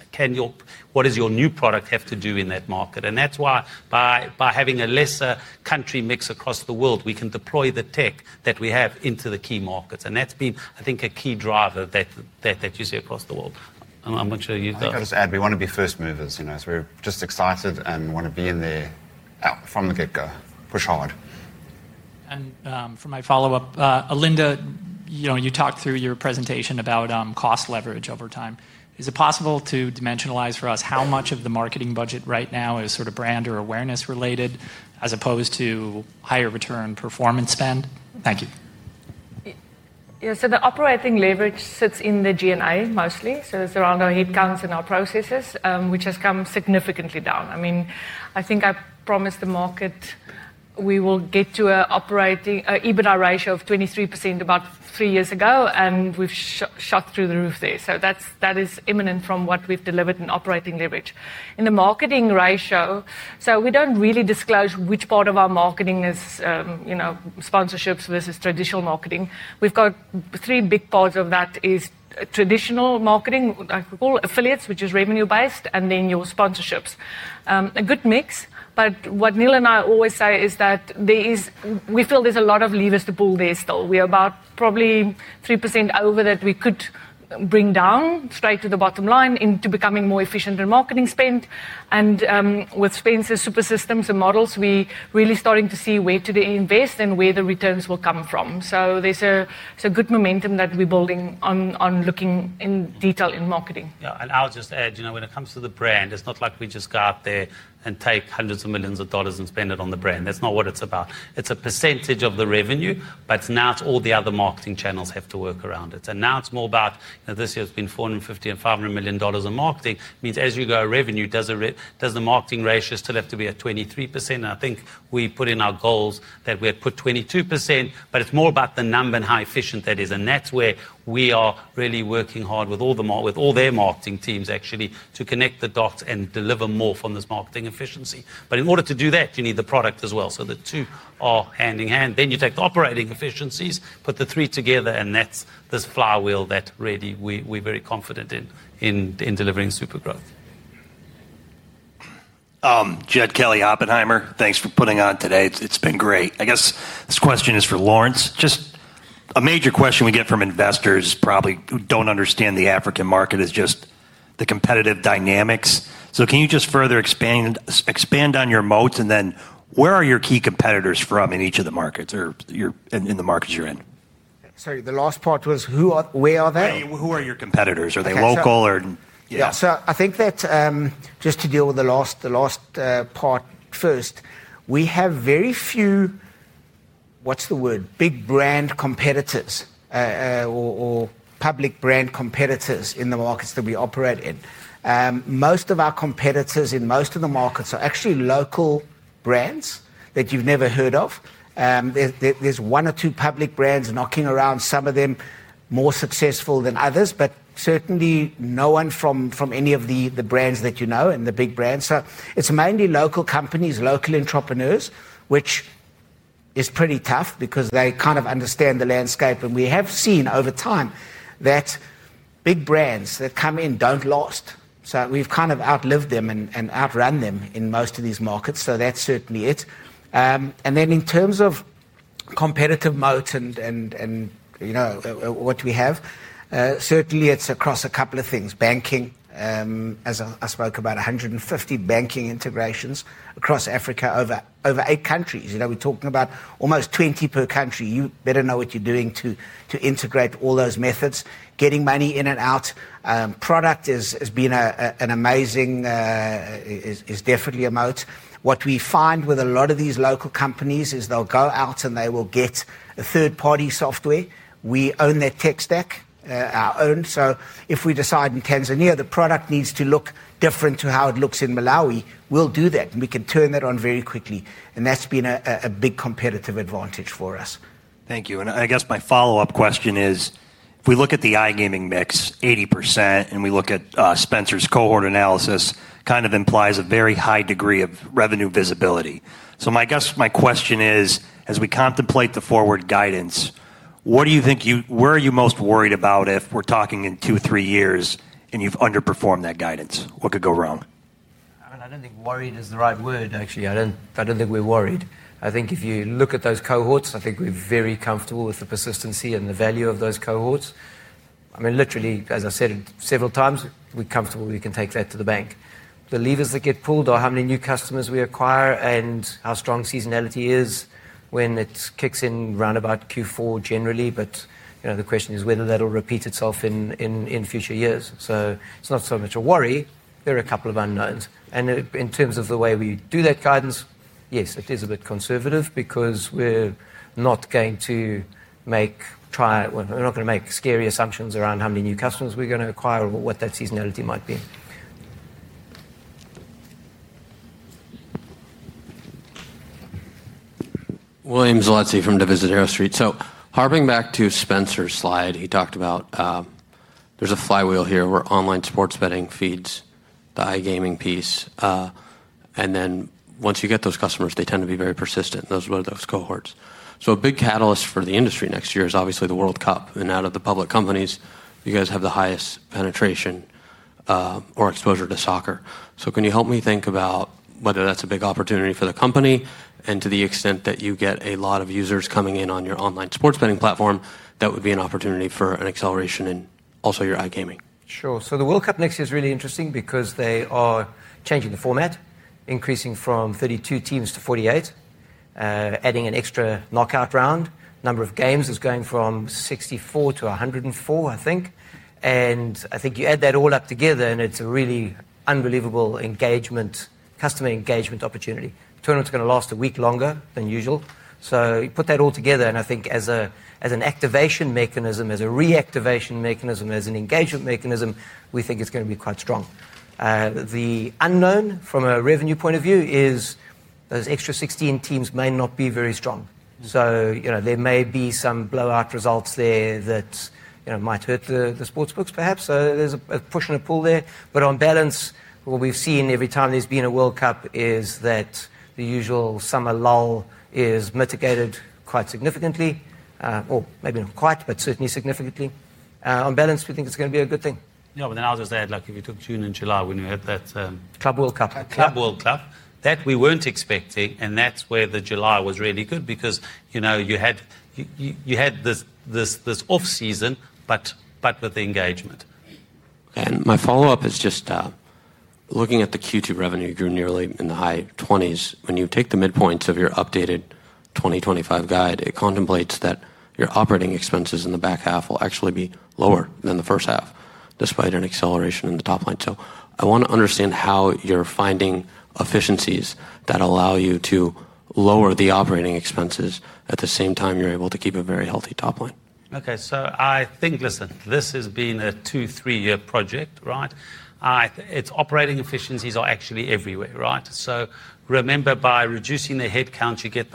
what does your new product have to do in that market? That's why by having a lesser country mix across the world, we can deploy the tech that we have into the key markets. That's been, I think, a key driver that you see across the world. I'm not sure you've got to. We want to be first movers, you know, so we're just excited and want to be in there from the get-go. Push hard. For my follow-up, Alinda, you talked through your presentation about cost leverage over time. Is it possible to dimensionalize for us how much of the marketing budget right now is sort of brand or awareness related as opposed to higher return performance spend? Thank you. Yeah, so the operating leverage sits in the GNI mostly. It's around our headcounts and our processes, which has come significantly down. I mean, I think I promised the market we will get to an operating EBITDA ratio of 23% about three years ago, and we've shot through the roof there. That is imminent from what we've delivered in operating leverage. In the marketing ratio, we don't really disclose which part of our marketing is, you know, sponsorships versus traditional marketing. We've got three big parts of that: traditional marketing, I call affiliates, which is revenue-based, and then your sponsorships. A good mix. What Neal and I always say is that we feel there's a lot of levers to pull there, still. We are about probably 3% over that we could bring down straight to the bottom line into becoming more efficient in marketing spend. With Spencer's super systems and models, we're really starting to see where to invest and where the returns will come from. There's a good momentum that we're building on looking in detail in marketing. Yeah, and I'll just add, you know, when it comes to the brand, it's not like we just go up there and take hundreds of millions of dollars and spend it on the brand. That's not what it's about. It's a percentage of the revenue, but now all the other marketing channels have to work around it. It's more about, you know, this year it's been $450 million and $500 million in marketing. It means as you go, revenue, does the marketing ratio still have to be at 23%? I think we put in our goals that we put 22%, but it's more about the number and how efficient that is. That's where we are really working hard with all their marketing teams, actually, to connect the dots and deliver more from this marketing efficiency. In order to do that, you need the product as well. The two are hand in hand. You take the operating efficiencies, put the three together, and that's this flywheel that really we're very confident in delivering super growth. Jed Kelly, Oppenheimer, thanks for putting on today. It's been great. I guess this question is for Laurence. Just a major question we get from investors probably who don't understand the African market is just the competitive dynamics. Can you just further expand on your moats, and then where are your key competitors from in each of the markets or in the markets you're in? Sorry, the last part was, where are they? Who are your competitors? Are they local or? Yeah, I think that just to deal with the last part first, we have very few, what's the word, big brand competitors or public brand competitors in the markets that we operate in. Most of our competitors in most of the markets are actually local brands that you've never heard of. There's one or two public brands knocking around, some of them more successful than others, but certainly no one from any of the brands that you know and the big brands. It's mainly local companies, local entrepreneurs, which is pretty tough because they kind of understand the landscape. We have seen over time that big brands that come in don't last. We've kind of outlived them and outrun them in most of these markets. That's certainly it. In terms of competitive moats and, you know, what do we have? Certainly, it's across a couple of things. Banking, as I spoke about, 150 banking integrations across Africa over eight countries. We're talking about almost 20 per country. You better know what you're doing to integrate all those methods, getting money in and out. Product has been an amazing, is definitely a moat. What we find with a lot of these local companies is they'll go out and they will get a third-party software. We own that tech stack, our own. If we decide in Tanzania the product needs to look different to how it looks in Malawi, we'll do that. We can turn that on very quickly. That's been a big competitive advantage for us. Thank you. I guess my follow-up question is, if we look at the iGaming mix 80% and we look at Spencer's cohort analysis, it kind of implies a very high degree of revenue visibility. My question is, as we contemplate the forward guidance, what do you think you, where are you most worried about if we're talking in two, three years and you've underperformed that guidance? What could go wrong? I don't think worried is the right word, actually. I don't think we're worried. I think if you look at those cohorts, I think we're very comfortable with the persistency and the value of those cohorts. I mean, literally, as I said several times, we're comfortable we can take that to the bank. The levers that get pulled are how many new customers we acquire and how strong seasonality is when it kicks in round about Q4 generally. The question is whether that'll repeat itself in future years. It's not so much a worry. There are a couple of unknowns. In terms of the way we do that guidance, yes, it is a bit conservative because we're not going to make, try, we're not going to make scary assumptions around how many new customers we're going to acquire or what that seasonality might be. William Zolezzi from Divisadero Street. Harping back to Spencer's slide, he talked about there's a flywheel here where online sports betting feeds the iGaming piece. Once you get those customers, they tend to be very persistent. Those are one of those cohorts. A big catalyst for the industry next year is obviously the World Cup. Out of the public companies, you guys have the highest penetration or exposure to soccer. Can you help me think about whether that's a big opportunity for the company and to the extent that you get a lot of users coming in on your online sports betting platform, that would be an opportunity for an acceleration in also your iGaming? Sure. The World Cup next year is really interesting because they are changing the format, increasing from 32 teams to 48, adding an extra knockout round. Number of games is going from 64-104, I think. I think you add that all up together and it's a really unbelievable engagement, customer engagement opportunity. Tournament's going to last a week longer than usual. You put that all together and I think as an activation mechanism, as a reactivation mechanism, as an engagement mechanism, we think it's going to be quite strong. The unknown from a revenue point of view is those extra 16 teams may not be very strong. There may be some blowout results there that might hurt the sports books perhaps. There's a push and a pull there. On balance, what we've seen every time there's been a World Cup is that the usual summer lull is mitigated quite significantly, or maybe not quite, but certainly significantly. On balance, we think it's going to be a good thing. Yeah. I'll just add, like if you took June and July when you had that. Club World Cup. Club World Cup, that we weren't expecting, and that's where the July was really good because, you know, you had this off-season, but with the engagement. My follow-up is just looking at the Q2 revenue. You drew nearly in the high 20s. When you take the midpoints of your updated 2025 guide, it contemplates that your operating expenses in the back half will actually be lower than the first half, despite an acceleration in the top line. I want to understand how you're finding efficiencies that allow you to lower the operating expenses at the same time you're able to keep a very healthy top line. Okay, so I think, listen, this has been a two, three-year project, right? I think its operating efficiencies are actually everywhere, right? Remember, by reducing the headcounts, you get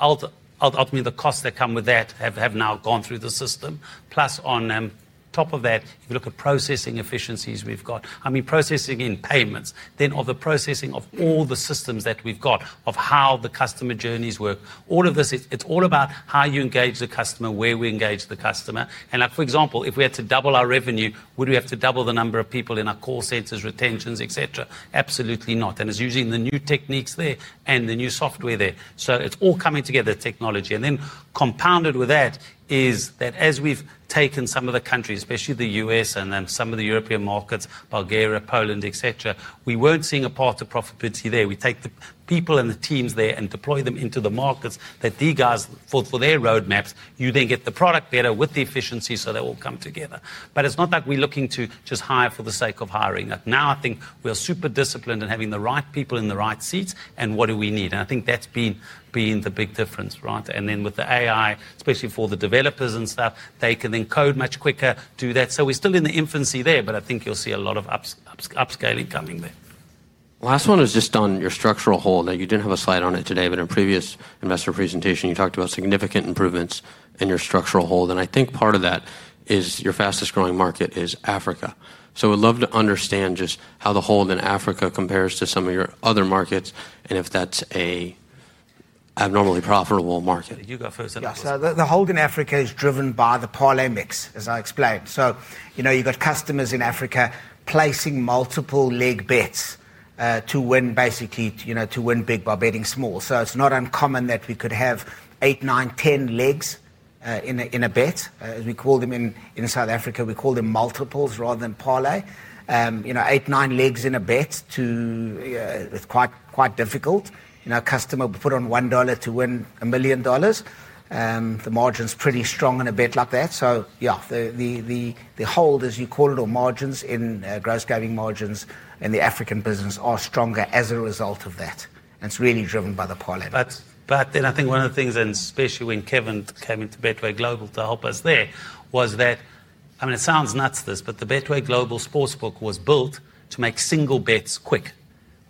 ultimately the costs that come with that have now gone through the system. Plus, on top of that, if you look at processing efficiencies we've got, I mean processing in payments, then the processing of all the systems that we've got, of how the customer journeys work, all of this, it's all about how you engage the customer, where we engage the customer. For example, if we had to double our revenue, would we have to double the number of people in our call centers, retentions, etc.? Absolutely not. It's using the new techniques there and the new software there. It's all coming together, technology. Compounded with that is that as we've taken some of the countries, especially the U.S. and then some of the European markets, Bulgaria, Poland, etc., we weren't seeing a part of profitability there. We take the people and the teams there and deploy them into the markets that these guys for their roadmaps, you then get the product better with the efficiency, so that will come together. It's not like we're looking to just hire for the sake of hiring. Now I think we are super disciplined in having the right people in the right seats and what do we need? I think that's been the big difference, right? With the AI, especially for the developers and stuff, they can then code much quicker, do that. We're still in the infancy there, but I think you'll see a lot of upscaling coming there. Last one is just on your structural hold. You didn't have a slide on it today, but in a previous investor presentation, you talked about significant improvements in your structural hold. I think part of that is your fastest growing market is Africa. We'd love to understand just how the hold in Africa compares to some of your other markets and if that's an abnormally profitable market. Yeah, so the hold in Africa is driven by the parlay mix, as I explained. You know, you've got customers in Africa placing multiple leg bets to win basically, you know, to win big by betting small. It's not uncommon that we could have eight, nine, ten legs in a bet. As we call them in South Africa, we call them multiples rather than parlay. You know, eight, nine legs in a bet, it's quite difficult. A customer would put on $1 to win $1 million. The margin's pretty strong in a bet like that. The hold, as you call it, or margins in gross giving margins in the African business are stronger as a result of that. It's really driven by the parlay. I think one of the things, and especially when Kevin came into Betway Global to help us there, was that, I mean, it sounds nuts to this, but the Betway Global sportsbook was built to make single bets quick.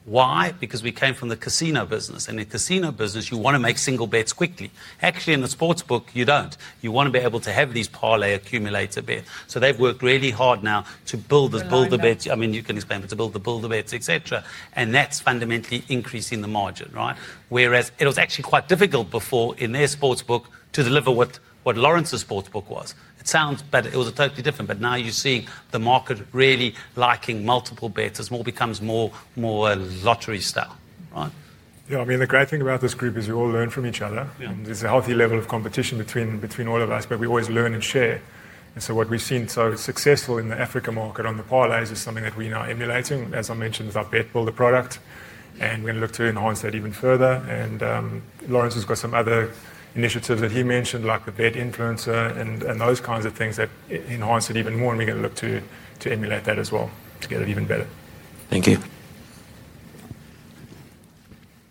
Why? Because we came from the casino business. In the casino business, you want to make single bets quickly. Actually, in the sportsbook, you don't. You want to be able to have these parlay accumulated bets. They've worked really hard now to build those builder bets. I mean, you can explain, but to build the builder bets, etc. That's fundamentally increasing the margin, right? Whereas it was actually quite difficult before in their sportsbook to deliver what Laurence's sportsbook was. It sounds better. It was totally different. Now you're seeing the market really liking multiple bets. It becomes more lottery style. Yeah, I mean, the great thing about this group is you all learn from each other. There's a healthy level of competition between all of us, but we always learn and share. What we've seen so successful in the Africa market on the parlays is something that we're now emulating. As I mentioned, it's our bet builder product, and we're going to look to enhance that even further. Laurence has got some other initiatives that he mentioned, like the bet influencer and those kinds of things that enhance it even more. We're going to look to emulate that as well to get it even better. Thank you.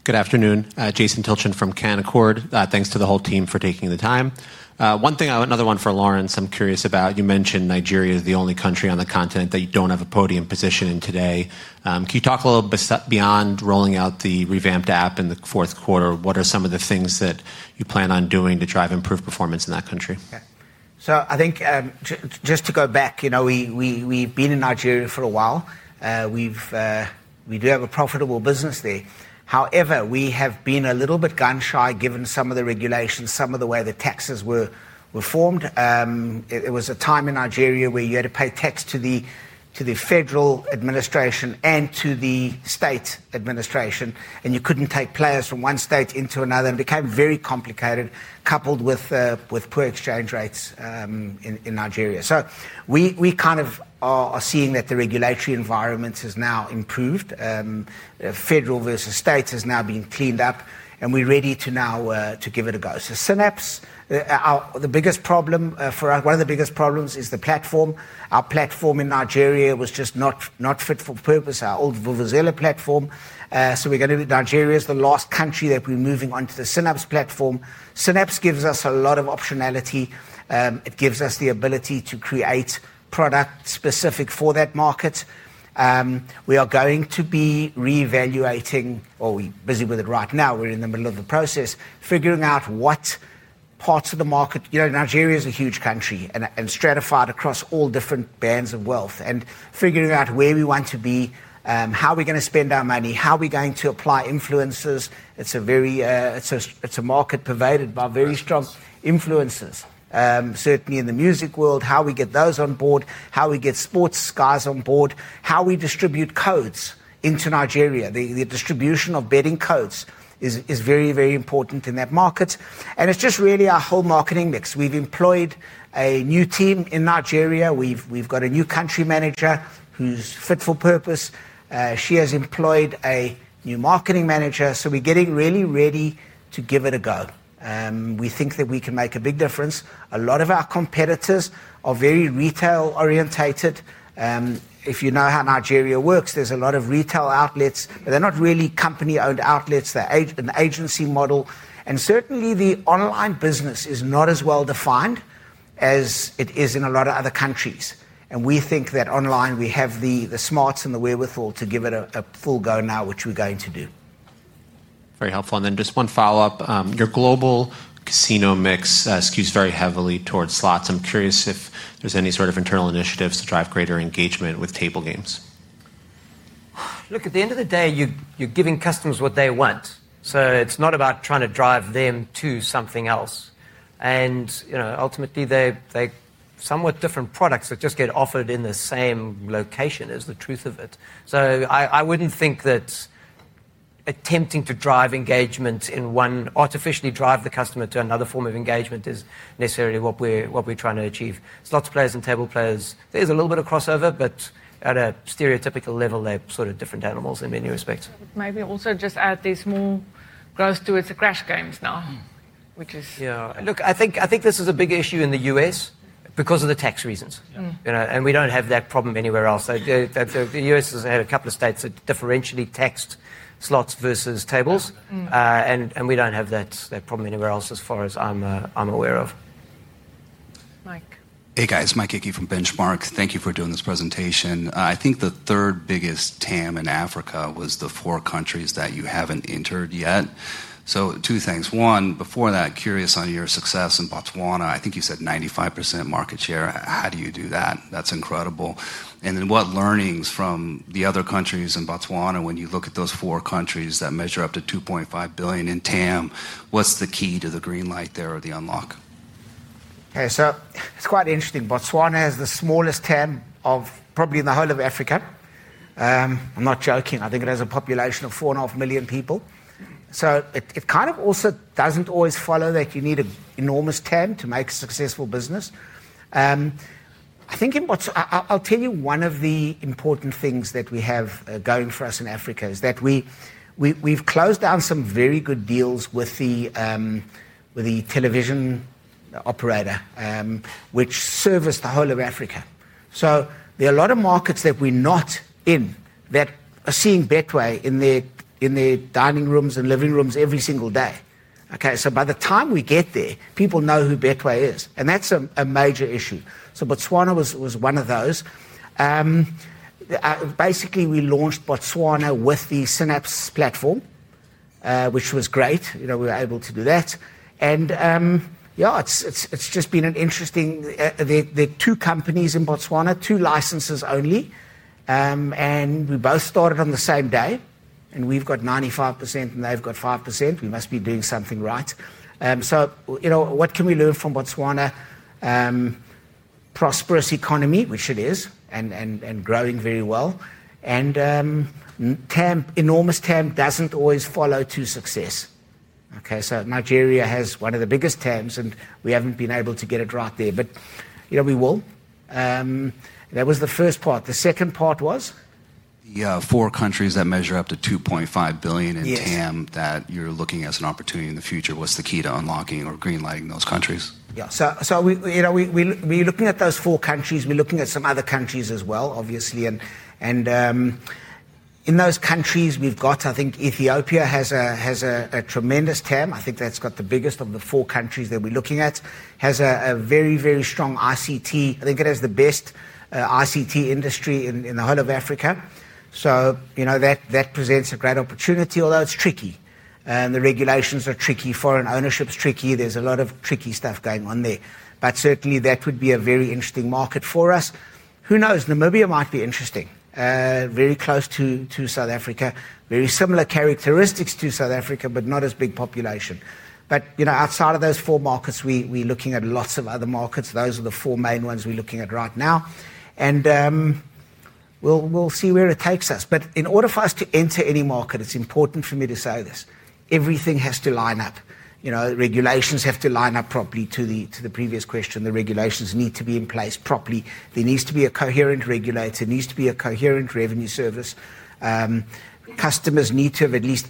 Good afternoon, Jason Tilton from Canaccord. Thanks to the whole team for taking the time. I have another one for Laurence. I'm curious about, you mentioned Nigeria is the only country on the continent that you don't have a podium position in today. Can you talk a little bit beyond rolling out the revamped app in the fourth quarter? What are some of the things that you plan on doing to drive improved performance in that country? Yeah, I think just to go back, we've been in Nigeria for a while. We do have a profitable business there. However, we have been a little bit gun-shy given some of the regulations, some of the way the taxes were formed. It was a time in Nigeria where you had to pay tax to the federal administration and to the state administration, and you couldn't take players from one state into another. It became very complicated, coupled with poor exchange rates in Nigeria. We are seeing that the regulatory environment has now improved. Federal versus state has now been cleaned up, and we're ready to now give it a go. Synapse, the biggest problem for us, one of the biggest problems is the platform. Our platform in Nigeria was just not fit for purpose, our old Vuvuzela platform. Nigeria is the last country that we're moving onto the Synapse platform. Synapse gives us a lot of optionality. It gives us the ability to create products specific for that market. We are going to be reevaluating, or we're busy with it right now. We're in the middle of the process, figuring out what parts of the market. Nigeria is a huge country and stratified across all different bands of wealth and figuring out where we want to be, how we're going to spend our money, how we're going to apply influences. It's a market pervaded by very strong influences, certainly in the music world, how we get those on board, how we get sports guys on board, how we distribute codes into Nigeria. The distribution of betting codes is very, very important in that market. It's just really our whole marketing mix. We've employed a new team in Nigeria. We've got a new Country Manager who's fit for purpose. She has employed a new Marketing Manager. We're getting really ready to give it a go. We think that we can make a big difference. A lot of our competitors are very retail-orientated. If you know how Nigeria works, there's a lot of retail outlets, but they're not really company-owned outlets. They're an agency model. Certainly the online business is not as well-defined as it is in a lot of other countries. We think that online, we have the smarts and the wherewithal to give it a full go now, which we're going to do. Very helpful. Just one follow-up, your global casino mix skews very heavily towards slots. I'm curious if there's any sort of internal initiatives to drive greater engagement with table games. Look, at the end of the day, you're giving customers what they want. It's not about trying to drive them to something else. Ultimately, they're somewhat different products that just get offered in the same location, is the truth of it. I wouldn't think that attempting to drive engagement in one, artificially drive the customer to another form of engagement, is necessarily what we're trying to achieve. Slots players and table players, there's a little bit of crossover, but at a stereotypical level, they're sort of different animals in many respects. Maybe also just add there's more growth towards the crash games now, which is. Yeah, look, I think this is a big issue in the U.S. because of the tax reasons. We don't have that problem anywhere else. The U.S. has had a couple of states that differentially taxed slots versus tables. We don't have that problem anywhere else as far as I'm aware of. Hey guys, Mike Hickey from Benchmark. Thank you for doing this presentation. I think the third biggest TAM in Africa was the four countries that you haven't entered yet. Two things. One, before that, curious on your success in Botswana. I think you said 95% market share. How do you do that? That's incredible. What learnings from the other countries in Botswana when you look at those four countries that measure up to $2.5 billion in TAM? What's the key to the green light there or the unlock? Okay, so it's quite interesting. Botswana is the smallest TAM probably in the whole of Africa. I'm not joking. I think it has a population of 4.5 million people. It kind of also doesn't always follow that you need an enormous TAM to make a successful business. I think in Botswana, I'll tell you one of the important things that we have going for us in Africa is that we've closed down some very good deals with the television operator, which services the whole of Africa. There are a lot of markets that we're not in that are seeing Betway in their dining rooms and living rooms every single day. By the time we get there, people know who Betway is. That's a major issue. Botswana was one of those. Basically, we launched Botswana with the Synapse platform, which was great. We were able to do that. It's just been interesting. There are two companies in Botswana, two licenses only, and we both started on the same day. We've got 95% and they've got 5%. We must be doing something right. What can we learn from Botswana? Prosperous economy, which it is, and growing very well. Enormous TAM doesn't always follow to success. Nigeria has one of the biggest TAMs and we haven't been able to get it right there, but we will. That was the first part. The second part was? Yeah, four countries that measure up to $2.5 billion in TAM that you're looking at as an opportunity in the future. What's the key to unlocking or green lighting those countries? Yeah, so you know, we're looking at those four countries. We're looking at some other countries as well, obviously. In those countries, we've got, I think Ethiopia has a tremendous TAM. I think that's got the biggest of the four countries that we're looking at. It has a very, very strong ICT. I think it has the best ICT industry in the whole of Africa. That presents a great opportunity, although it's tricky. The regulations are tricky, foreign ownership is tricky. There's a lot of tricky stuff going on there. Certainly, that would be a very interesting market for us. Who knows, Namibia might be interesting. Very close to South Africa, very similar characteristics to South Africa, but not as big population. Outside of those four markets, we're looking at lots of other markets. Those are the four main ones we're looking at right now. We'll see where it takes us. In order for us to enter any market, it's important for me to say this. Everything has to line up. Regulations have to line up properly to the previous question. The regulations need to be in place properly. There needs to be a coherent regulator. There needs to be a coherent revenue service. Customers need to at least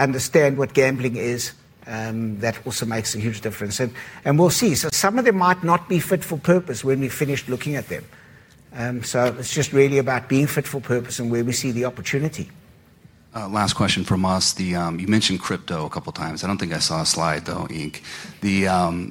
understand what gambling is. That also makes a huge difference. We'll see. Some of them might not be fit for purpose when we finish looking at them. It's just really about being fit for purpose and where we see the opportunity. Last question from us. You mentioned crypto a couple of times. I don't think I saw a slide though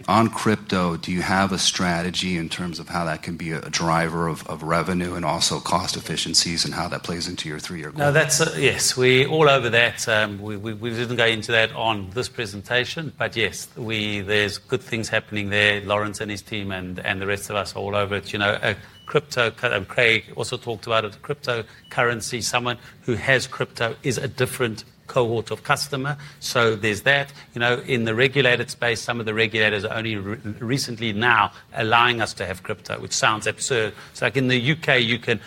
on crypto. Do you have a strategy in terms of how that can be a driver of revenue and also cost efficiencies, and how that plays into your three-year goal? No, that's yes. We're all over that. We didn't go into that on this presentation, but yes, there's good things happening there. Laurence and his team and the rest of us are all over it. You know, crypto, and Craig also talked about it, cryptocurrency. Someone who has crypto is a different cohort of customer. There's that. In the regulated space, some of the regulators are only recently now allowing us to have crypto, which sounds absurd. In the U.K., you can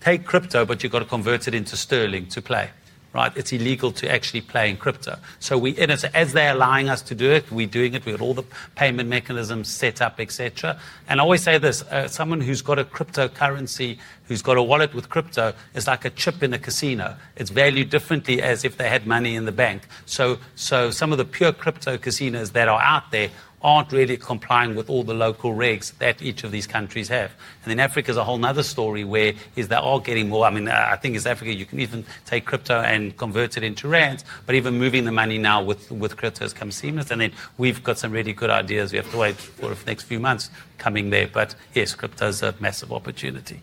take crypto, but you've got to convert it into sterling to play, right? It's illegal to actually play in crypto. As they're allowing us to do it, we're doing it. We've got all the payment mechanisms set up, etc. I always say this, someone who's got a cryptocurrency, who's got a wallet with crypto, it's like a chip in a casino. It's valued differently as if they had money in the bank. Some of the pure crypto casinos that are out there aren't really complying with all the local regs that each of these countries have. In Africa is a whole nother story where they are getting more, I mean, I think in South Africa you can even take crypto and convert it into rands, but even moving the money now with crypto has become seamless. We've got some really good ideas. We have to wait for the next few months coming there. Yes, crypto is a massive opportunity.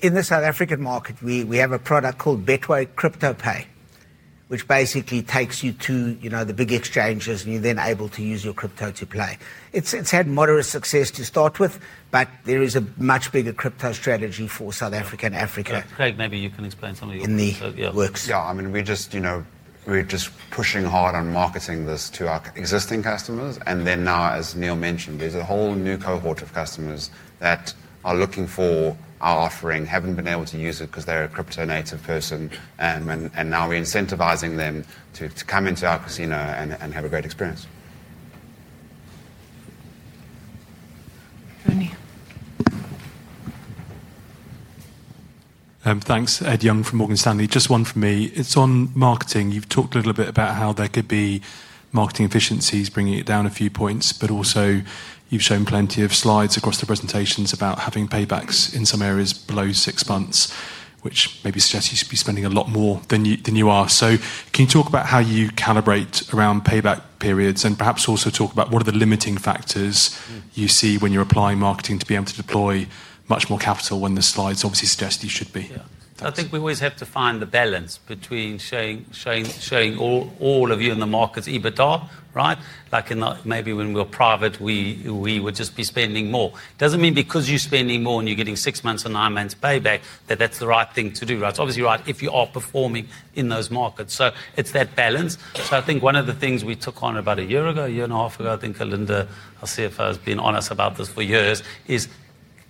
In the South African market, we have a product called Betway Crypto Pay, which basically takes you to the big exchanges and you're then able to use your crypto to play. It's had moderate success to start with, but there is a much bigger crypto strategy for South Africa and Africa. Craig, maybe you can explain some of your works. Yeah, I mean, we're just pushing hard on marketing this to our existing customers. Now, as Neal mentioned, there's a whole new cohort of customers that are looking for our offering, haven't been able to use it because they're a crypto-native person. Now we're incentivizing them to come into our casino and have a great experience. Thanks, Ed Young from Morgan Stanley. Just one for me. It's on marketing. You've talked a little bit about how there could be marketing efficiencies, bringing it down a few points, but also you've shown plenty of slides across the presentations about having paybacks in some areas below six months, which maybe suggests you should be spending a lot more than you are. Can you talk about how you calibrate around payback periods and perhaps also talk about what are the limiting factors you see when you're applying marketing to be able to deploy much more capital when the slides obviously suggest you should be? Yeah, I think we always have to find the balance between showing all of you in the market's EBITDA, right? Like maybe when we were private, we would just be spending more. It doesn't mean because you're spending more and you're getting six months or nine months payback, that that's the right thing to do. That's obviously right if you are performing in those markets. It's that balance. I think one of the things we took on about a year ago, a year and a half ago, I think Alinda, our CFO, has been on us about this for years, is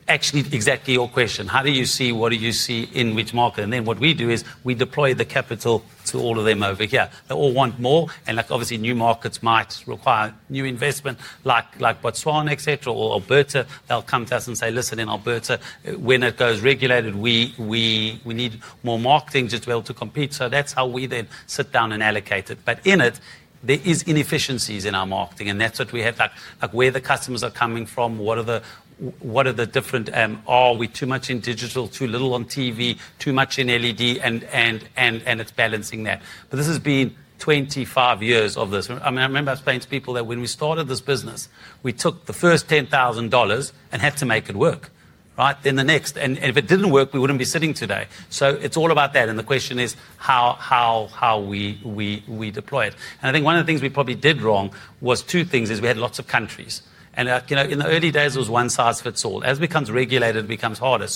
actually exactly your question. How do you see, what do you see in which market? What we do is we deploy the capital to all of them over here. They all want more. Obviously new markets might require new investment, like Botswana, etc., or Alberta. They'll come to us and say, listen, in Alberta, when it goes regulated, we need more marketing to be able to compete. That's how we then sit down and allocate it. In it, there are inefficiencies in our marketing. That's what we have, like where the customers are coming from, what are the different, are we too much in digital, too little on TV, too much in LED, and it's balancing that. This has been 25 years of this. I remember explaining to people that when we started this business, we took the first $10,000 and had to make it work, right? Then the next. If it didn't work, we wouldn't be sitting today. It's all about that. The question is how we deploy it. I think one of the things we probably did wrong was two things, is we had lots of countries. In the early days, it was one size fits all. As it becomes regulated, it becomes harder.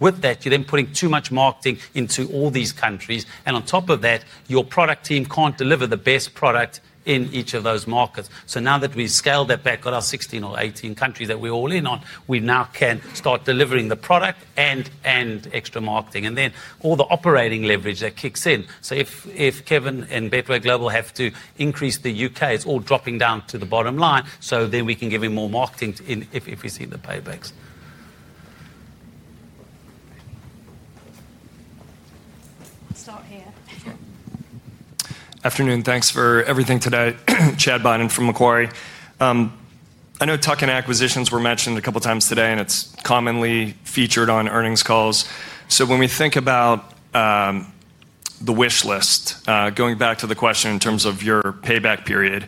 With that, you're then putting too much marketing into all these countries. On top of that, your product team can't deliver the best product in each of those markets. Now that we've scaled that back on our 16 or 18 countries that we're all in on, we now can start delivering the product and extra marketing. All the operating leverage that kicks in. If Kevin and Betway Global have to increase the U.K., it's all dropping down to the bottom line. We can give him more marketing if we see the paybacks. Afternoon, thanks for everything today. Chad Beynon from Macquarie. I know tuck-in acquisitions were mentioned a couple of times today, and it's commonly featured on earnings calls. When we think about the wish list, going back to the question in terms of your payback period,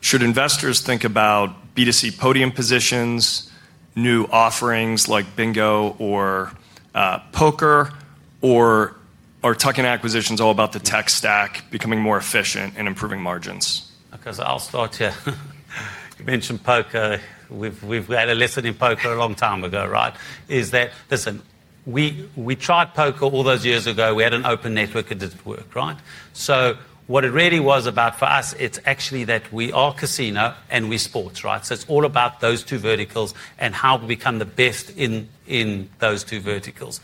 should investors think about B2C podium positions, new offerings like bingo or poker, or are tuck-in acquisitions all about the tech stack becoming more efficient and improving margins? Okay, so I'll start here. You mentioned poker. We've got a lesson in poker a long time ago, right? Listen, we tried poker all those years ago. We had an open network and it didn't work, right? What it really was about for us, it's actually that we are casino and we're sports, right? It's all about those two verticals and how we become the best in those two verticals.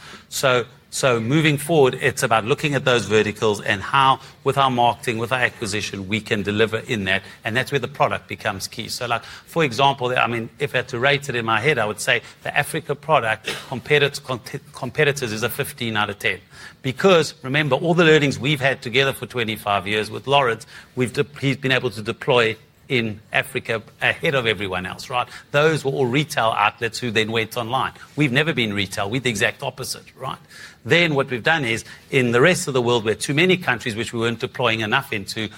Moving forward, it's about looking at those verticals and how with our marketing, with our acquisition, we can deliver in that. That's where the product becomes key. For example, if I had to rate it in my head, I would say the Africa product on competitors is a 15 out of 10. Remember, all the learnings we've had together for 25 years with Laurence, he's been able to deploy in Africa ahead of everyone else, right? Those were all retail outlets who then went online. We've never been retail. We're the exact opposite, right? What we've done is in the rest of the world, we're too many countries which we weren't deploying enough into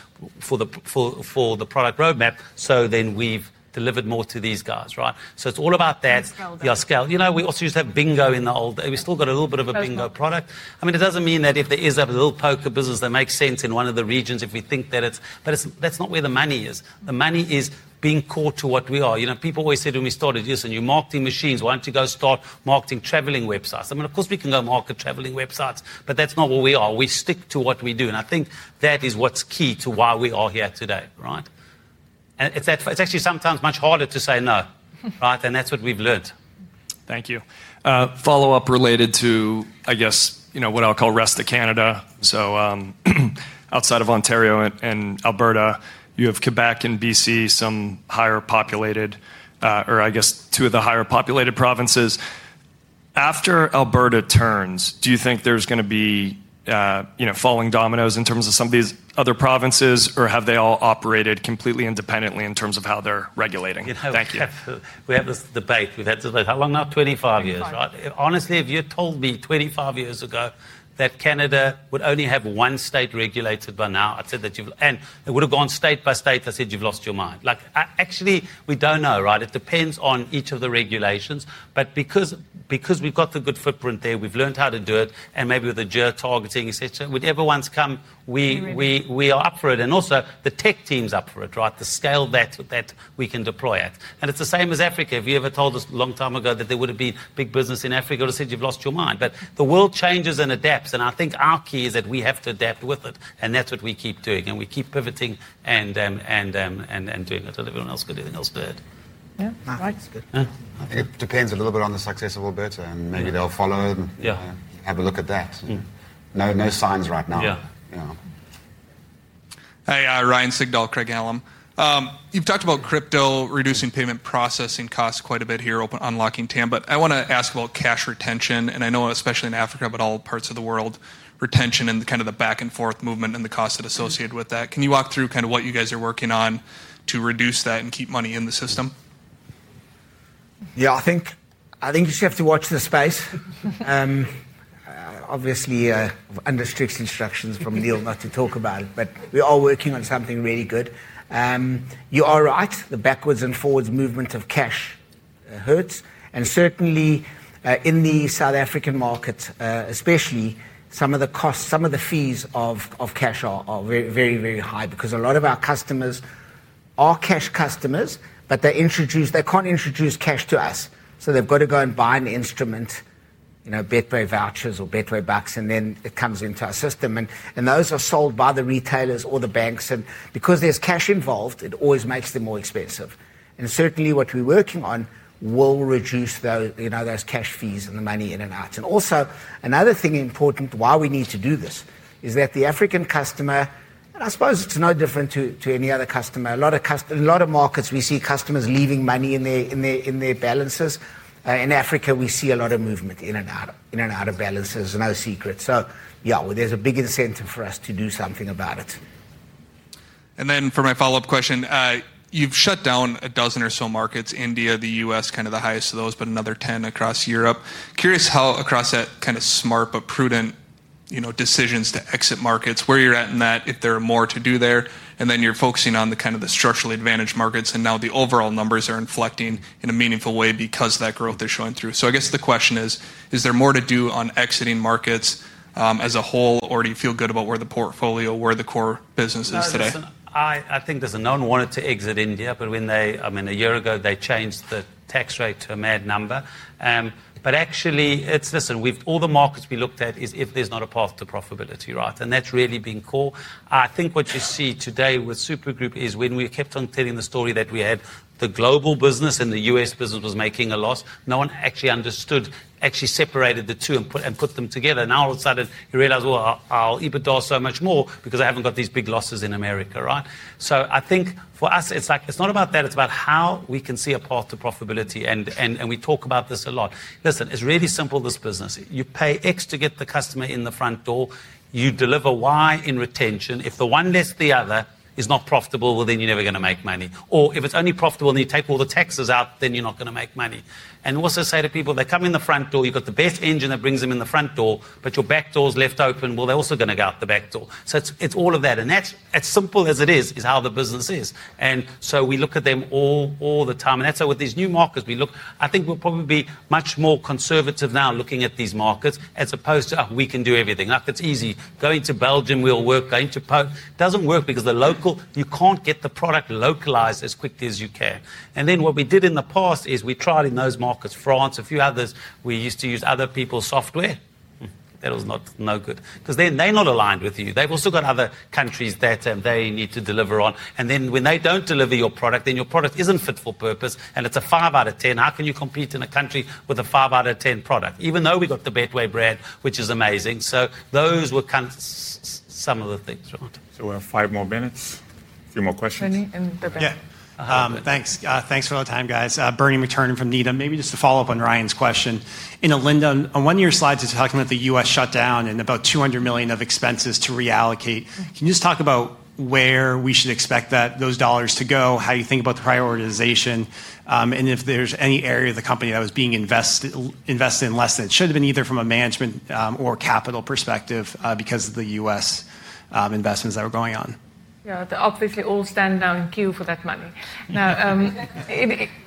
for the product roadmap. We've delivered more to these guys, right? It's all about that. We also used to have bingo in the old days. We've still got a little bit of a bingo product. It doesn't mean that if there's any poker business makes sense in one of the regions if we think that it's, but that's not where the money is. The money is being caught to what we are. You know, people always said when we started, listen, you're marketing machines. Why don't you go start marketing traveling websites? I mean, of course we can go market traveling websites, but that's not what we are. We stick to what we do. I think that is what's key to why we are here today, right? It's actually sometimes much harder to say no, right? That's what we've learned. Thank you. Follow up related to, I guess, what I'll call rest of Canada. Outside of Ontario and Alberta, you have Quebec and B.C., some higher populated, or I guess two of the higher populated provinces. After Alberta turns, do you think there's going to be, you know, falling dominoes in terms of some of these other provinces, or have they all operated completely independently in terms of how they're regulating? You know, we have this debate. We've had this debate. How long? Not 25 years. Honestly, if you had told me 25 years ago that Canada would only have one state regulated by now, I'd have said that you've, and it would have gone state by state. I said, you've lost your mind. Like, actually, we don't know, right? It depends on each of the regulations. Because we've got the good footprint there, we've learned how to do it. Maybe with the geo targeting, etc., whenever one's come, we are up for it. Also, the tech team's up for it, right? The scale that we can deploy at. It's the same as Africa. If you ever told us a long time ago that there would have been big business in Africa, I would have said you've lost your mind. The world changes and adapts. I think our key is that we have to adapt with it. That's what we keep doing. We keep pivoting and doing it. I don't know if anyone else could do anything else to that. Yeah. Right. Yeah. It depends a little bit on the success of Alberta. Maybe they'll follow it and have a look at that. No, no signs right now. Yeah. Yeah. Hey, Ryan Sigdahl, Craig-Hallum. You've talked about crypto reducing payment processing costs quite a bit here, unlocking TAM, but I want to ask about cash retention. I know, especially in Africa, but all parts of the world, retention and the kind of the back and forth movement and the costs associated with that. Can you walk through what you guys are working on to reduce that and keep money in the system? I think you just have to watch the space. Obviously, under strict instructions from Neal not to talk about it, but we are working on something really good. You are right. The backwards and forwards movement of cash hurts. Certainly, in the South African markets especially, some of the costs, some of the fees of cash are very, very, very high because a lot of our customers are cash customers, but they're introduced, they can't introduce cash to us. They've got to go and buy an instrument, you know, Betway Vouchers or Betway Bucks, and then it comes into our system. Those are sold by the retailers or the banks. Because there's cash involved, it always makes them more expensive. Certainly, what we're working on will reduce those cash fees and the money in and out. Also, another thing important why we need to do this is that the African customer, and I suppose it's no different to any other customer, a lot of customers, a lot of markets, we see customers leaving money in their balances. In Africa, we see a lot of movement in and out, in and out of balances, no secret. There's a big incentive for us to do something about it. For my follow-up question, you've shut down a dozen or so markets, India, the U.S., kind of the highest of those, but another 10 across Europe. Curious how across that kind of smart but prudent decisions to exit markets, where you're at in that, if there are more to do there, and then you're focusing on the structurally advantaged markets, and now the overall numbers are inflecting in a meaningful way because that growth is showing through. I guess the question is, is there more to do on exiting markets as a whole, or do you feel good about where the portfolio, where the core business is today? Listen, I think there's a known want to exit India, but when they, I mean, a year ago, they changed the tax rate to a mad number. Actually, we've, all the markets we looked at is if there's not a path to profitability, right? That's really been core. I think what you see today with Super Group is when we kept on telling the story that we had the global business and the U.S. business was making a loss, no one actually understood, actually separated the two and put them together. Now all of a sudden you realize, I'll EBITDA so much more because I haven't got these big losses in America, right? I think for us, it's like, it's not about that. It's about how we can see a path to profitability. We talk about this a lot. Listen, it's really simple this business, you pay X to get the customer in the front door. You deliver Y in retention. If the one less the other is not profitable, then you're never going to make money. If it's only profitable and you take all the taxes out, then you're not going to make money. I also say to people, they come in the front door, you've got the best engine that brings them in the front door, but your back door's left open, they're also going to go out the back door. It's all of that. That's as simple as it is, is how the business is. We look at them all, all the time. That's what these new markets we look, I think we'll probably be much more conservative now looking at these markets as opposed to, oh, we can do everything. Like it's easy. Going to Belgium will work. Going to Poland doesn't work because the local, you can't get the product localized as quickly as you can. What we did in the past is we tried in those markets, France, a few others, we used to use other people's software. That was not no good because then they're not aligned with you. They've also got other countries that they need to deliver on. When they don't deliver your product, then your product isn't fit for purpose. It's a five out of ten. How can you compete in a country with a five out of ten product, even though we got the Betway brand, which is amazing? Those were kind of some of the things. We have five more minutes, a few more questions. Yeah. Thanks. Thanks for the time, guys. Bernie McTernan from Needham, maybe just to follow up on Ryan's question. Alinda, on one of your slides, you're talking about the U.S. shutdown and about $200 million of expenses to reallocate. Can you just talk about where we should expect those dollars to go, how you think about the prioritization, and if there's any area of the company that was being invested in less than it should have been, either from a management or capital perspective, because of the U.S. investments that were going on? Yeah, they obviously all stand now in queue for that money.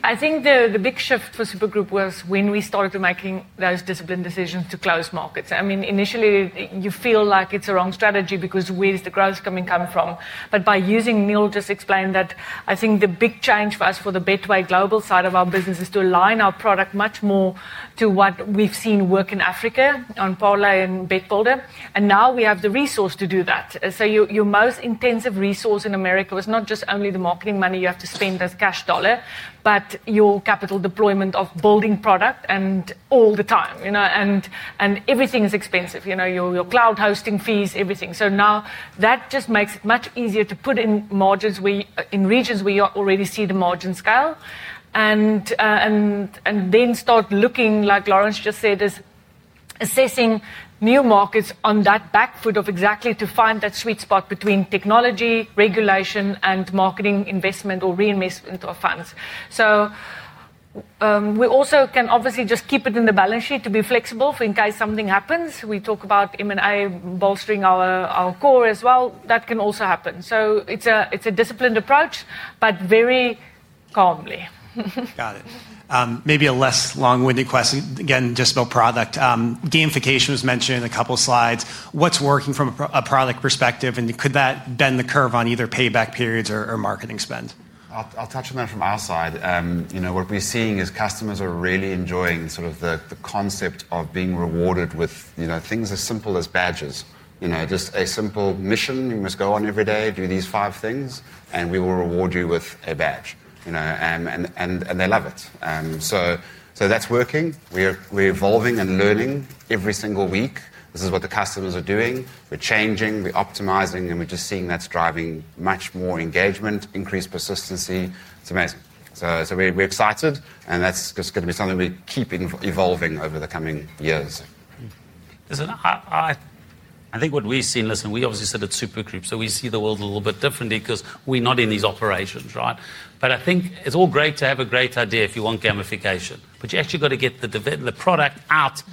I think the big shift for Super Group was when we started making those disciplined decisions to close markets. Initially, you feel like it's a wrong strategy because where's the gross coming from? By using, Neal just explained that I think the big change for us for the Betway global side of our business is to align our product much more to what we've seen work in Africa, on Portland and BetBuilder. Now we have the resource to do that. Your most intensive resource in America is not just only the marketing money you have to spend as cash dollar, but your capital deployment of building product and all the time, you know, and everything is expensive. Your cloud hosting fees, everything. Now that just makes it much easier to put in margins in regions where you already see the margin scale. Then start looking, like Laurence just said, is assessing new markets on that back foot of exactly to find that sweet spot between technology, regulation, and marketing investment or reinvestment of funds. We also can obviously just keep it in the balance sheet to be flexible. If in case something happens, we talk about M&A bolstering our core as well. That can also happen. It's a disciplined approach, but very calmly. Got it. Maybe a less long-winded question. Again, just about product. Gamification was mentioned in a couple of slides. What's working from a product perspective? Could that bend the curve on either payback periods or marketing spend? I'll touch on that from our side. You know, what we're seeing is customers are really enjoying sort of the concept of being rewarded with, you know, things as simple as badges. You know, just a simple mission. You must go on every day, do these five things, and we will reward you with a badge. You know, they love it. That's working. We're evolving and learning every single week. This is what the customers are doing. We're changing, we're optimizing, and we're just seeing that's driving much more engagement, increased persistency. It's amazing. We're excited, and that's just going to be something we keep evolving over the coming years. I think what we've seen, we obviously said it's Super Group, so we see the world a little bit differently because we're not in these operations, right? I think it's all great to have a great idea if you want gamification, but you actually got to get the product out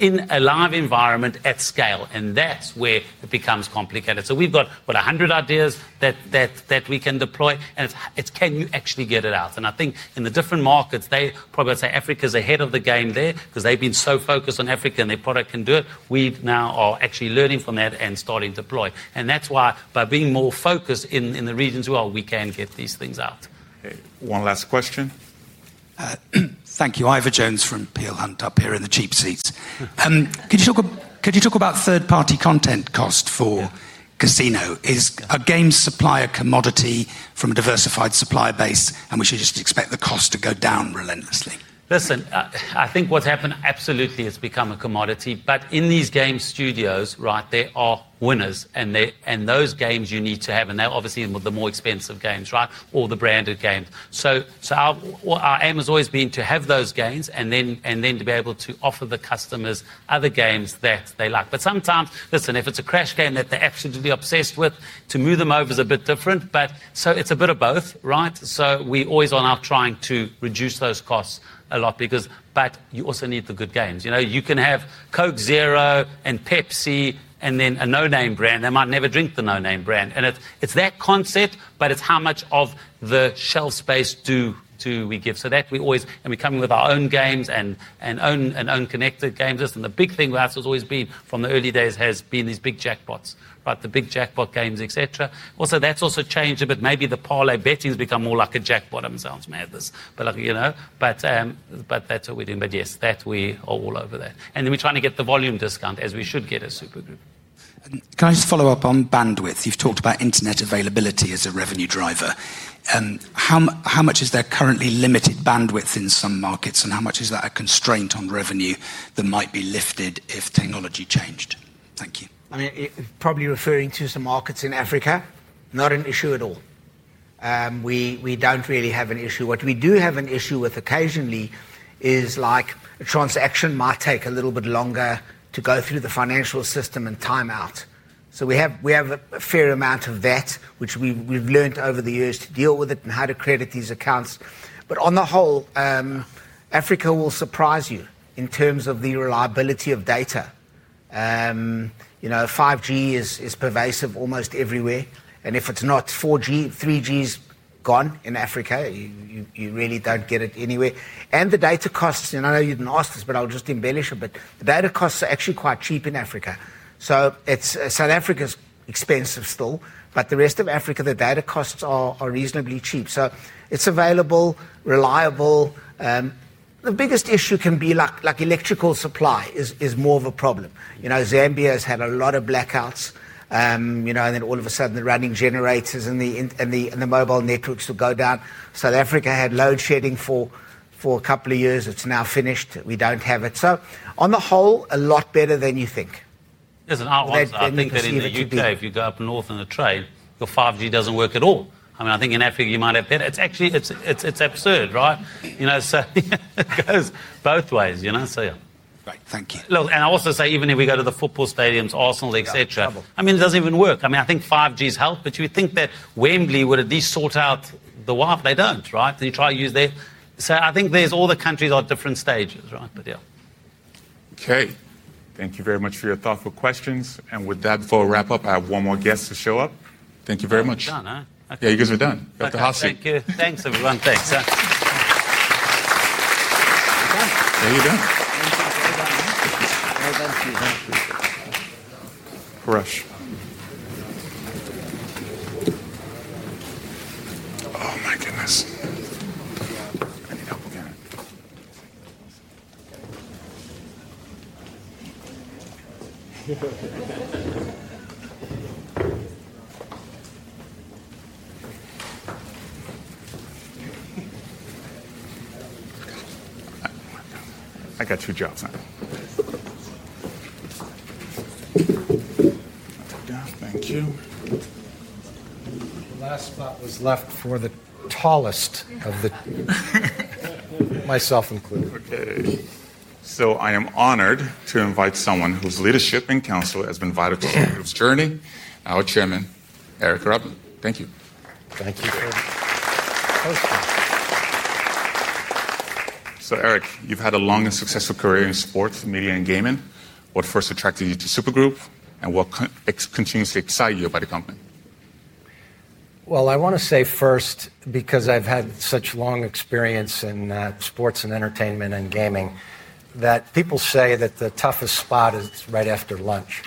in a live environment at scale, and that's where it becomes complicated. We've got, what, a hundred ideas that we can deploy, and it's can you actually get it out? I think in the different markets, they probably say Africa's ahead of the game there because they've been so focused on Africa and their product can do it. We now are actually learning from that and starting to deploy. That's why by being more focused in the regions we are, we can get these things out. One last question. Thank you. Ivor Jones from Peel Hunt up here in the cheap seat. Could you talk about third-party content cost for casino? Is a game supplier a commodity from a diversified supply base, and we should just expect the cost to go down relentlessly? Listen, I think what's happened absolutely has become a commodity, but in these game studios, there are winners and those games you need to have, and they're obviously the more expensive games, or the branded games. Our aim has always been to have those games and then to be able to offer the customers other games that they like. Sometimes, if it's a crash game that they're absolutely obsessed with, to move them over is a bit different, so it's a bit of both. We're always trying to reduce those costs a lot because you also need the good games. You know, you can have Coke Zero and Pepsi and then a no-name brand that might never drink the no-name brand. It's that concept, but it's how much of the shelf space do we give. We always, and we're coming with our own games and own connected games. The big thing with us has always been, from the early days, these big jackpots, the big jackpot games, etc. That's also changed a bit. Maybe the parlay betting has become more like a jackpot themselves, but that's what we do. Yes, we are all over that, and we're trying to get the volume discount as we should get as Super Group. Can I just follow up on bandwidth? You've talked about Internet availability as a revenue driver. How much is there currently limited bandwidth in some markets, and how much is that a constraint on revenue that might be lifted if technology changed? Thank you. I mean, probably referring to some markets in Africa, not an issue at all. We don't really have an issue. What we do have an issue with occasionally is like a transaction might take a little bit longer to go through the financial system and time out. We have a fair amount of that, which we've learned over the years to deal with and how to credit these accounts. On the whole, Africa will surprise you in terms of the reliability of data. You know, 5G is pervasive almost everywhere. If it's not 4G, 3G is gone in Africa, you really don't get it anywhere. The data costs, and I know you didn't ask this, but I'll just embellish a bit. Data costs are actually quite cheap in Africa. South Africa's expensive still, but the rest of Africa, the data costs are reasonably cheap. It's available, reliable. The biggest issue can be like electrical supply is more of a problem. Zambia has had a lot of blackouts, and then all of a sudden the running generators and the mobile networks would go down. South Africa had load shedding for a couple of years. It's now finished. We don't have it. On the whole, a lot better than you think. Listen, I also think that even if you go up north on a train, your 5G doesn't work at all. I mean, I think in Africa you might have better. It's actually absurd, right? You know, it goes both ways, you know. Great, thank you. I also say even if we go to the football stadiums, Arsenal, etc., I mean, it doesn't even work. I mean, I think 5G's helped, but you would think that Wembley would at least sort out the Wi-Fi. They don't, right? You try to use that. I think there's all the countries on different stages, right? Yeah. Thank you very much for your thoughtful questions. With that, before we wrap up, I have one more guest to show up. Thank you very much. Done? Yeah, you guys are done. [CROSSTALK] Thank you. Thanks, everyone. Thanks. Okay, you're done. I got two jobs. Not too bad. Thank you. The last spot was left for the tallest of the myself included. I am honored to invite someone whose leadership and counsel has been vital to the group's journey, our Chairman, Eric Grubman. Thank you. [AUDIO DISTORTION] Eric, you've had a long and successful career in sports, media, and gaming. What first attracted you to Super Group and what continues to excite you about the company? I want to say first because I've had such long experience in sports and entertainment and gaming that people say that the toughest spot is right after lunch.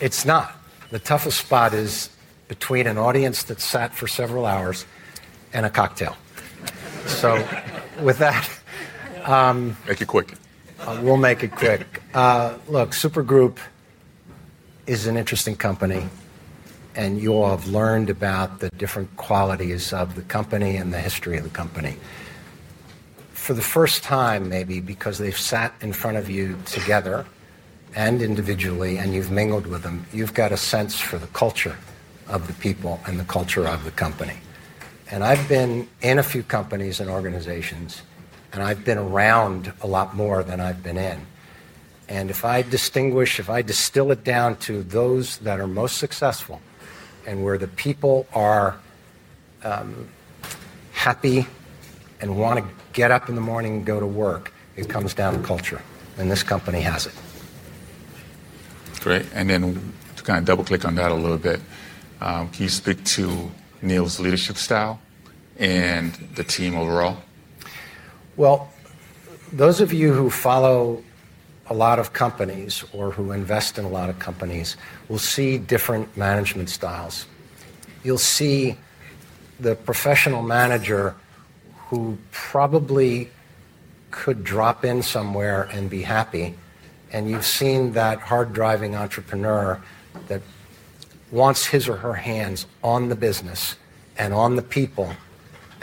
It's not. The toughest spot is between an audience that sat for several hours and a cocktail. With that. Make it quick. Super Group is an interesting company and you all have learned about the different qualities of the company and the history of the company. For the first time, maybe because they've sat in front of you together and individually and you've mingled with them, you've got a sense for the culture of the people and the culture of the company. I've been in a few companies and organizations, and I've been around a lot more than I've been in. If I distinguish, if I distill it down to those that are most successful and where the people are happy and want to get up in the morning and go to work, it comes down to culture. This company has it. Great. To kind of double click on that a little bit, can you speak to Neal's leadership style and the team overall? Those of you who follow a lot of companies or who invest in a lot of companies will see different management styles. You'll see the professional manager who probably could drop in somewhere and be happy. You've seen that hard driving entrepreneur that wants his or her hands on the business and on the people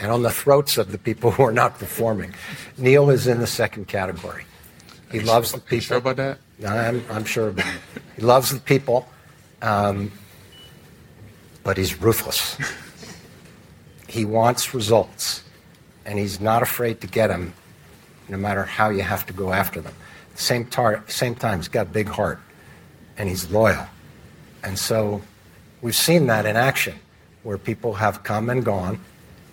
and on the throats of the people who are not performing. Neal is in the second category. He loves the people. Sure about that? No, I'm sure of it. He loves the people, but he's ruthless. He wants results, and he's not afraid to get them no matter how you have to go after them. At the same time, he's got a big heart, and he's loyal. We've seen that in action where people have come and gone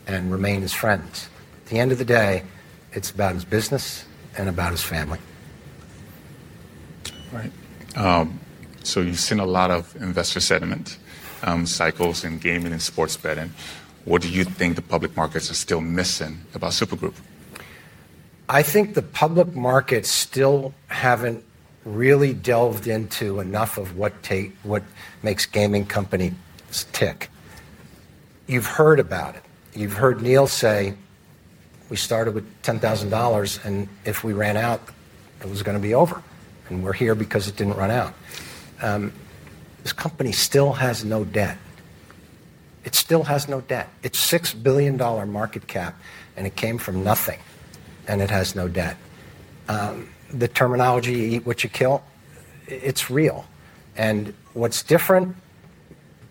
and remain as friends. At the end of the day, it's about his business and about his family. Right. You've seen a lot of investor sentiment cycles in gaming and sports betting. What do you think the public markets are still missing about Super Group? I think the public markets still haven't really delved into enough of what makes gaming companies tick. You've heard about it. You've heard Neal say, we started with $10,000, and if we ran out, it was going to be over. We're here because it didn't run out. This company still has no debt. It still has no debt. It's a $6 billion market cap, and it came from nothing, and it has no debt. The terminology, eat what you kill, it's real. What's different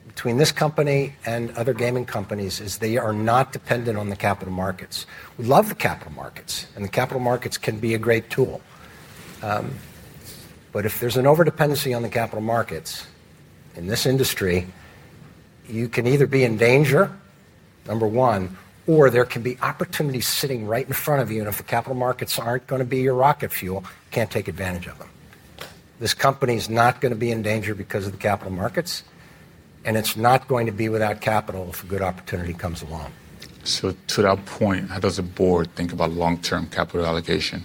between this company and other gaming companies is they are not dependent on the capital markets. We love the capital markets, and the capital markets can be a great tool. If there's an overdependency on the capital markets in this industry, you can either be in danger, number one, or there can be opportunities sitting right in front of you. If the capital markets aren't going to be your rocket fuel, you can't take advantage of them. This company is not going to be in danger because of the capital markets, and it's not going to be without capital if a good opportunity comes along. To that point, how does a board think about long-term capital allocation?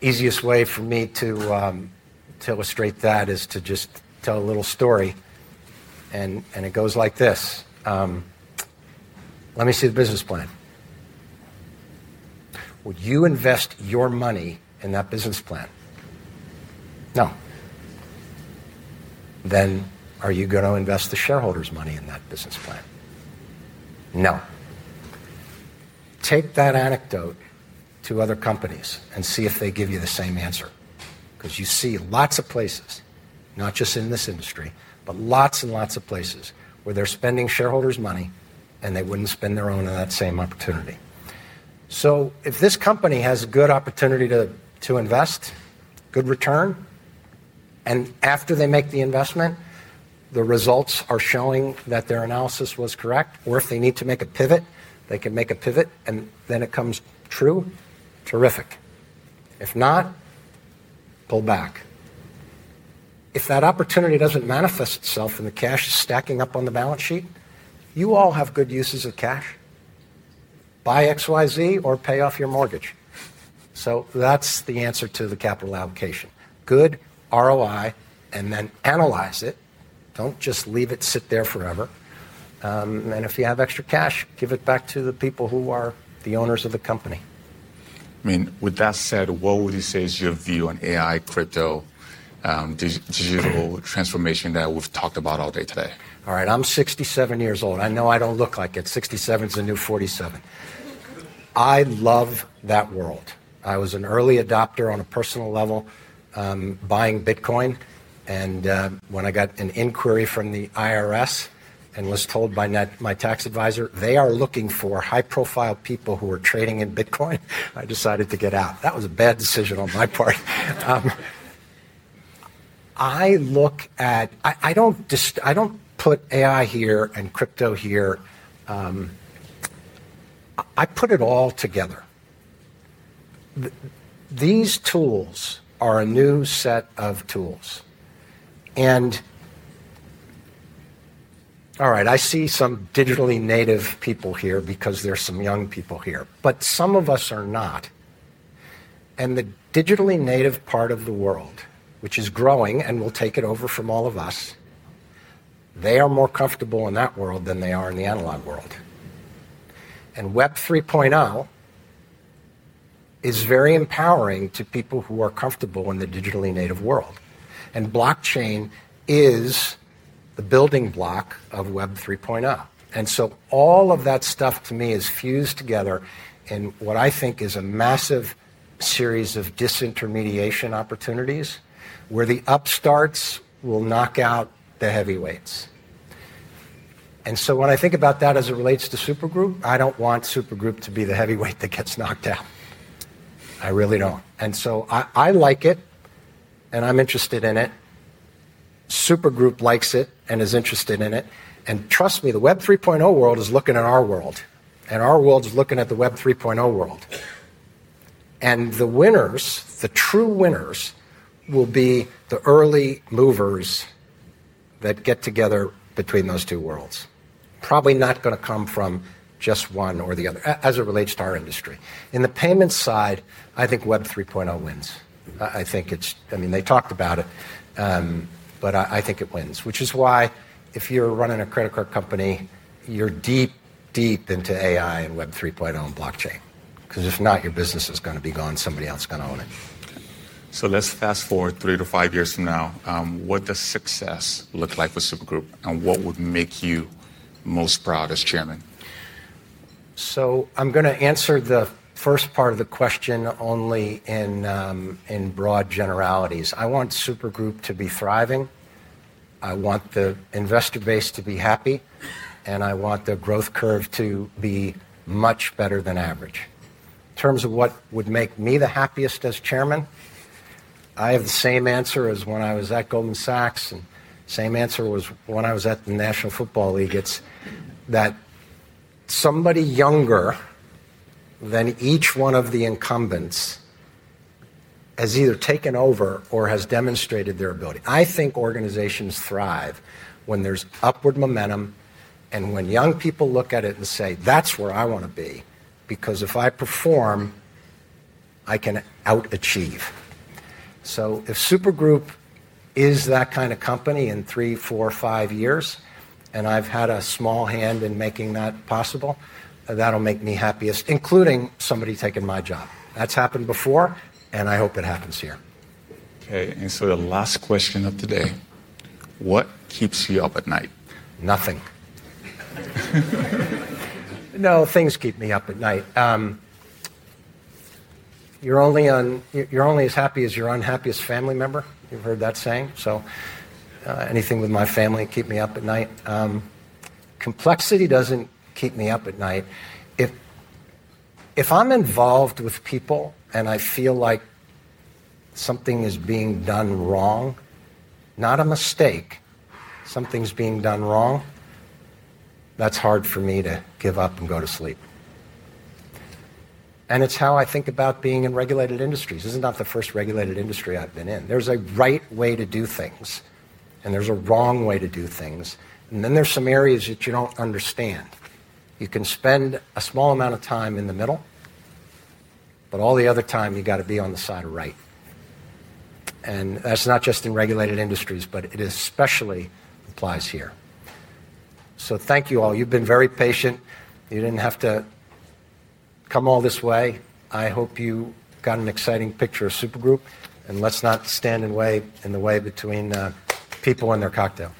Easiest way for me to illustrate that is to just tell a little story, and it goes like this. Let me see the business plan. Would you invest your money in that business plan? No. Are you going to invest the shareholders' money in that business plan? No. Take that anecdote to other companies and see if they give you the same answer. You see lots of places, not just in this industry, but lots and lots of places where they're spending shareholders' money and they wouldn't spend their own on that same opportunity. If this company has a good opportunity to invest, good return, and after they make the investment, the results are showing that their analysis was correct, or if they need to make a pivot, they can make a pivot, and then it comes true, terrific. If not, pull back. If that opportunity doesn't manifest itself and the cash is stacking up on the balance sheet, you all have good uses of cash. Buy XYZ or pay off your mortgage. That's the answer to the capital allocation. Good ROI, and then analyze it. Don't just leave it sit there forever. If you have extra cash, give it back to the people who are the owners of the company. I mean, with that said, what would you say is your view on AI, crypto, digital transformation that we've talked about all day today? All right, I'm 67 years old. I know I don't look like it. 67 is a new 47. I love that world. I was an early adopter on a personal level, buying Bitcoin, and when I got an inquiry from the IRS and was told by my tax advisor they are looking for high-profile people who are trading in Bitcoin, I decided to get out. That was a bad decision on my part. I look at, I don't put AI here and crypto here. I put it all together. These tools are a new set of tools. I see some digitally native people here because there's some young people here, but some of us are not. The digitally native part of the world, which is growing and will take it over from all of us, they are more comfortable in that world than they are in the analog world. Web 3.0 is very empowering to people who are comfortable in the digitally native world. Blockchain is the building block of Web 3.0. All of that stuff to me is fused together in what I think is a massive series of disintermediation opportunities where the upstarts will knock out the heavyweights. When I think about that as it relates to Super Group, I don't want Super Group to be the heavyweight that gets knocked out. I really don't. I like it, and I'm interested in it. Super Group likes it and is interested in it. Trust me, the Web 3.0 world is looking at our world, and our world is looking at the Web 3.0 world. The winners, the true winners, will be the early movers that get together between those two worlds. Probably not going to come from just one or the other as it relates to our industry. In the payment side, I think Web 3.0 wins. I mean, they talked about it, but I think it wins, which is why if you're running a credit card company, you're deep, deep into AI and Web 3.0 and blockchain. If not, your business is going to be gone. Somebody else is going to own it. Let's fast forward three to five years from now. What does success look like for Super Group and what would make you most proud as Chairman? I'm going to answer the first part of the question only in broad generalities. I want Super Group to be thriving. I want the investor base to be happy, and I want the growth curve to be much better than average. In terms of what would make me the happiest as Chairman, I have the same answer as when I was at Goldman Sachs, and the same answer as when I was at the National Football League. It's that somebody younger than each one of the incumbents has either taken over or has demonstrated their ability. I think organizations thrive when there's upward momentum and when young people look at it and say, "That's where I want to be, because if I perform, I can outachieve." If Super Group is that kind of company in three, four, five years, and I've had a small hand in making that possible, that'll make me happiest, including somebody taking my job. That's happened before, and I hope it happens here. Okay. The last question of today, what keeps you up at night? Nothing. No, things keep me up at night. You're only as happy as your unhappiest family member. You've heard that saying. Anything with my family keeps me up at night. Complexity doesn't keep me up at night. If I'm involved with people and I feel like something is being done wrong, not a mistake, something's being done wrong, that's hard for me to give up and go to sleep. It's how I think about being in regulated industries. This is not the first regulated industry I've been in. There's a right way to do things, and there's a wrong way to do things. Then there are some areas that you don't understand. You can spend a small amount of time in the middle, but all the other time you got to be on the side of right. That's not just in regulated industries, but it especially applies here. Thank you all. You've been very patient. You didn't have to come all this way. I hope you got an exciting picture of Super Group, and let's not stand in the way between people and their cocktail.